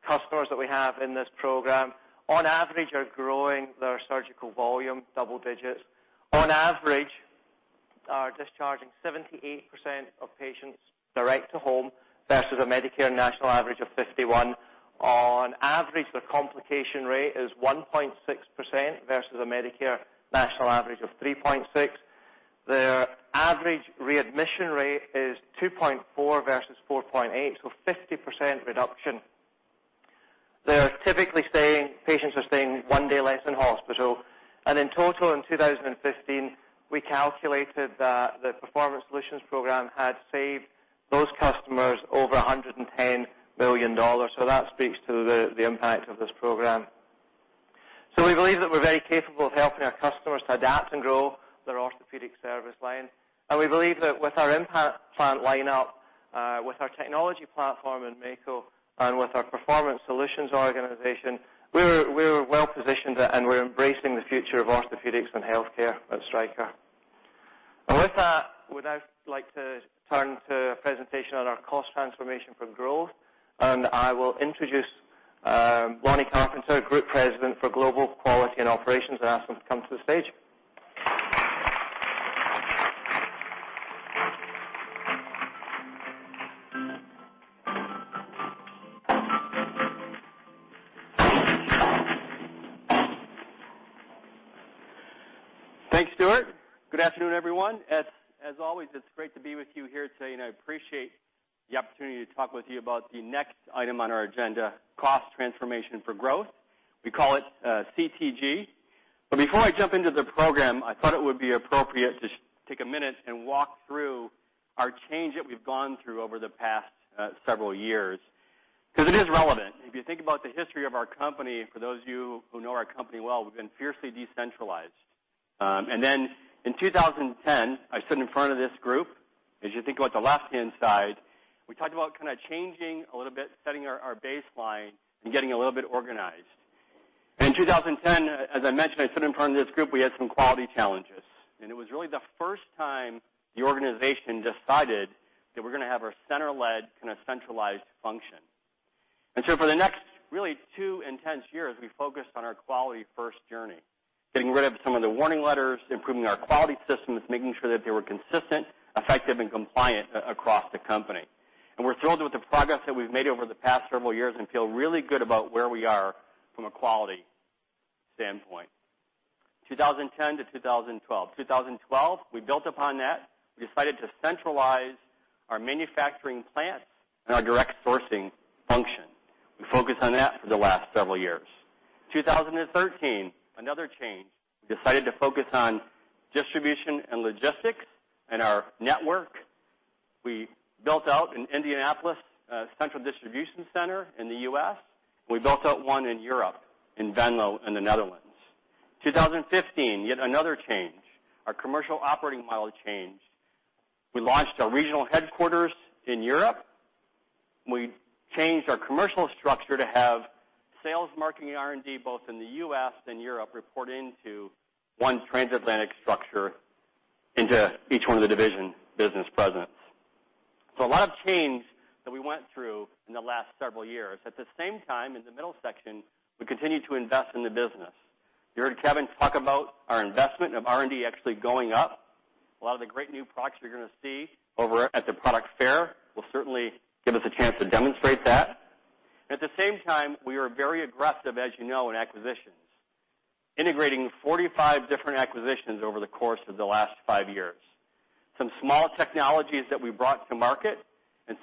customers that we have in this program, on average, are growing their surgical volume double digits. On average, are discharging 78% of patients direct to home versus a Medicare national average of 51%. On average, the complication rate is 1.6% versus a Medicare national average of 3.6%. Their average readmission rate is 2.4% versus 4.8%, so 50% reduction. Patients are staying one day less in hospital. In total, in 2015, we calculated that the Performance Solutions program had saved those customers over $110 million. That speaks to the impact of this program. We believe that we're very capable of helping our customers to adapt and grow their orthopedic service line. We believe that with our implant lineup, with our technology platform in Mako, and with our Performance Solutions organization, we're well-positioned, we're embracing the future of orthopedics and healthcare at Stryker. With that, would now like to turn to a presentation on our Cost Transformation for Growth. I will introduce Lonny Carpenter, Group President, Global Quality and Business Operations, and ask him to come to the stage. Thanks, Stuart. Good afternoon, everyone. As always, it's great to be with you here today, and I appreciate the opportunity to talk with you about the next item on our agenda, Cost Transformation for Growth. We call it CTG. Before I jump into the program, I thought it would be appropriate to take a minute and walk through our change that we've gone through over the past several years, because it is relevant. If you think about the history of our company, for those of you who know our company well, we've been fiercely decentralized. In 2010, I stood in front of this group. As you think about the left-hand side, we talked about changing a little bit, setting our baseline, and getting a little bit organized. In 2010, as I mentioned, I stood in front of this group. We had some quality challenges. It was really the first time the organization decided that we're going to have our center-led, centralized function. For the next, really two intense years, we focused on our quality-first journey, getting rid of some of the warning letters, improving our quality systems, making sure that they were consistent, effective, and compliant across the company. We're thrilled with the progress that we've made over the past several years and feel really good about where we are from a quality standpoint. 2010 to 2012. In 2012, we built upon that. We decided to centralize our manufacturing plants and our direct sourcing function. We focused on that for the last several years. In 2013, another change. We decided to focus on distribution and logistics in our network. We built out an Indianapolis central distribution center in the U.S. We built out one in Europe, in Venlo, in the Netherlands. 2015, yet another change. Our commercial operating model changed. We launched a regional headquarters in Europe, we changed our commercial structure to have sales, marketing, R&D, both in the U.S. and Europe, report into one transatlantic structure into each one of the division business presidents. A lot of change that we went through in the last several years. At the same time, in the middle section, we continued to invest in the business. You heard Kevin talk about our investment of R&D actually going up. A lot of the great new products you are going to see over at the product fair will certainly give us a chance to demonstrate that. At the same time, we are very aggressive, as you know, in acquisitions, integrating 45 different acquisitions over the course of the last five years. Some small technologies that we brought to market,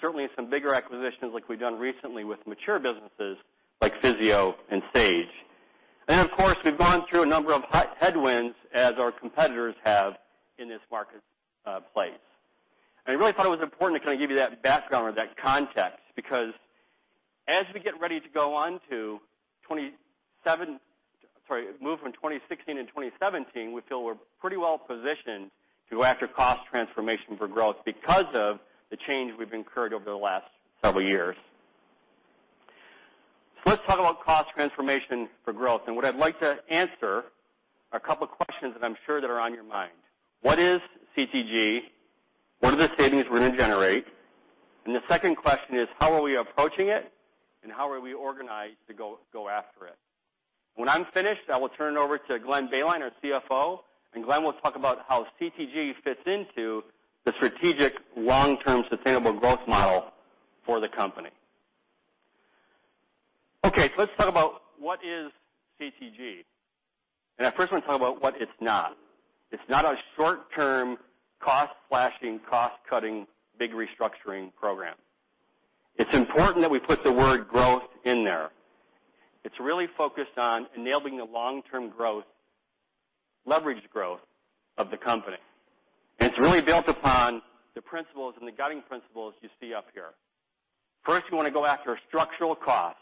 certainly some bigger acquisitions like we have done recently with mature businesses like Physio and Sage. Then, of course, we have gone through a number of headwinds, as our competitors have, in this marketplace. I really thought it was important to give you that background or that context because as we get ready to move from 2016 and 2017, we feel we are pretty well-positioned to go after Cost Transformation for Growth because of the change we have incurred over the last several years. Let's talk about Cost Transformation for Growth. What I would like to answer are a couple of questions that I am sure that are on your mind. What is CTG? What are the savings we are going to generate? The second question is, how are we approaching it, and how are we organized to go after it? When I am finished, I will turn it over to Glenn Boehnlein, our CFO, and Glenn will talk about how CTG fits into the strategic long-term sustainable growth model for the company. Let's talk about what is CTG. I first want to talk about what it is not. It is not a short-term cost slashing, cost cutting, big restructuring program. It is important that we put the word growth in there. It is really focused on enabling the long-term growth, leverage growth of the company. It is really built upon the principles and the guiding principles you see up here. First, we want to go after structural costs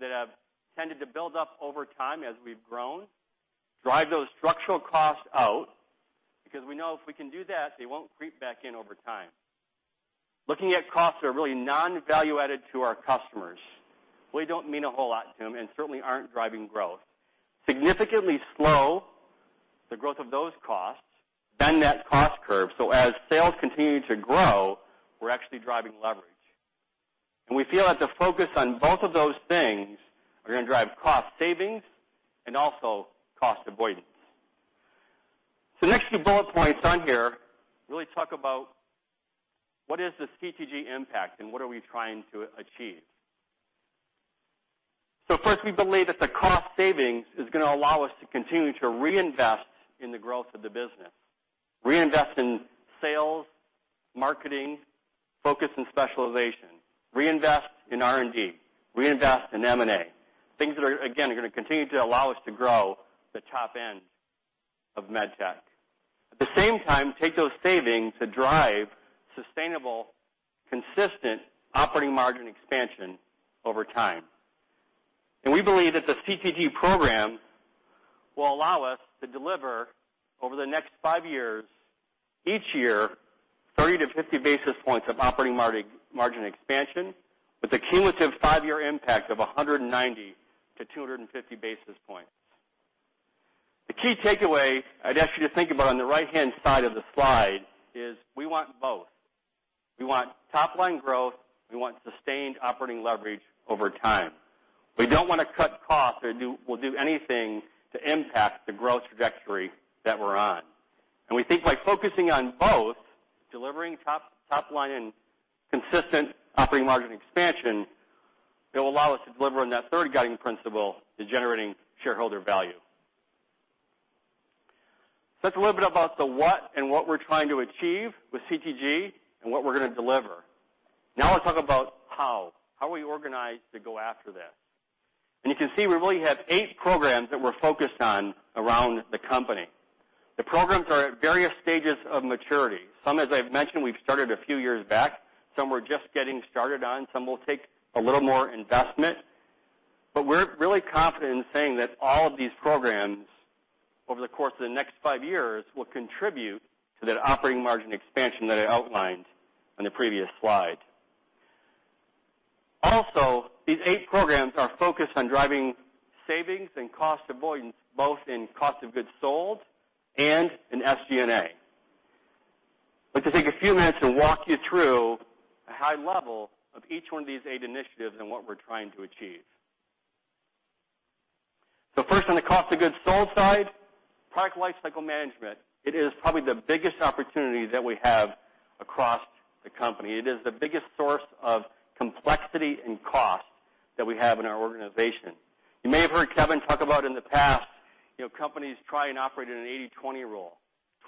that have tended to build up over time as we have grown, drive those structural costs out, because we know if we can do that, they will not creep back in over time. Looking at costs that are really non-value added to our customers, really do not mean a whole lot to them and certainly are not driving growth. Significantly slow the growth of those costs, bend that cost curve, as sales continue to grow, we are actually driving leverage. We feel that the focus on both of those things are going to drive cost savings and also cost avoidance. The next few bullet points on here really talk about what is the CTG impact and what are we trying to achieve. First, we believe that the cost savings is going to allow us to continue to reinvest in the growth of the business, reinvest in sales, marketing, focus and specialization, reinvest in R&D, reinvest in M&A, things that are, again, going to continue to allow us to grow the top end of MedTech. At the same time, take those savings to drive sustainable, consistent operating margin expansion over time. We believe that the CTG program will allow us to deliver over the next 5 years, each year, 30 to 50 basis points of operating margin expansion with a cumulative 5-year impact of 190 to 250 basis points. The key takeaway I'd ask you to think about on the right-hand side of the slide is we want both. We want top-line growth, we want sustained operating leverage over time. We don't want to cut costs or do anything to impact the growth trajectory that we're on. We think by focusing on both, delivering top line and consistent operating margin expansion, it will allow us to deliver on that third guiding principle to generating shareholder value. That's a little bit about the what and what we're trying to achieve with CTG and what we're going to deliver. Now let's talk about how we organize to go after that. You can see we really have eight programs that we're focused on around the company. The programs are at various stages of maturity. Some, as I've mentioned, we've started a few years back, some we're just getting started on. Some will take a little more investment, but we're really confident in saying that all of these programs over the course of the next 5 years will contribute to that operating margin expansion that I outlined on the previous slide. Also, these eight programs are focused on driving savings and cost avoidance, both in cost of goods sold and in SG&A. I'd like to take a few minutes and walk you through a high level of each one of these eight initiatives and what we're trying to achieve. First, on the cost of goods sold side, product lifecycle management. It is probably the biggest opportunity that we have across the company. It is the biggest source of complexity and cost that we have in our organization. You may have heard Kevin talk about in the past, companies try and operate in an 80/20 rule.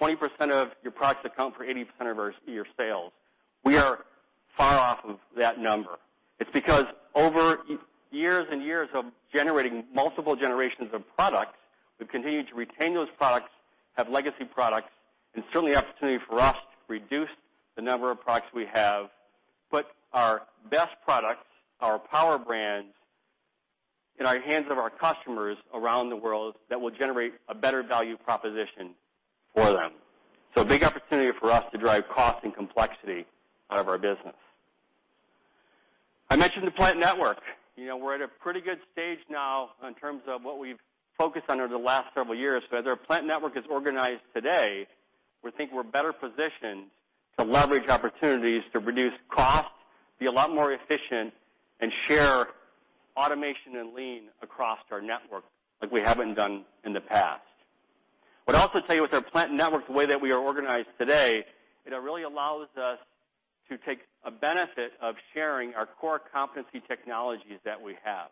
20% of your products account for 80% of your sales. We are far off of that number. It's because over years and years of generating multiple generations of products, we've continued to retain those products, have legacy products, and certainly opportunity for us to reduce the number of products we have, put our best products, our power brands in our hands of our customers around the world that will generate a better value proposition for them. A big opportunity for us to drive cost and complexity out of our business. I mentioned the plant network. We're at a pretty good stage now in terms of what we've focused on over the last several years, but as our plant network is organized today, we think we're better positioned to leverage opportunities to reduce costs, be a lot more efficient, and share automation and lean across our network like we haven't done in the past. I'd also tell you with our plant network, the way that we are organized today, it really allows us to take a benefit of sharing our core competency technologies that we have.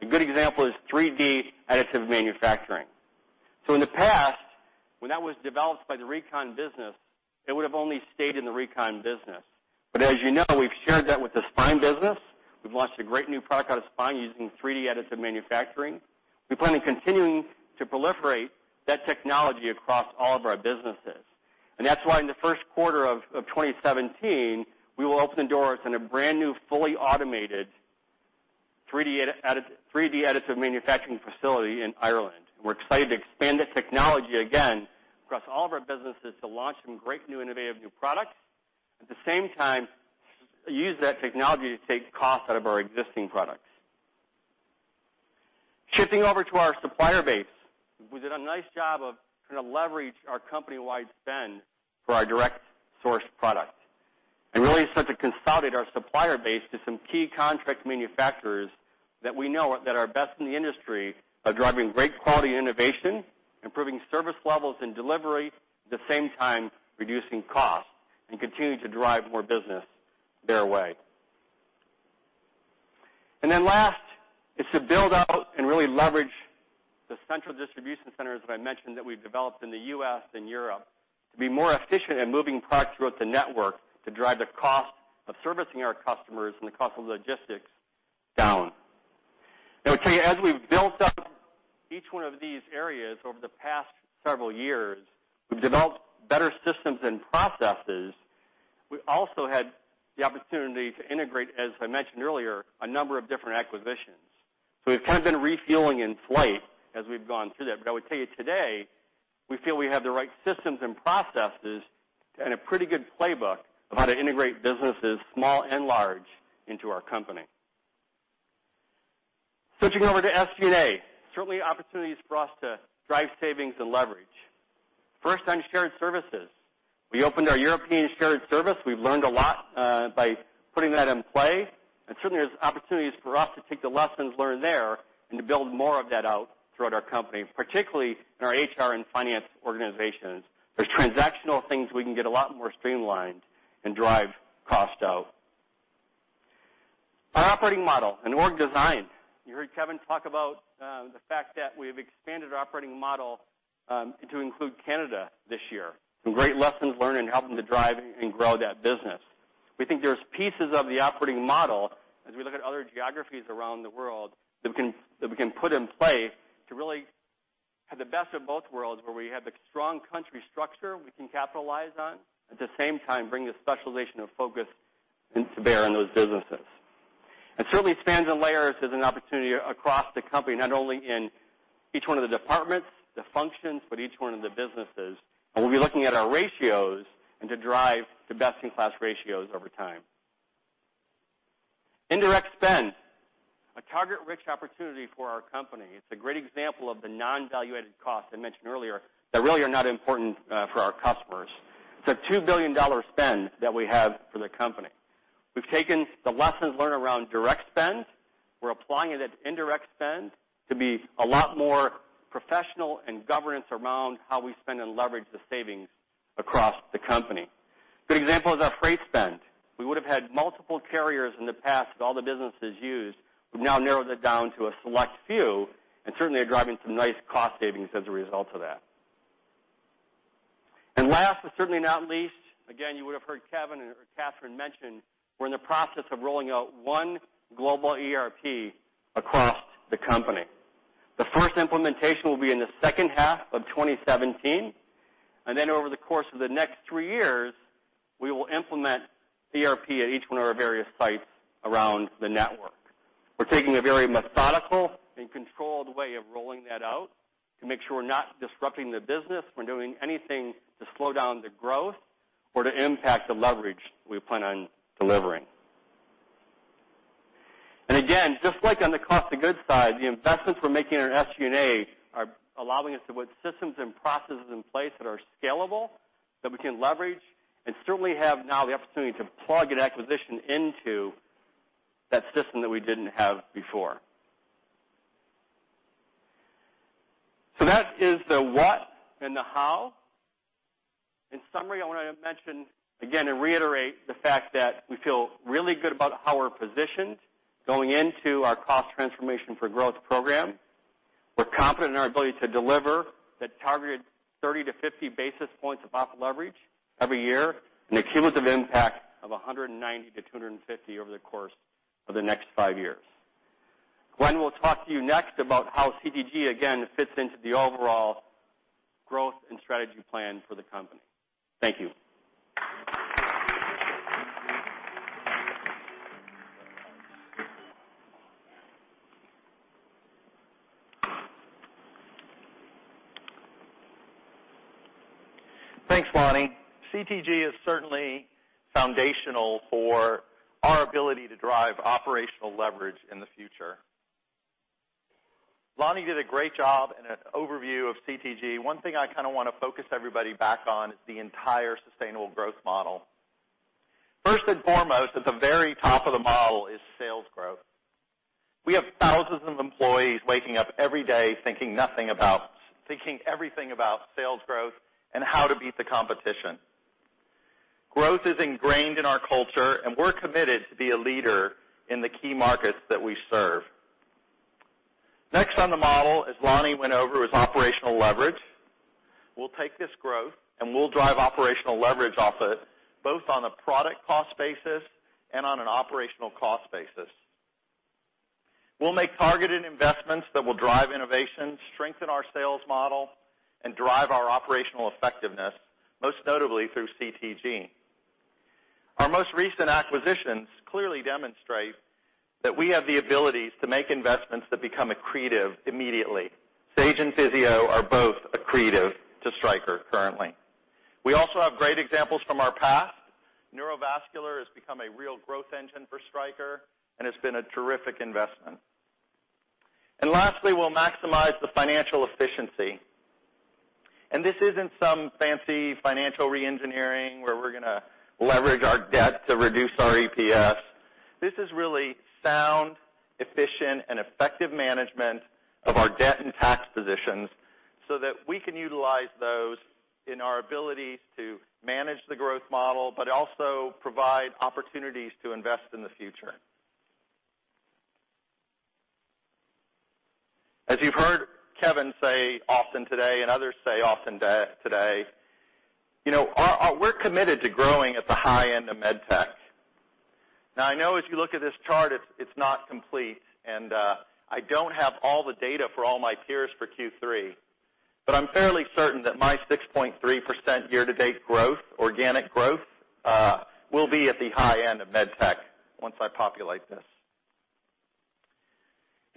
A good example is 3D additive manufacturing. In the past, when that was developed by the Recon business, it would have only stayed in the Recon business. As you know, we've shared that with the Spine business. We've launched a great new product out of Spine using 3D additive manufacturing. We plan on continuing to proliferate that technology across all of our businesses. That's why in the first quarter of 2017, we will open the doors on a brand-new, fully automated 3D additive manufacturing facility in Ireland. We're excited to expand that technology again across all of our businesses to launch some great new innovative new products. At the same time, use that technology to take cost out of our existing products. Shifting over to our supplier base, we did a nice job of kind of leverage our company-wide spend for our direct source product and really set to consolidate our supplier base to some key contract manufacturers that we know that are best in the industry are driving great quality and innovation, improving service levels and delivery, at the same time, reducing cost and continuing to drive more business their way. Then last is to build out and really leverage the central distribution centers that I mentioned that we've developed in the U.S. and Europe to be more efficient in moving product throughout the network to drive the cost of servicing our customers and the cost of logistics down. I would tell you, as we've built up each one of these areas over the past several years, we've developed better systems and processes. We also had the opportunity to integrate, as I mentioned earlier, a number of different acquisitions. We've kind of been refueling in flight as we've gone through that. I would tell you today, we feel we have the right systems and processes and a pretty good playbook of how to integrate businesses, small and large, into our company. Switching over to SG&A. Certainly opportunities for us to drive savings and leverage. First, on shared services, we opened our European shared service. We've learned a lot by putting that in play, and certainly there's opportunities for us to take the lessons learned there and to build more of that out throughout our company, particularly in our HR and finance organizations. There's transactional things we can get a lot more streamlined and drive cost out. Our operating model and org design. You heard Kevin talk about the fact that we've expanded our operating model to include Canada this year. Some great lessons learned in helping to drive and grow that business. We think there's pieces of the operating model, as we look at other geographies around the world, that we can put in play to really have the best of both worlds, where we have the strong country structure we can capitalize on. At the same time, bring the specialization of focus to bear on those businesses. Certainly spans and layers is an opportunity across the company, not only in each one of the departments, the functions, but each one of the businesses. We'll be looking at our ratios and to drive to best-in-class ratios over time. Indirect spend, a target-rich opportunity for our company. It's a great example of the non-value-added cost I mentioned earlier that really are not important for our customers. It's a $2 billion spend that we have for the company. We've taken the lessons learned around direct spend. We're applying it at indirect spend to be a lot more professional and governance around how we spend and leverage the savings across the company. Good example is our freight spend. We would've had multiple carriers in the past that all the businesses used. We've now narrowed it down to a select few and certainly are driving some nice cost savings as a result of that. Last but certainly not least, again, you would've heard Kevin or Katherine mention, we're in the process of rolling out one global ERP across the company. The first implementation will be in the second half of 2017, then over the course of the next three years, we will implement ERP at each one of our various sites around the network. We're taking a very methodical and controlled way of rolling that out to make sure we're not disrupting the business. We're not doing anything to slow down the growth or to impact the leverage we plan on delivering. Again, just like on the cost of goods side, the investments we're making in our SG&A are allowing us to put systems and processes in place that are scalable, that we can leverage, and certainly have now the opportunity to plug an acquisition into that system that we didn't have before. That is the what and the how. In summary, I want to mention again and reiterate the fact that we feel really good about how we're positioned going into our Cost Transformation for Growth program. We're confident in our ability to deliver the targeted 30 to 50 basis points of operational leverage every year and a cumulative impact of 190 to 250 over the course of the next five years. Glenn will talk to you next about how CTG again fits into the overall growth and strategy plan for the company. Thank you. Thanks, Lonny. CTG is certainly foundational for our ability to drive operational leverage in the future. Lonny did a great job in an overview of CTG. One thing I kind of want to focus everybody back on is the entire sustainable growth model. First and foremost, at the very top of the model is sales growth. We have thousands of employees waking up every day thinking everything about sales growth and how to beat the competition. Growth is ingrained in our culture, and we're committed to be a leader in the key markets that we serve. Next on the model, as Lonny went over, is operational leverage. We'll take this growth, and we'll drive operational leverage off it, both on a product cost basis and on an operational cost basis. We'll make targeted investments that will drive innovation, strengthen our sales model, and drive our operational effectiveness, most notably through CTG. Our most recent acquisitions clearly demonstrate that we have the abilities to make investments that become accretive immediately. Sage and Physio are both accretive to Stryker currently. We also have great examples from our past. Neurovascular has become a real growth engine for Stryker and has been a terrific investment. Lastly, this isn't some fancy financial re-engineering where we're going to leverage our debt to reduce our EPS. This is really sound, efficient, and effective management of our debt and tax positions so that we can utilize those in our ability to manage the growth model but also provide opportunities to invest in the future. As you've heard Kevin say often today and others say often today, we're committed to growing at the high end of MedTech. I know if you look at this chart, it's not complete, and I don't have all the data for all my peers for Q3, but I'm fairly certain that my 6.3% year-to-date growth, organic growth, will be at the high end of MedTech once I populate this.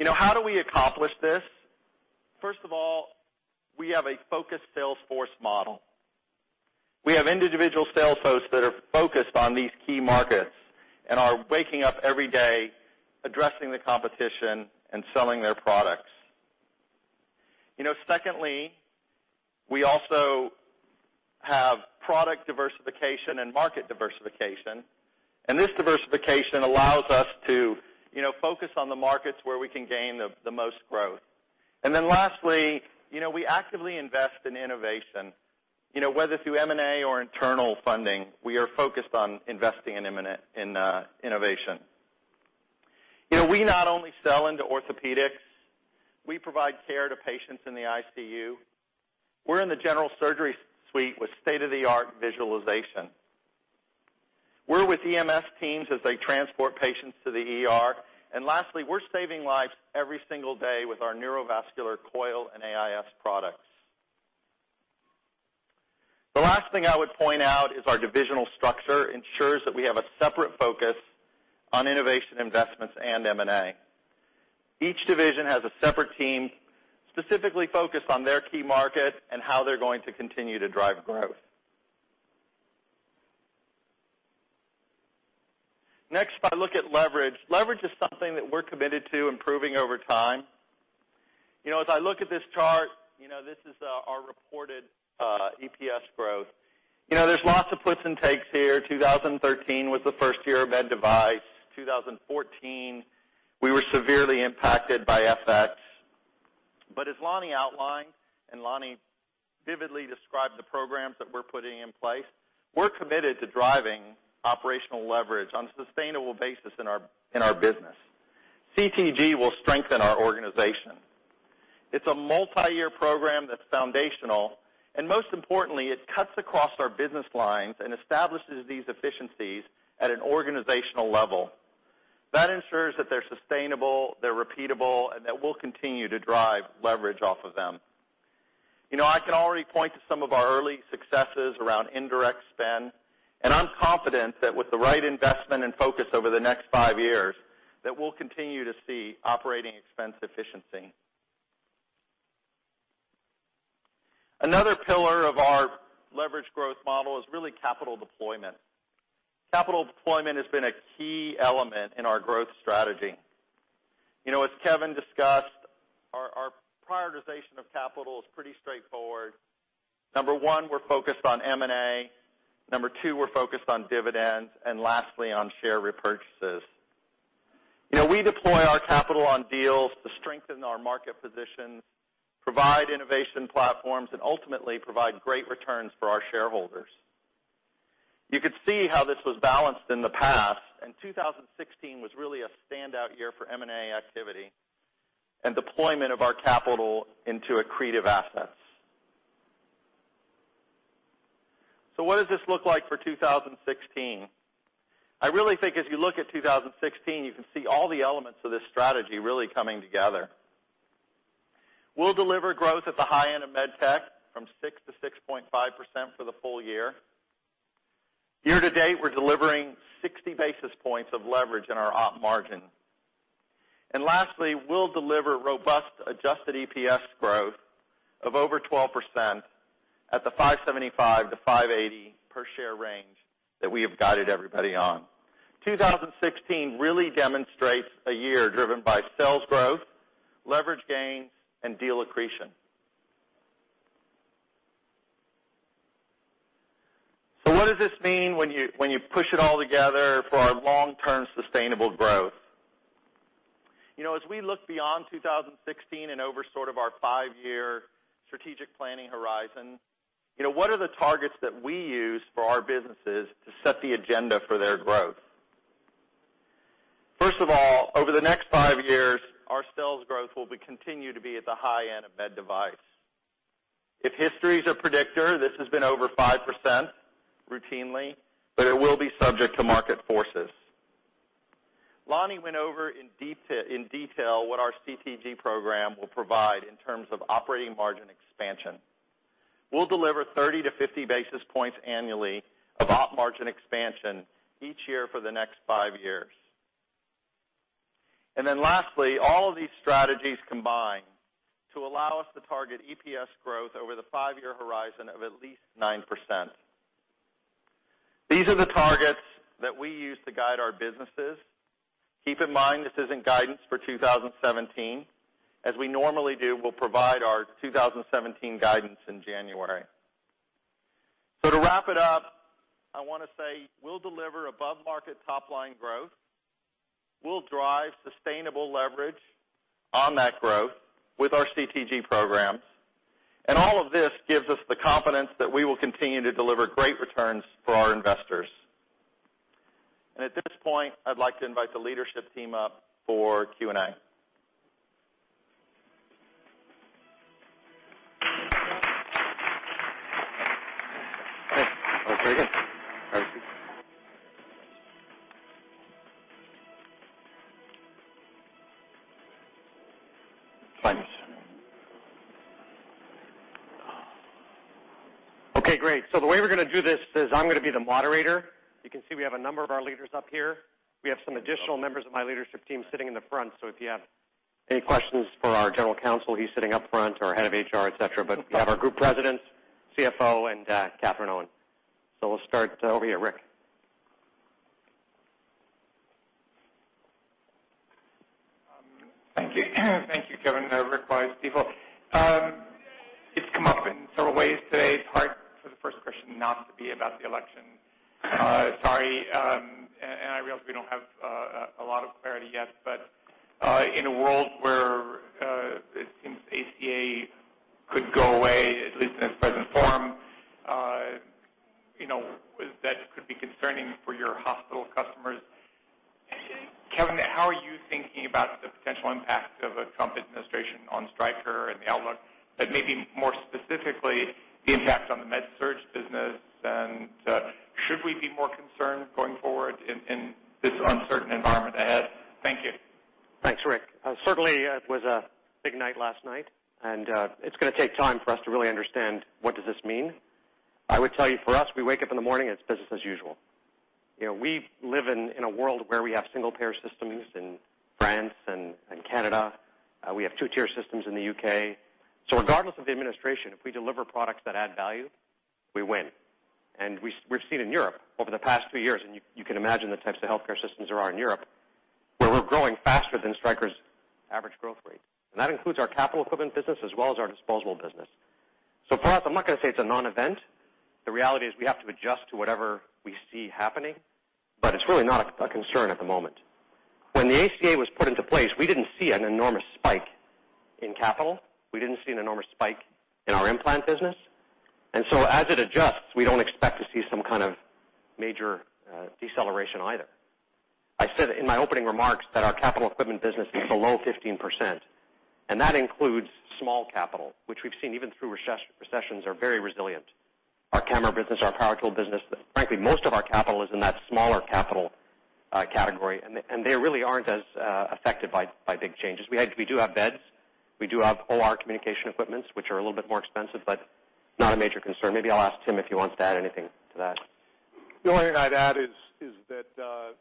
How do we accomplish this? First of all, we have a focused sales force model. We have individual sales folks that are focused on these key markets and are waking up every day addressing the competition and selling their products. Secondly, we also have product diversification and market diversification, and this diversification allows us to focus on the markets where we can gain the most growth. Lastly, we actively invest in innovation. Whether through M&A or internal funding, we are focused on investing in innovation. We not only sell into orthopaedics, we provide care to patients in the ICU. We're in the general surgery suite with state-of-the-art visualization. We're with EMS teams as they transport patients to the ER. Lastly, we're saving lives every single day with our Neurovascular Coil and AIS products. The last thing I would point out is our divisional structure ensures that we have a separate focus on innovation investments and M&A. Each division has a separate team specifically focused on their key market and how they're going to continue to drive growth. Next, if I look at leverage. Leverage is something that we're committed to improving over time. As I look at this chart, this is our reported EPS growth. There's lots of puts and takes here. 2013 was the first year of Med Device. 2014, we were severely impacted by FX. As Lonny outlined, Lonny vividly described the programs that we're putting in place, we're committed to driving operational leverage on a sustainable basis in our business. CTG will strengthen our organization. It's a multi-year program that's foundational, most importantly, it cuts across our business lines and establishes these efficiencies at an organizational level. That ensures that they're sustainable, they're repeatable, and that we'll continue to drive leverage off of them. I can already point to some of our early successes around indirect spend, I'm confident that with the right investment and focus over the next five years, that we'll continue to see operating expense efficiency. Another pillar of our leverage growth model is really capital deployment. Capital deployment has been a key element in our growth strategy. As Kevin discussed, our prioritization of capital is pretty straightforward. Number one, we're focused on M&A, number two, we're focused on dividends, and lastly, on share repurchases. We deploy our capital on deals to strengthen our market position, provide innovation platforms, and ultimately provide great returns for our shareholders. You could see how this was balanced in the past, and 2016 was really a standout year for M&A activity and deployment of our capital into accretive assets. What does this look like for 2016? I really think if you look at 2016, you can see all the elements of this strategy really coming together. We'll deliver growth at the high end of med tech from 6%-6.5% for the full year. Year to date, we're delivering 60 basis points of leverage in our op margin. Lastly, we'll deliver robust adjusted EPS growth of over 12% at the $5.75-$5.80 per share range that we have guided everybody on. 2016 really demonstrates a year driven by sales growth, leverage gains, and deal accretion. What does this mean when you push it all together for our long-term sustainable growth? As we look beyond 2016 and over sort of our five-year strategic planning horizon, what are the targets that we use for our businesses to set the agenda for their growth? First of all, over the next five years, our sales growth will continue to be at the high end of Med Device. If history is a predictor, this has been over 5% routinely, but it will be subject to market forces. Lonny went over in detail what our CTG program will provide in terms of operating margin expansion. We'll deliver 30-50 basis points annually of op margin expansion each year for the next five years. Lastly, all of these strategies combine to allow us to target EPS growth over the five-year horizon of at least 9%. These are the targets that we use to guide our businesses. Keep in mind, this isn't guidance for 2017. As we normally do, we'll provide our 2017 guidance in January. To wrap it up, I want to say we'll deliver above-market top-line growth. We'll drive sustainable leverage on that growth with our CTG programs. All of this gives us the confidence that we will continue to deliver great returns for our investors. At this point, I'd like to invite the leadership team up for Q&A. Okay. That was very good. Thanks. Thanks. Okay, great. The way we're going to do this is I'm going to be the moderator. You can see we have a number of our leaders up here. We have some additional members of my leadership team sitting in the front, so if you have Any questions for our General Counsel, he's sitting up front, or head of HR, et cetera. We have our Group Presidents, CFO, and Katherine Owen. We'll start over here, Rick. Thank you. Thank you, Kevin. Rick Wise, Stifel. It's come up in several ways today, it's hard for the first question not to be about the election. Sorry, I realize we don't have a lot of clarity yet, in a world where it seems ACA could go away, at least in its present form, that could be concerning for your hospital customers. Kevin, how are you thinking about the potential impact of a Trump administration on Stryker and the outlook? Maybe more specifically, the impact on the med surg business, and should we be more concerned going forward in this uncertain environment ahead? Thank you. Thanks, Rick. Certainly, it was a big night last night, it's going to take time for us to really understand what does this mean. I would tell you for us, we wake up in the morning, it's business as usual. We live in a world where we have single-payer systems in France and Canada. We have two-tier systems in the U.K. Regardless of the administration, if we deliver products that add value, we win. We've seen in Europe over the past few years, and you can imagine the types of healthcare systems there are in Europe, where we're growing faster than Stryker's average growth rate. That includes our capital equipment business as well as our disposable business. For us, I'm not going to say it's a non-event. The reality is we have to adjust to whatever we see happening, it's really not a concern at the moment. When the ACA was put into place, we didn't see an enormous spike in capital. We didn't see an enormous spike in our implant business. As it adjusts, we don't expect to see some kind of major deceleration either. I said in my opening remarks that our capital equipment business is below 15%, that includes small capital, which we've seen even through recessions are very resilient. Our camera business, our power tool business, frankly, most of our capital is in that smaller capital category, and they really aren't as affected by big changes. We do have beds. We do have OR communication equipments, which are a little bit more expensive, not a major concern. Maybe I'll ask Tim if he wants to add anything to that. The only thing I'd add is that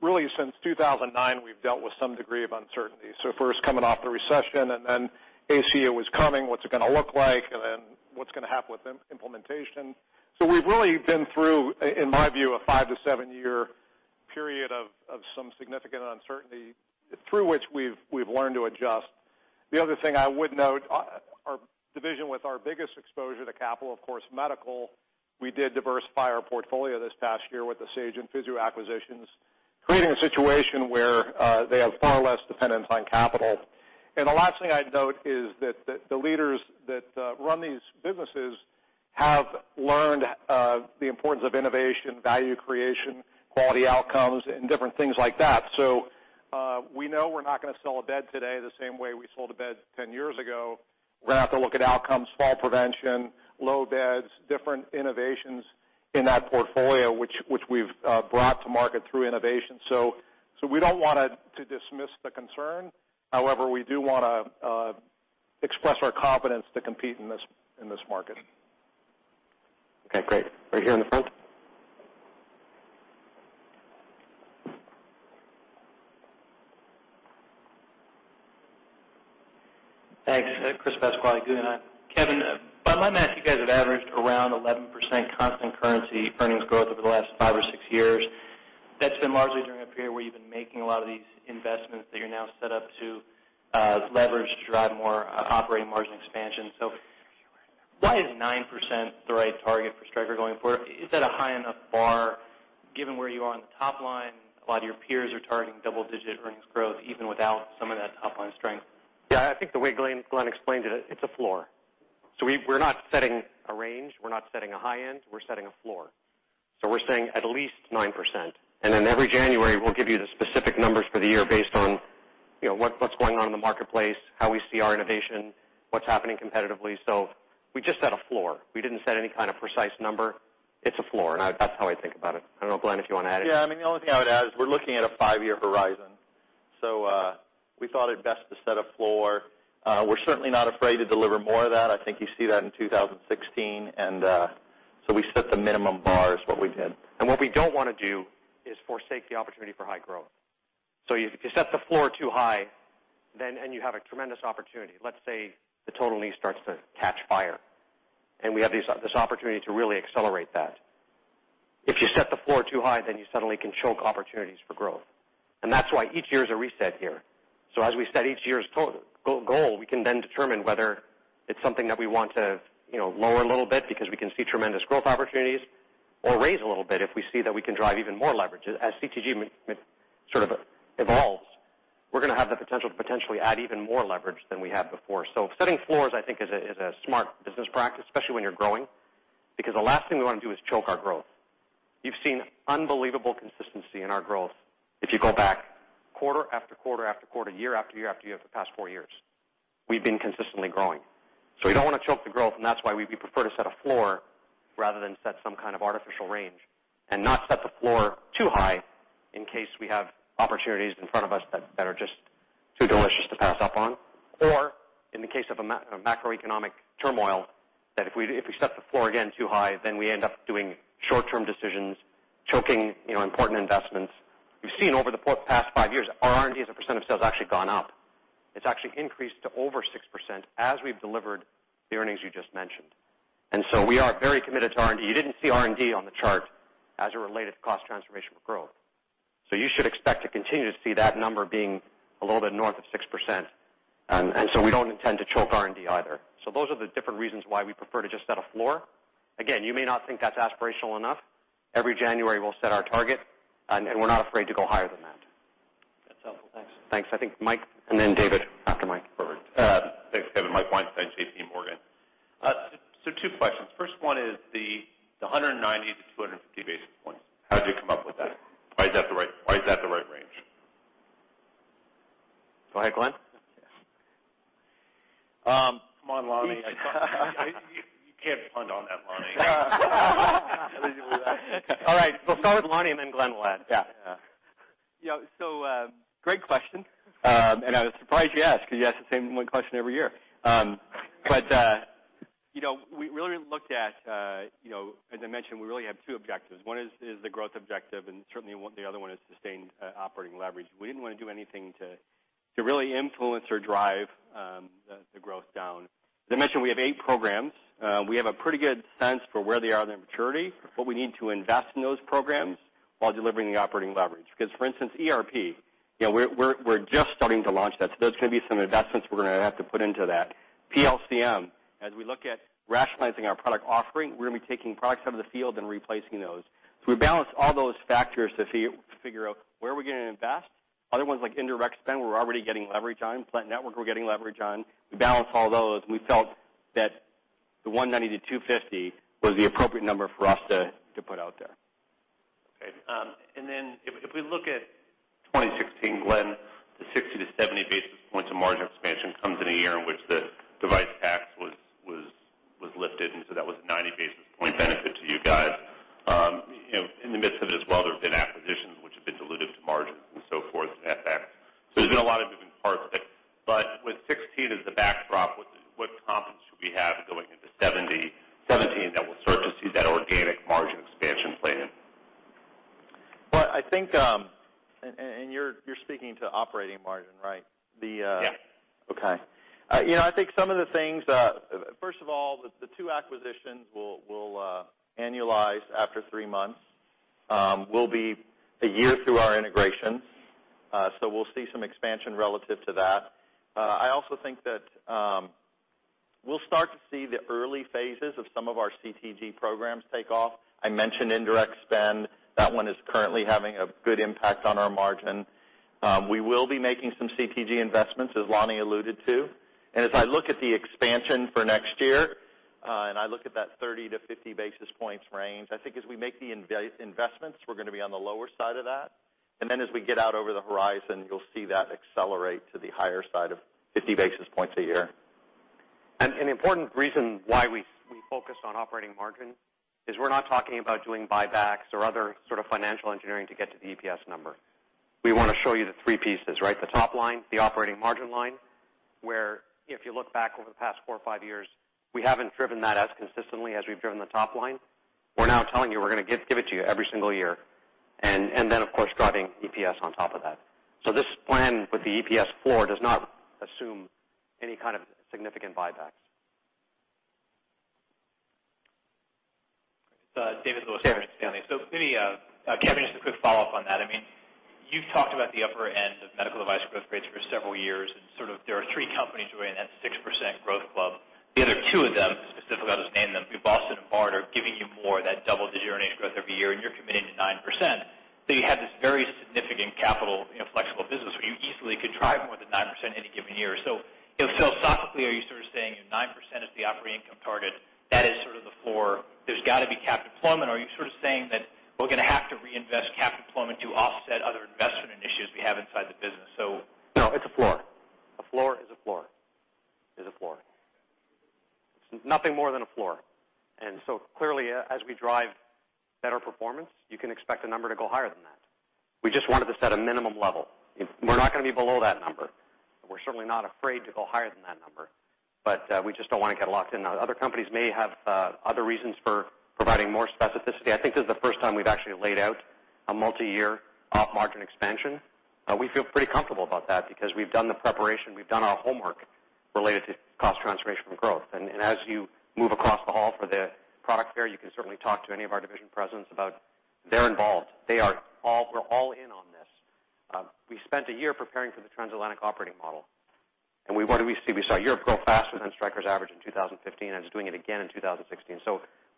really since 2009, we've dealt with some degree of uncertainty. First coming off the recession and then ACA was coming, what's it going to look like, and then what's going to happen with implementation. We've really been through, in my view, a 5 to 7-year period of some significant uncertainty through which we've learned to adjust. The other thing I would note, our division with our biggest exposure to capital, of course, medical, we did diversify our portfolio this past year with the Sage and Physio acquisitions, creating a situation where they have far less dependence on capital. The last thing I'd note is that the leaders that run these businesses have learned the importance of innovation, value creation, quality outcomes, and different things like that. We know we're not going to sell a bed today the same way we sold a bed 10 years ago. We're going to have to look at outcomes, fall prevention, low beds, different innovations in that portfolio, which we've brought to market through innovation. We don't want to dismiss the concern. However, we do want to express our confidence to compete in this market. Okay, great. Right here in the front. Thanks. Chris Pasquale, Guggenheim. Kevin, by my math, you guys have averaged around 11% constant currency earnings growth over the last five or six years. That's been largely during a period where you've been making a lot of these investments that you're now set up to leverage to drive more operating margin expansion. Why is 9% the right target for Stryker going forward? Is that a high enough bar given where you are on the top line? A lot of your peers are targeting double-digit earnings growth even without some of that top-line strength. Yeah, I think the way Glenn explained it's a floor. We're not setting a range, we're not setting a high end, we're setting a floor. We're saying at least 9%. Then every January, we'll give you the specific numbers for the year based on what's going on in the marketplace, how we see our innovation, what's happening competitively. We just set a floor. We didn't set any kind of precise number. It's a floor, and that's how I think about it. I don't know, Glenn, if you want to add anything. Yeah, the only thing I would add is we're looking at a five-year horizon. We thought it best to set a floor. We're certainly not afraid to deliver more of that. I think you see that in 2016. We set the minimum bar is what we did. What we don't want to do is forsake the opportunity for high growth. If you set the floor too high, and you have a tremendous opportunity, let's say the total knee starts to catch fire, and we have this opportunity to really accelerate that. If you set the floor too high, then you suddenly can choke opportunities for growth. That's why each year is a reset here. As we set each year's goal, we can then determine whether it's something that we want to lower a little bit because we can see tremendous growth opportunities or raise a little bit if we see that we can drive even more leverage. As CTG sort of evolves, we're going to have the potential to potentially add even more leverage than we have before. Setting floors, I think, is a smart business practice, especially when you're growing, because the last thing we want to do is choke our growth. You've seen unbelievable consistency in our growth if you go back quarter after quarter after quarter, year after year after year for the past 4 years. We've been consistently growing. We don't want to choke the growth, and that's why we prefer to set a floor rather than set some kind of artificial range and not set the floor too high in case we have opportunities in front of us that are just too delicious to pass up on. Or in the case of a macroeconomic turmoil, that if we set the floor again too high, then we end up doing short-term decisions Choking important investments. You've seen over the past 5 years, our R&D as a % of sales actually gone up. It's actually increased to over 6% as we've delivered the earnings you just mentioned. We are very committed to R&D. You didn't see R&D on the chart as it related to Cost Transformation for Growth. You should expect to continue to see that number being a little bit north of 6%. We don't intend to choke R&D either. Those are the different reasons why we prefer to just set a floor. Again, you may not think that's aspirational enough. Every January, we'll set our target, and we're not afraid to go higher than that. That's helpful. Thanks. Thanks. I think Mike, and then David after Mike. Perfect. Thanks, Kevin. Mike Weinstein, JPMorgan. Two questions. First one is the 190-250 basis points. How'd you come up with that? Why is that the right range? Go ahead, Glenn. Yes. Come on, Lonny. You can't punt on that, Lonny. All right, we'll start with Lonny and then Glenn last. Yeah. Great question. I was surprised you asked because you ask the same question every year. We really looked at, as I mentioned, we really have two objectives. One is the growth objective, and certainly the other one is sustained operating leverage. We didn't want to do anything to really influence or drive the growth down. As I mentioned, we have eight programs. We have a pretty good sense for where they are in their maturity, but we need to invest in those programs while delivering the operating leverage. For instance, ERP, we're just starting to launch that, so there's going to be some investments we're going to have to put into that. PLCM, as we look at rationalizing our product offering, we're going to be taking products out of the field and replacing those. We balanced all those factors to figure out where are we going to invest. Other ones like indirect spend, we're already getting leverage on. Plant network, we're getting leverage on. We balanced all those, and we felt that the 190 to 250 was the appropriate number for us to put out there. Okay. If we look at 2016, Glenn, the 60 to 70 basis points of margin expansion comes in a year in which the Device Tax was lifted. That was a 90 basis point benefit to you guys. In the midst of it as well, there have been acquisitions which have been dilutive to margins and so forth and that effect. There's been a lot of moving parts. With 2016 as the backdrop, what confidence should we have going into 2017 that we'll start to see that organic margin expansion play in? Well, I think, you're speaking to operating margin, right? Yeah. Okay. I think some of the things, first of all, the two acquisitions will annualize after three months. We'll be a year through our integration. We'll see some expansion relative to that. I also think that we'll start to see the early phases of some of our CTG programs take off. I mentioned indirect spend. That one is currently having a good impact on our margin. We will be making some CTG investments, as Lonny alluded to. As I look at the expansion for next year, and I look at that 30-50 basis points range, I think as we make the investments, we're going to be on the lower side of that. Then as we get out over the horizon, you'll see that accelerate to the higher side of 50 basis points a year. An important reason why we focused on operating margin is we're not talking about doing buybacks or other sort of financial engineering to get to the EPS number. We want to show you the three pieces, right? The top line, the operating margin line, where if you look back over the past four or five years, we haven't driven that as consistently as we've driven the top line. We're now telling you we're going to give it to you every single year. Then, of course, driving EPS on top of that. This plan with the EPS floor does not assume any kind of significant buybacks. David Lewis, Morgan Stanley. Maybe, Kevin, just a quick follow-up on that. You've talked about the upper end of medical device growth rates for several years, and sort of there are three companies who are in that 6% growth club. The other two of them, specifically I'll just name them, Boston and Bard, are giving you more of that double-digit earnings growth every year, and you're committing to 9%. You have this very significant capital flexible business where you easily could drive more than 9% any given year. Philosophically, are you sort of saying if 9% is the operating income target, that is sort of the floor. There's got to be cap deployment, or are you sort of saying that we're going to have to reinvest cap deployment to offset other investment initiatives we have inside the business? No, it's a floor. A floor is a floor, is a floor. It's nothing more than a floor. Clearly, as we drive better performance, you can expect the number to go higher than that. We just wanted to set a minimum level. We're not going to be below that number. We're certainly not afraid to go higher than that number, but we just don't want to get locked in. Now, other companies may have other reasons for providing more specificity. I think this is the first time we've actually laid out a multi-year op margin expansion. We feel pretty comfortable about that because we've done the preparation, we've done our homework related to cost transformation from growth. As you move across the hall for the product fair, you can certainly talk to any of our division presidents about they're involved. We're all in on this. We spent a year preparing for the transatlantic operating model. What did we see? We saw Europe grow faster than Stryker's average in 2015. It's doing it again in 2016.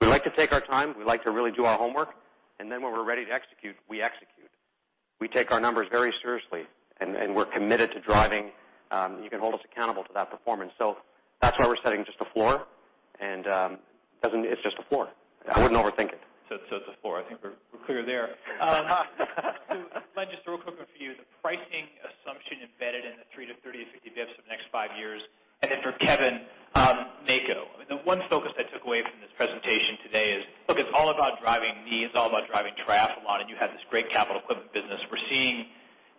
We like to take our time. We like to really do our homework. Then when we're ready to execute, we execute. We take our numbers very seriously, and we're committed to driving. You can hold us accountable to that performance. That's why we're setting just a floor. It's just a floor. I wouldn't overthink it. It's a floor. I think we're clear there. Glenn, just a real quick one for you, the pricing assumption embedded in the 30-50 basis points for the next five years. Then for Kevin, Mako. The one focus I took away from this presentation today is, look, it's all about driving needs, all about driving Triathlon, and you have this great capital equipment business. We're seeing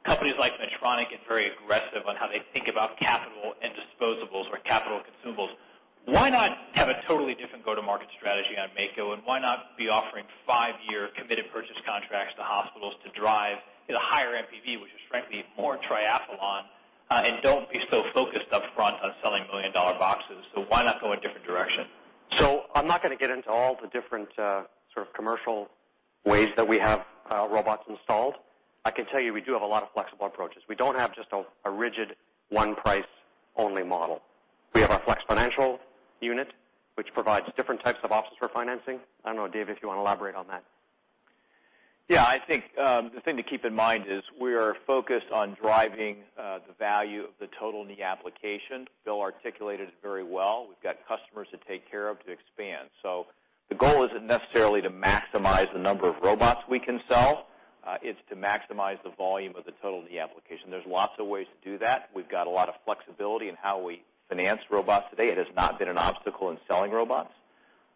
companies like Medtronic get very aggressive on how they think about capital and disposables or capital consumables. Why not have a totally different go-to-market strategy on Mako, and why not be offering five-year committed purchase contracts to hospitals to drive a higher MPV, which is frankly more Triathlon, and don't be so focused up front on selling $1 million boxes? Why not go a different direction? I'm not going to get into all the different sort of commercial ways that we have robots installed. I can tell you we do have a lot of flexible approaches. We don't have just a rigid one price only model. We have our flex financial unit, which provides different types of options for financing. I don't know, Dave, if you want to elaborate on that. I think the thing to keep in mind is we are focused on driving the value of the total knee application. Bill articulated it very well. We've got customers to take care of to expand. The goal isn't necessarily to maximize the number of robots we can sell. It's to maximize the volume of the total knee application. There's lots of ways to do that. We've got a lot of flexibility in how we finance robots today. It has not been an obstacle in selling robots.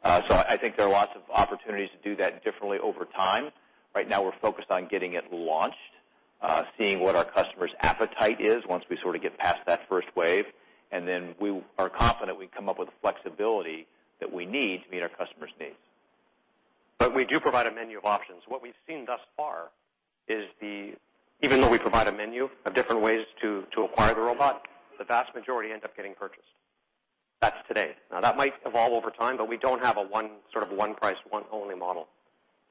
I think there are lots of opportunities to do that differently over time. Right now, we're focused on getting it launched, seeing what our customers' appetite is once we sort of get past that first wave. Then we are confident we can come up with the flexibility that we need to meet our customers' needs. We do provide a menu of options. What we've seen thus far is even though we provide a menu of different ways to acquire the robot, the vast majority end up getting purchased. That's today. That might evolve over time, but we don't have a sort of one price, one only model,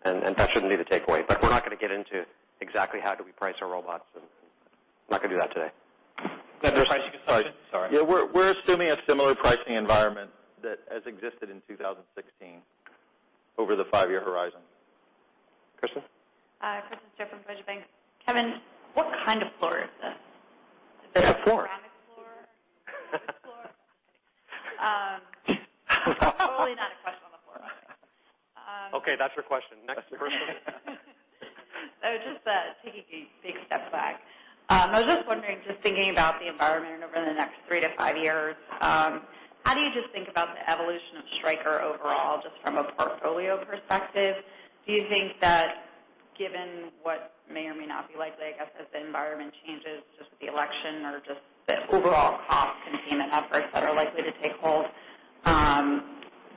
and that shouldn't be the takeaway. We're not going to get into exactly how do we price our robots. I'm not going to do that today. Is that the pricing assumption? Sorry. We're assuming a similar pricing environment that has existed in 2016 over the five-year horizon. Kristen? Kristen Stewart from Deutsche Bank. Kevin, what kind of floor is this? It's a floor. Is it a ceramic floor? A wood floor? Totally not a question on the floor. Okay, that's her question. Next person. I was just taking a big step back. I was just wondering, just thinking about the environment over the next three to five years, how do you just think about the evolution of Stryker overall, just from a portfolio perspective? Do you think that given what may or may not be likely, I guess, as the environment changes just with the election or just the overall cost containment efforts that are likely to take hold,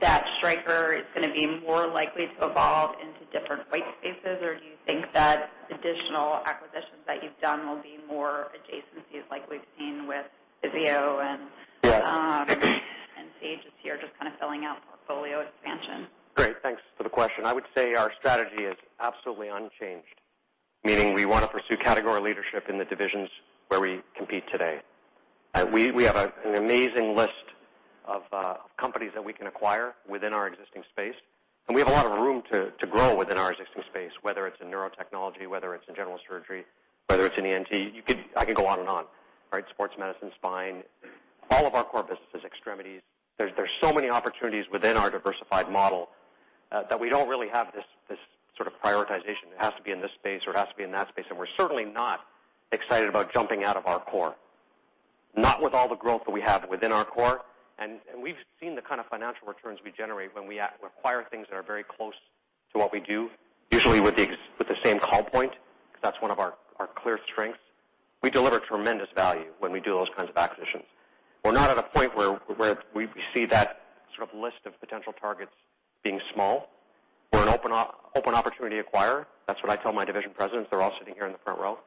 that Stryker is going to be more likely to evolve into different white spaces? Or do you think that additional acquisitions that you've done will be more adjacencies like we've seen with Physio and? Yes. Sage this year, just kind of filling out portfolio expansion? Great. Thanks for the question. I would say our strategy is absolutely unchanged, meaning we want to pursue category leadership in the divisions where we compete today. We have an amazing list of companies that we can acquire within our existing space, and we have a lot of room to grow within our existing space, whether it's in neurotechnology, whether it's in general surgery, whether it's in ENT. I can go on and on. Sports medicine, Spine, all of our core businesses, extremities. There's so many opportunities within our diversified model that we don't really have this sort of prioritization. It has to be in this space, or it has to be in that space, and we're certainly not excited about jumping out of our core. Not with all the growth that we have within our core, and we've seen the kind of financial returns we generate when we acquire things that are very close to what we do, usually with the same call point, because that's one of our clear strengths. We deliver tremendous value when we do those kinds of acquisitions. We're not at a point where we see that sort of list of potential targets being small. We're an open opportunity acquirer. That's what I tell my division presidents. They're all sitting here in the front row.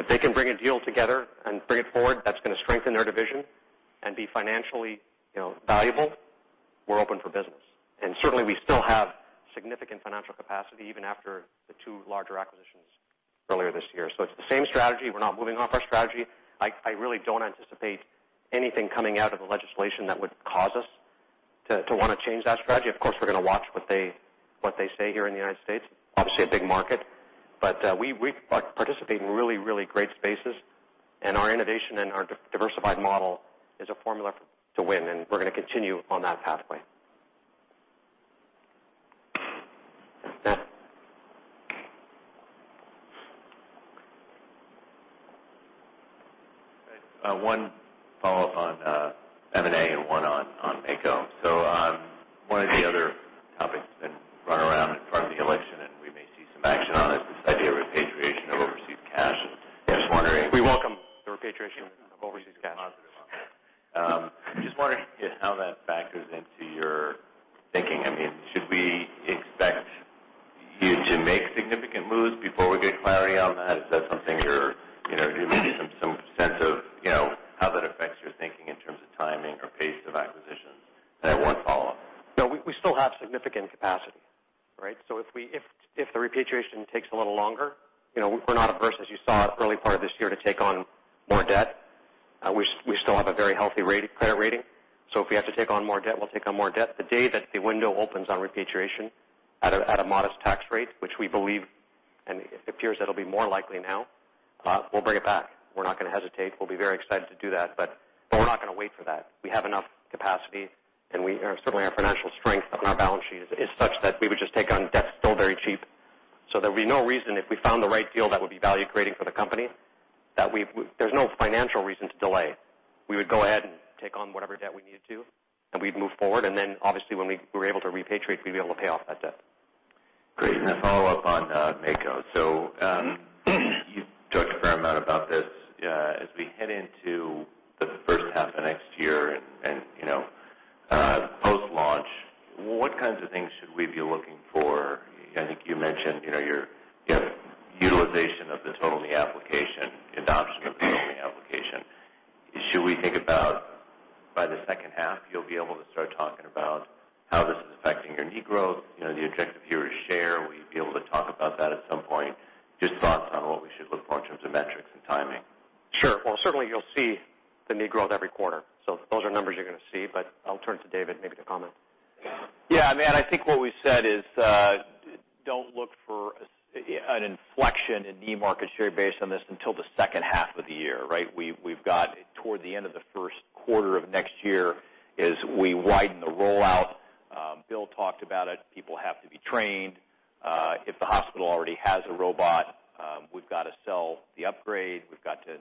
If they can bring a deal together and bring it forward, that's going to strengthen their division and be financially valuable, we're open for business. Certainly, we still have significant financial capacity even after the two larger acquisitions earlier this year. It's the same strategy. We're not moving off our strategy. I really don't anticipate anything coming out of the legislation that would cause us to want to change that strategy. Of course, we're going to watch what they say here in the U.S., obviously a big market. We participate in really great spaces, and our innovation and our diversified model is a formula to win, and we're going to continue on that pathway. Next. One follow-up on M&A and one on Mako. One of the other topics that's been run around in front of the election, and we may see some action on it, this idea of repatriation of overseas cash. I'm just wondering. We welcome the repatriation of overseas cash. We're positive on that. Just wondering how that factors into your thinking. Should we expect you to make significant moves before we get clarity on that? Maybe some sense of how that affects your thinking in terms of timing or pace of acquisitions? I have one follow-up. No, we still have significant capacity. If the repatriation takes a little longer, we're not averse, as you saw early part of this year, to take on more debt. We still have a very healthy credit rating. If we have to take on more debt, we'll take on more debt. The day that the window opens on repatriation at a modest tax rate, which we believe, and it appears that'll be more likely now, we'll bring it back. We're not going to hesitate. We'll be very excited to do that, we're not going to wait for that. We have enough capacity, certainly our financial strength on our balance sheet is such that we would just take on debt. It's still very cheap. There'll be no reason if we found the right deal that would be value-creating for the company, there's no financial reason to delay. We would go ahead and take on whatever debt we needed to. We'd move forward. Obviously when we were able to repatriate, we'd be able to pay off that debt. Great. A follow-up on Mako. You've talked a fair amount about this. As we head into the first half of next year and post-launch, what kinds of things should we be looking for? I think you mentioned your utilization of the total knee application, adoption of the total knee application. Should we think about, by the second half, you'll be able to start talking about how this is affecting your knee growth, the objective view of share? Will you be able to talk about that at some point? Just thoughts on what we should look for in terms of metrics and timing. Sure. Well, certainly, you'll see the knee growth every quarter. Those are numbers you're going to see. I'll turn to David, maybe to comment. Yeah, Matt, I think what we said is, don't look for an inflection in knee market share based on this until the second half of the year, right? We've got toward the end of the first quarter of next year as we widen the rollout. Bill talked about it. People have to be trained. If the hospital already has a robot, we've got to sell the upgrade, we've got to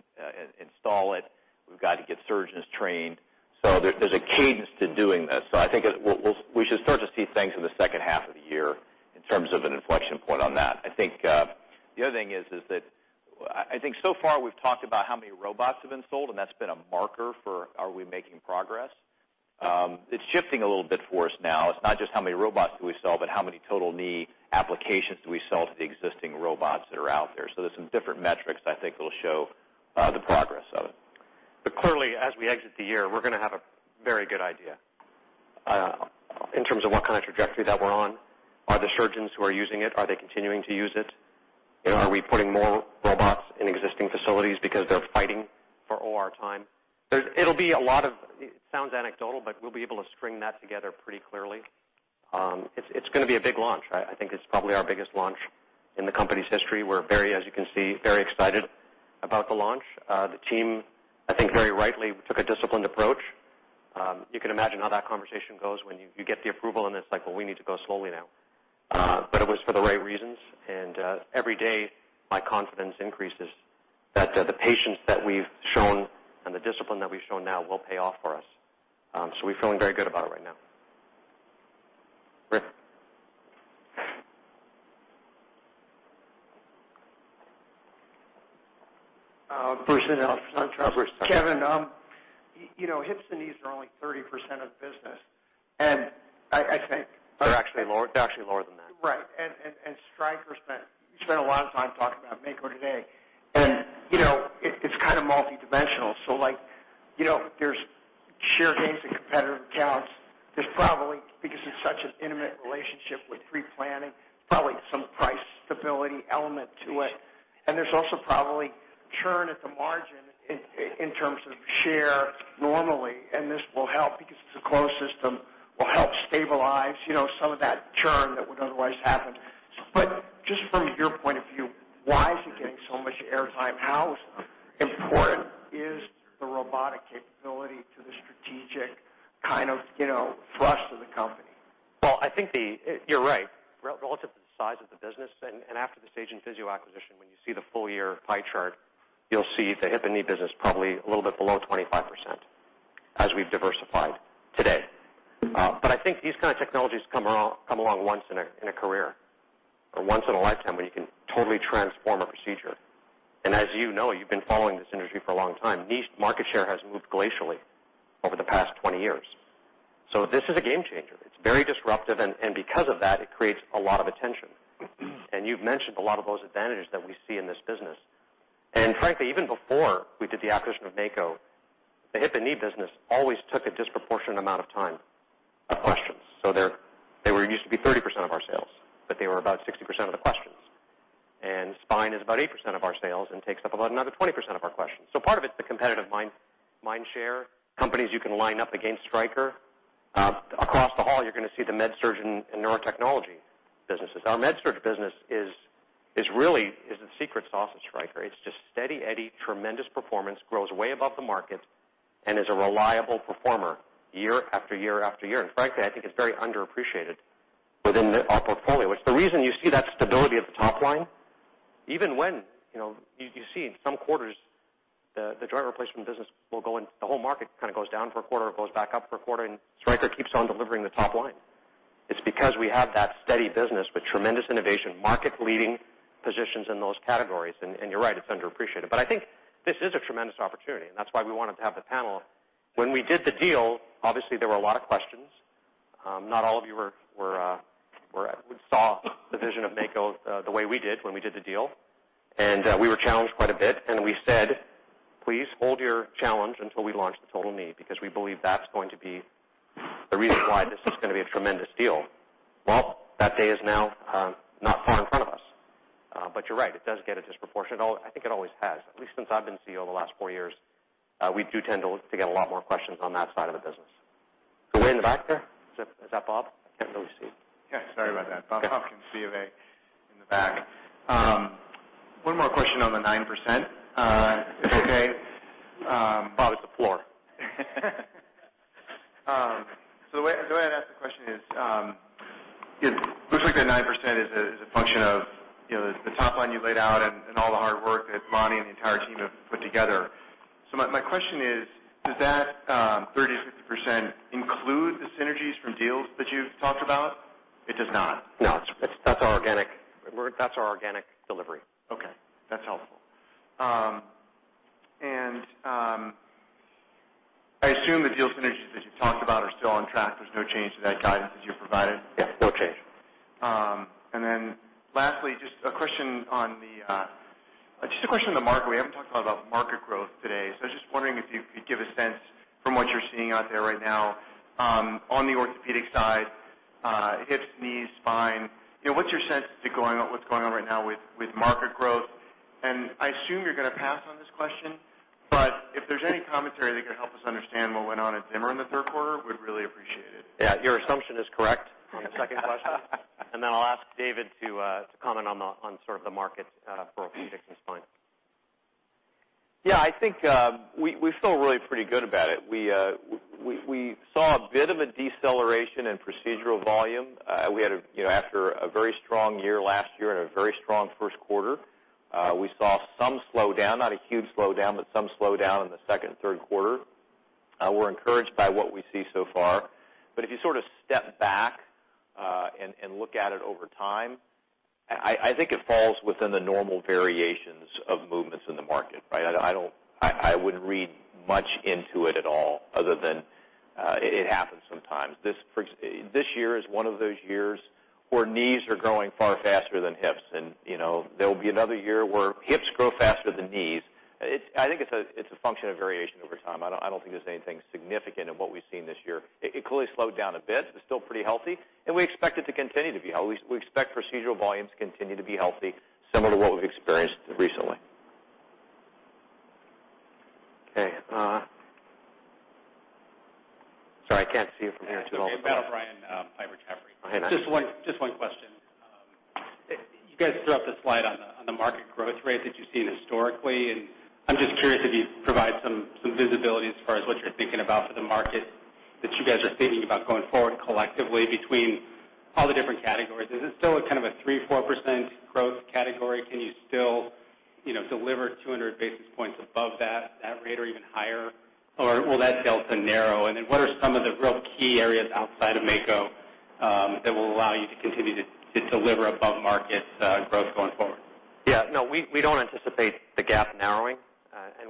install it, we've got to get surgeons trained. There's a cadence to doing this. I think we should start to see things in the second half of the year in terms of an inflection point on that. I think the other thing is that I think so far we've talked about how many robots have been sold. That's been a marker for, are we making progress? It's shifting a little bit for us now. It's not just how many robots do we sell, but how many total knee applications do we sell to the existing robots that are out there. There's some different metrics I think that'll show the progress of it. Clearly, as we exit the year, we're going to have a very good idea in terms of what kind of trajectory that we're on. Are the surgeons who are using it, are they continuing to use it? Are we putting more robots in existing facilities because they're fighting for OR time? It sounds anecdotal, but we'll be able to string that together pretty clearly. It's going to be a big launch. I think it's probably our biggest launch in the company's history. We're, as you can see, very excited about the launch. The team, I think very rightly, took a disciplined approach. You can imagine how that conversation goes when you get the approval, and it's like, well, we need to go slowly now. It was for the right reasons, and every day my confidence increases that the patience that we've shown and the discipline that we've shown now will pay off for us. We're feeling very good about it right now. Rick. Bruce Nudell of SunTrust. Kevin, hips and knees are only 30% of the business. They're actually lower than that. Right. Stryker spent a lot of time talking about Mako today, and it's kind of multidimensional. There's share gains and competitive accounts. There's probably, because it's such an intimate relationship with pre-planning, probably some price stability element to it, and there's also probably churn at the margin in terms of share normally, and this will help because it's a closed system, will help stabilize some of that churn that would otherwise happen. Just from your point of view, why is it getting so much air time? How important is the robotic capability to the strategic kind of thrust of the company? Well, I think you're right. Relative to the size of the business, and after the Sage and Physio acquisition, when you see the full year pie chart, you'll see the hip and knee business probably a little bit below 25% as we've diversified today. I think these kind of technologies come along once in a career or once in a lifetime where you can totally transform a procedure. As you know, you've been following this industry for a long time. Knee market share has moved glacially over the past 20 years. This is a game changer. It's very disruptive, and because of that, it creates a lot of attention, and you've mentioned a lot of those advantages that we see in this business. Frankly, even before we did the acquisition of Mako, the hip and knee business always took a disproportionate amount of time of questions. They used to be 30% of our sales, but they were about 60% of the questions. Spine is about 8% of our sales and takes up about another 20% of our questions. Part of it's the competitive mind share, companies you can line up against Stryker. Across the hall, you're going to see the med surg and Neurovascular businesses. Our med surg business is really the secret sauce of Stryker. It's just steady Eddie, tremendous performance, grows way above the market, and is a reliable performer year after year after year. Frankly, I think it's very underappreciated within our portfolio. It's the reason you see that stability at the top line, even when you see in some quarters the joint replacement business will go, and the whole market kind of goes down for a quarter, it goes back up for a quarter, and Stryker keeps on delivering the top line. It's because we have that steady business with tremendous innovation, market-leading positions in those categories. You're right, it's underappreciated. I think this is a tremendous opportunity, and that's why we wanted to have the panel. When we did the deal, obviously there were a lot of questions. Not all of you saw the vision of Mako the way we did when we did the deal, and we were challenged quite a bit. We said, "Please hold your challenge until we launch the total knee because we believe that's going to be the reason why this is going to be a tremendous deal." Well, that day is now not far in front of us. You're right, it does get a disproportionate. I think it always has. At least since I've been CEO the last four years, we do tend to get a lot more questions on that side of the business. Way in the back there. Is that Bob? I can't really see. Yeah, sorry about that. Bob Hopkins, BofA in the back. One more question on the 9%, if I may. Bob, it's a floor. The way I'd ask the question is, it looks like that 9% is a function of the top line you laid out and all the hard work that Lonny and the entire team have put together. My question is, does that 30%-50% include the synergies from deals that you've talked about? It does not. No, that's our organic delivery. Okay, that's helpful. I assume the deal synergies that you've talked about are still on track. There's no change to that guidance that you've provided. Yes, no change. Lastly, just a question on the market. We haven't talked about market growth today, so I was just wondering if you could give a sense from what you're seeing out there right now on the orthopedic side, hips, knees, spine. What's your sense to what's going on right now with market growth? I assume you're going to pass on this question, but if there's any commentary that could help us understand what went on at Zimmer in the third quarter, we'd really appreciate it. Your assumption is correct on the second question, I'll ask David to comment on the market for orthopedic and spine. I think we feel really pretty good about it. We saw a bit of a deceleration in procedural volume. After a very strong year last year and a very strong first quarter, we saw some slowdown, not a huge slowdown, but some slowdown in the second and third quarter. We're encouraged by what we see so far, but if you sort of step back and look at it over time, I think it falls within the normal variations of movements in the market, right? I wouldn't read much into it at all other than it happens sometimes. This year is one of those years where knees are growing far faster than hips, and there'll be another year where hips grow faster than knees. I think it's a function of variation over time. I don't think there's anything significant in what we've seen this year. It clearly slowed down a bit. It's still pretty healthy, and we expect it to continue to be healthy. We expect procedural volumes to continue to be healthy, similar to what we've experienced recently. Okay. Sorry, I can't see you from here too well. It's okay. Matt O'Brien, Piper Jaffray. Oh, hey, Matt. Just one question. You guys threw up the slide on the market growth rates that you've seen historically. I'm just curious if you could provide some visibility as far as what you're thinking about for the market that you guys are thinking about going forward collectively between all the different categories. Is it still a kind of a 3%-4% growth category? Can you still deliver 200 basis points above that rate or even higher? Or will that delta narrow? What are some of the real key areas outside of Mako that will allow you to continue to deliver above-market growth going forward? Yeah, no, we don't anticipate the gap narrowing.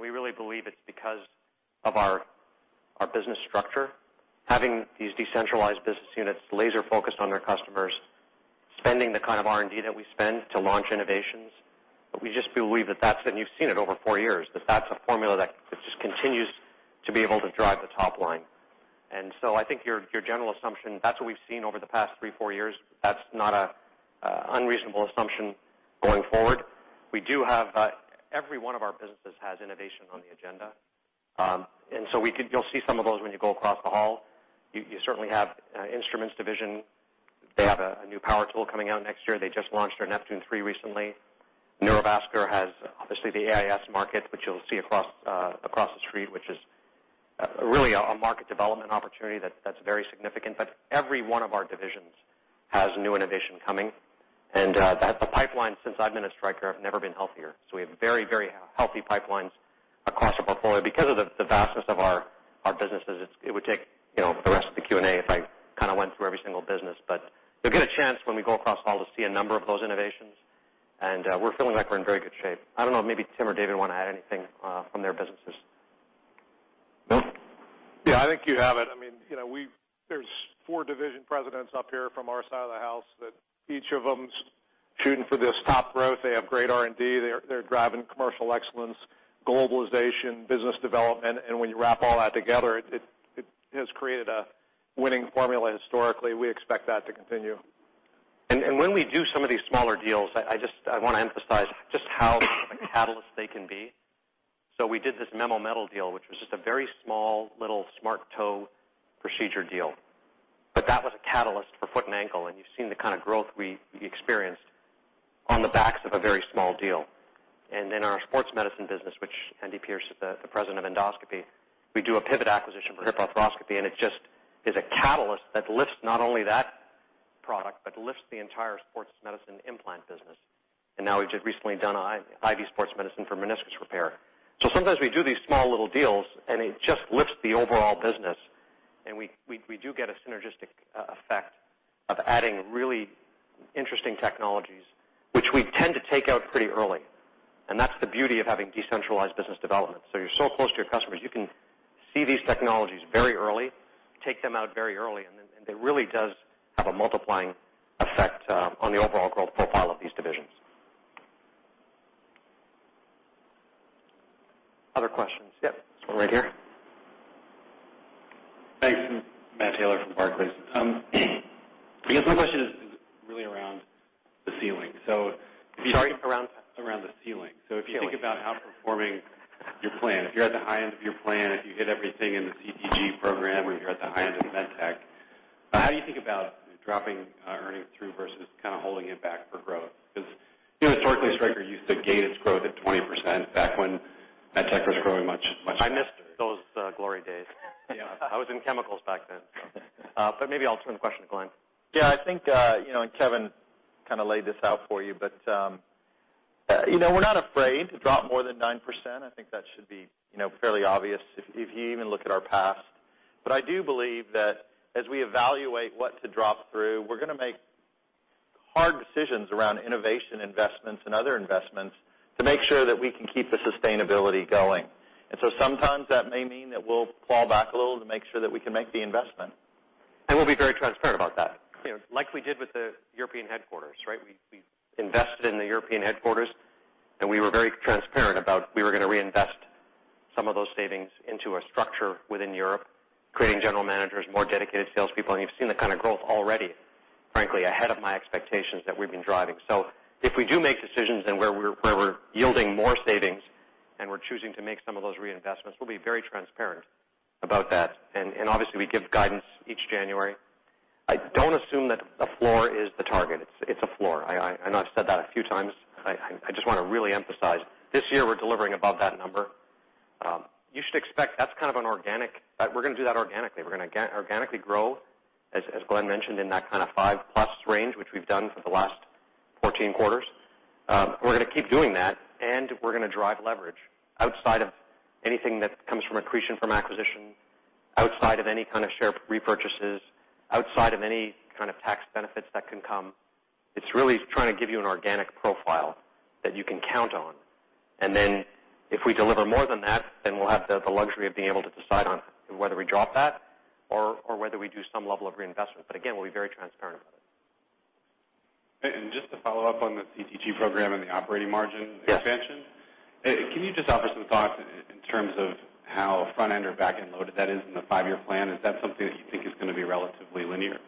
We really believe it's because of our business structure. Having these decentralized business units laser-focused on their customers, spending the kind of R&D that we spend to launch innovations. We just believe that that's, and you've seen it over four years, that that's a formula that just continues to be able to drive the top line. I think your general assumption, that's what we've seen over the past three, four years. That's not an unreasonable assumption going forward. Every one of our businesses has innovation on the agenda. You'll see some of those when you go across the hall. You certainly have Instruments Division. They have a new power tool coming out next year. They just launched their Neptune 3 recently. Neurovascular has, obviously, the AIS market, which you'll see across the street, which is really a market development opportunity that's very significant. Every one of our divisions has new innovation coming. The pipeline since I've been at Stryker have never been healthier. We have very healthy pipelines across our portfolio. Because of the vastness of our businesses, it would take the rest of the Q&A if I kind of went through every single business. You'll get a chance when we go across the hall to see a number of those innovations, and we're feeling like we're in very good shape. I don't know, maybe Tim or David want to add anything from their businesses. No. Yeah, I think you have it. There's four division presidents up here from our side of the house that each of them's shooting for this top growth. They have great R&D. They're driving commercial excellence, globalization, business development. When you wrap all that together, it has created a winning formula historically. We expect that to continue. When we do some of these smaller deals, I want to emphasize just how much of a catalyst they can be. We did this Memometal deal, which was just a very small little Smart Toe procedure deal. That was a catalyst for Foot and Ankle, and you've seen the kind of growth we experienced on the backs of a very small deal. In our Sports Medicine business, which Andy Pierce is the President of Endoscopy, we do a Pivot Medical acquisition for hip arthroscopy, and it just is a catalyst that lifts not only that product but lifts the entire Sports Medicine implant business. Now we've just recently done Ivy Sports Medicine for meniscus repair. Sometimes we do these small little deals, it just lifts the overall business, and we do get a synergistic effect of adding really interesting technologies, which we tend to take out pretty early. That's the beauty of having decentralized business development. You're so close to your customers, you can see these technologies very early, take them out very early, and it really does have a multiplying effect on the overall growth profile of these divisions. Other questions? Yep. This one right here. Thanks. Matt Taylor from Barclays. I guess my question is really around the ceiling. Sorry, around? Around the ceiling. Ceiling. If you think about outperforming your plan, if you're at the high end of your plan, if you hit everything in the CTG program or you're at the high end of med tech, how do you think about dropping earnings through versus kind of holding it back for growth? Because historically, Stryker used to guide its growth at 20% back when med tech was growing much faster. I missed those glory days. Yeah. I was in chemicals back then. Maybe I'll turn the question to Glenn. I think, Kevin kind of laid this out for you, we're not afraid to drop more than 9%. I think that should be fairly obvious if you even look at our past. I do believe that as we evaluate what to drop through, we're going to make hard decisions around innovation investments and other investments to make sure that we can keep the sustainability going. Sometimes that may mean that we'll fall back a little to make sure that we can make the investment. We'll be very transparent about that. Like we did with the European headquarters, right? We invested in the European headquarters, we were very transparent about we were going to reinvest some of those savings into a structure within Europe, creating general managers, more dedicated salespeople, you've seen the kind of growth already, frankly, ahead of my expectations that we've been driving. If we do make decisions and where we're yielding more savings and we're choosing to make some of those reinvestments, we'll be very transparent about that. Obviously, we give guidance each January. I don't assume that a floor is the target. It's a floor. I know I've said that a few times. I just want to really emphasize. This year, we're delivering above that number. You should expect that's kind of an organic. We're going to do that organically. We're going to organically grow, as Glenn mentioned, in that kind of five-plus range, which we've done for the last 14 quarters. We're going to keep doing that, we're going to drive leverage outside of anything that comes from accretion from acquisition, outside of any kind of share repurchases, outside of any kind of tax benefits that can come. It's really trying to give you an organic profile that you can count on. If we deliver more than that, then we'll have the luxury of being able to decide on whether we drop that or whether we do some level of reinvestment. Again, we'll be very transparent about it. Just to follow up on the CTG program and the operating margin expansion. Yes. Can you just offer some thoughts in terms of how front-end or back-end loaded that is in the five-year plan? Is that something that you think is going to be relatively linear?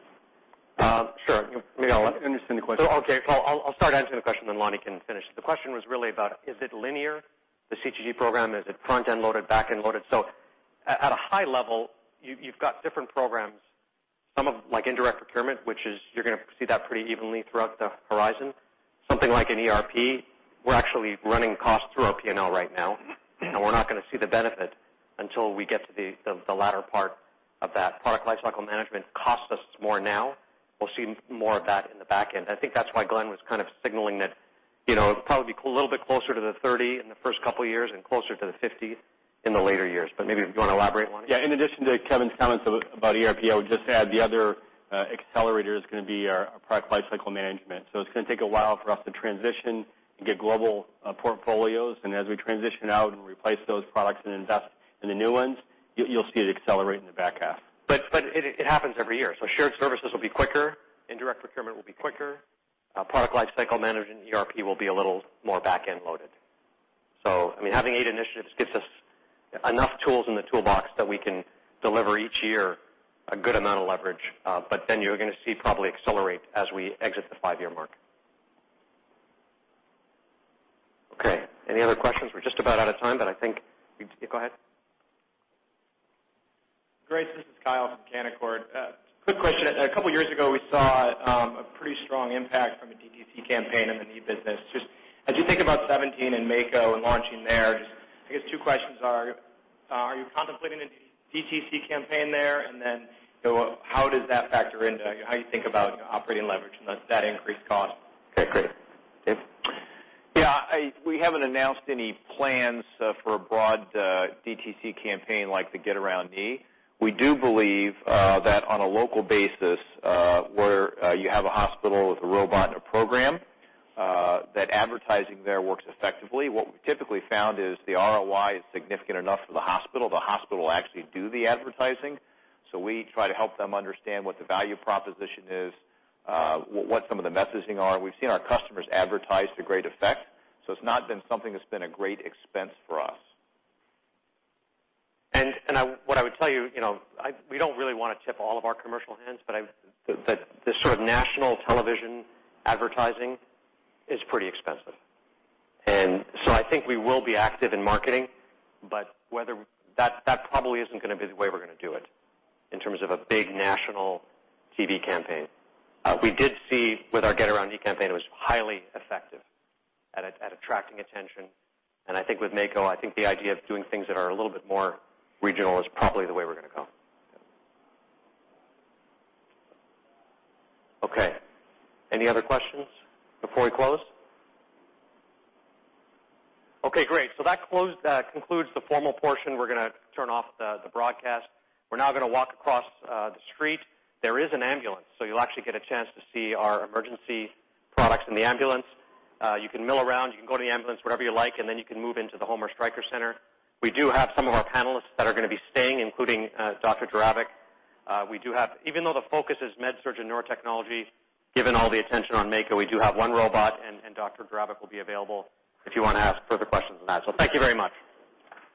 Sure. Maybe I'll let Lonny answer the question. Okay. I'll start answering the question, then Lonny can finish. The question was really about, is it linear, the CTG program? Is it front-end loaded, back-end loaded? At a high level, you've got different programs. Some of them, like indirect procurement, which is you're going to see that pretty evenly throughout the horizon. Something like an ERP, we're actually running costs through our P&L right now, and we're not going to see the benefit until we get to the latter part of that. Product lifecycle management costs us more now. We'll see more of that in the back end. I think that's why Glenn was kind of signaling that it'll probably be a little bit closer to the 30 in the first couple of years and closer to the 50 in the later years. Maybe if you want to elaborate, Lonny. Yeah. In addition to Kevin's comments about ERP, I would just add the other accelerator is going to be our product lifecycle management. It's going to take a while for us to transition and get global portfolios. As we transition out and replace those products and invest in the new ones, you'll see it accelerate in the back half. It happens every year. Shared services will be quicker. Indirect procurement will be quicker. Product lifecycle management and ERP will be a little more back-end loaded. Having eight initiatives gives us enough tools in the toolbox that we can deliver each year a good amount of leverage. You're going to see probably accelerate as we exit the five-year mark. Okay. Any other questions? We're just about out of time. Yeah, go ahead. Great. This is Kyle from Canaccord. Quick question. A couple of years ago, we saw a pretty strong impact from a DTC campaign in the knee business. Just as you think about 2017 and Mako and launching there, two questions are: Are you contemplating a DTC campaign there? How does that factor into how you think about operating leverage and that increased cost? Okay, great. Dave? Yeah. We haven't announced any plans for a broad DTC campaign like the GetAroundKnee. We do believe that on a local basis, where you have a hospital with a robot and a program, that advertising there works effectively. What we typically found is the ROI is significant enough for the hospital. The hospital will actually do the advertising. We try to help them understand what the value proposition is, what some of the messaging are. We've seen our customers advertise to great effect. It's not been something that's been a great expense for us. What I would tell you, we don't really want to tip all of our commercial hands, but the sort of national television advertising is pretty expensive. I think we will be active in marketing, but that probably isn't going to be the way we're going to do it in terms of a big national TV campaign. We did see with our GetAroundKnee campaign, it was highly effective at attracting attention. I think with Mako, I think the idea of doing things that are a little bit more regional is probably the way we're going to go. Okay. Any other questions before we close? Okay, great. That concludes the formal portion. We're going to turn off the broadcast. We're now going to walk across the street. There is an ambulance, so you'll actually get a chance to see our emergency products in the ambulance. You can mill around, you can go to the ambulance, whatever you like, and then you can move into the Homer Stryker Center. We do have some of our panelists that are going to be staying, including Dr. Jerabek. Even though the focus is med, surg, and neurotechnology, given all the attention on Mako, we do have one robot, and Dr. Jerabek will be available if you want to ask further questions on that. Thank you very much.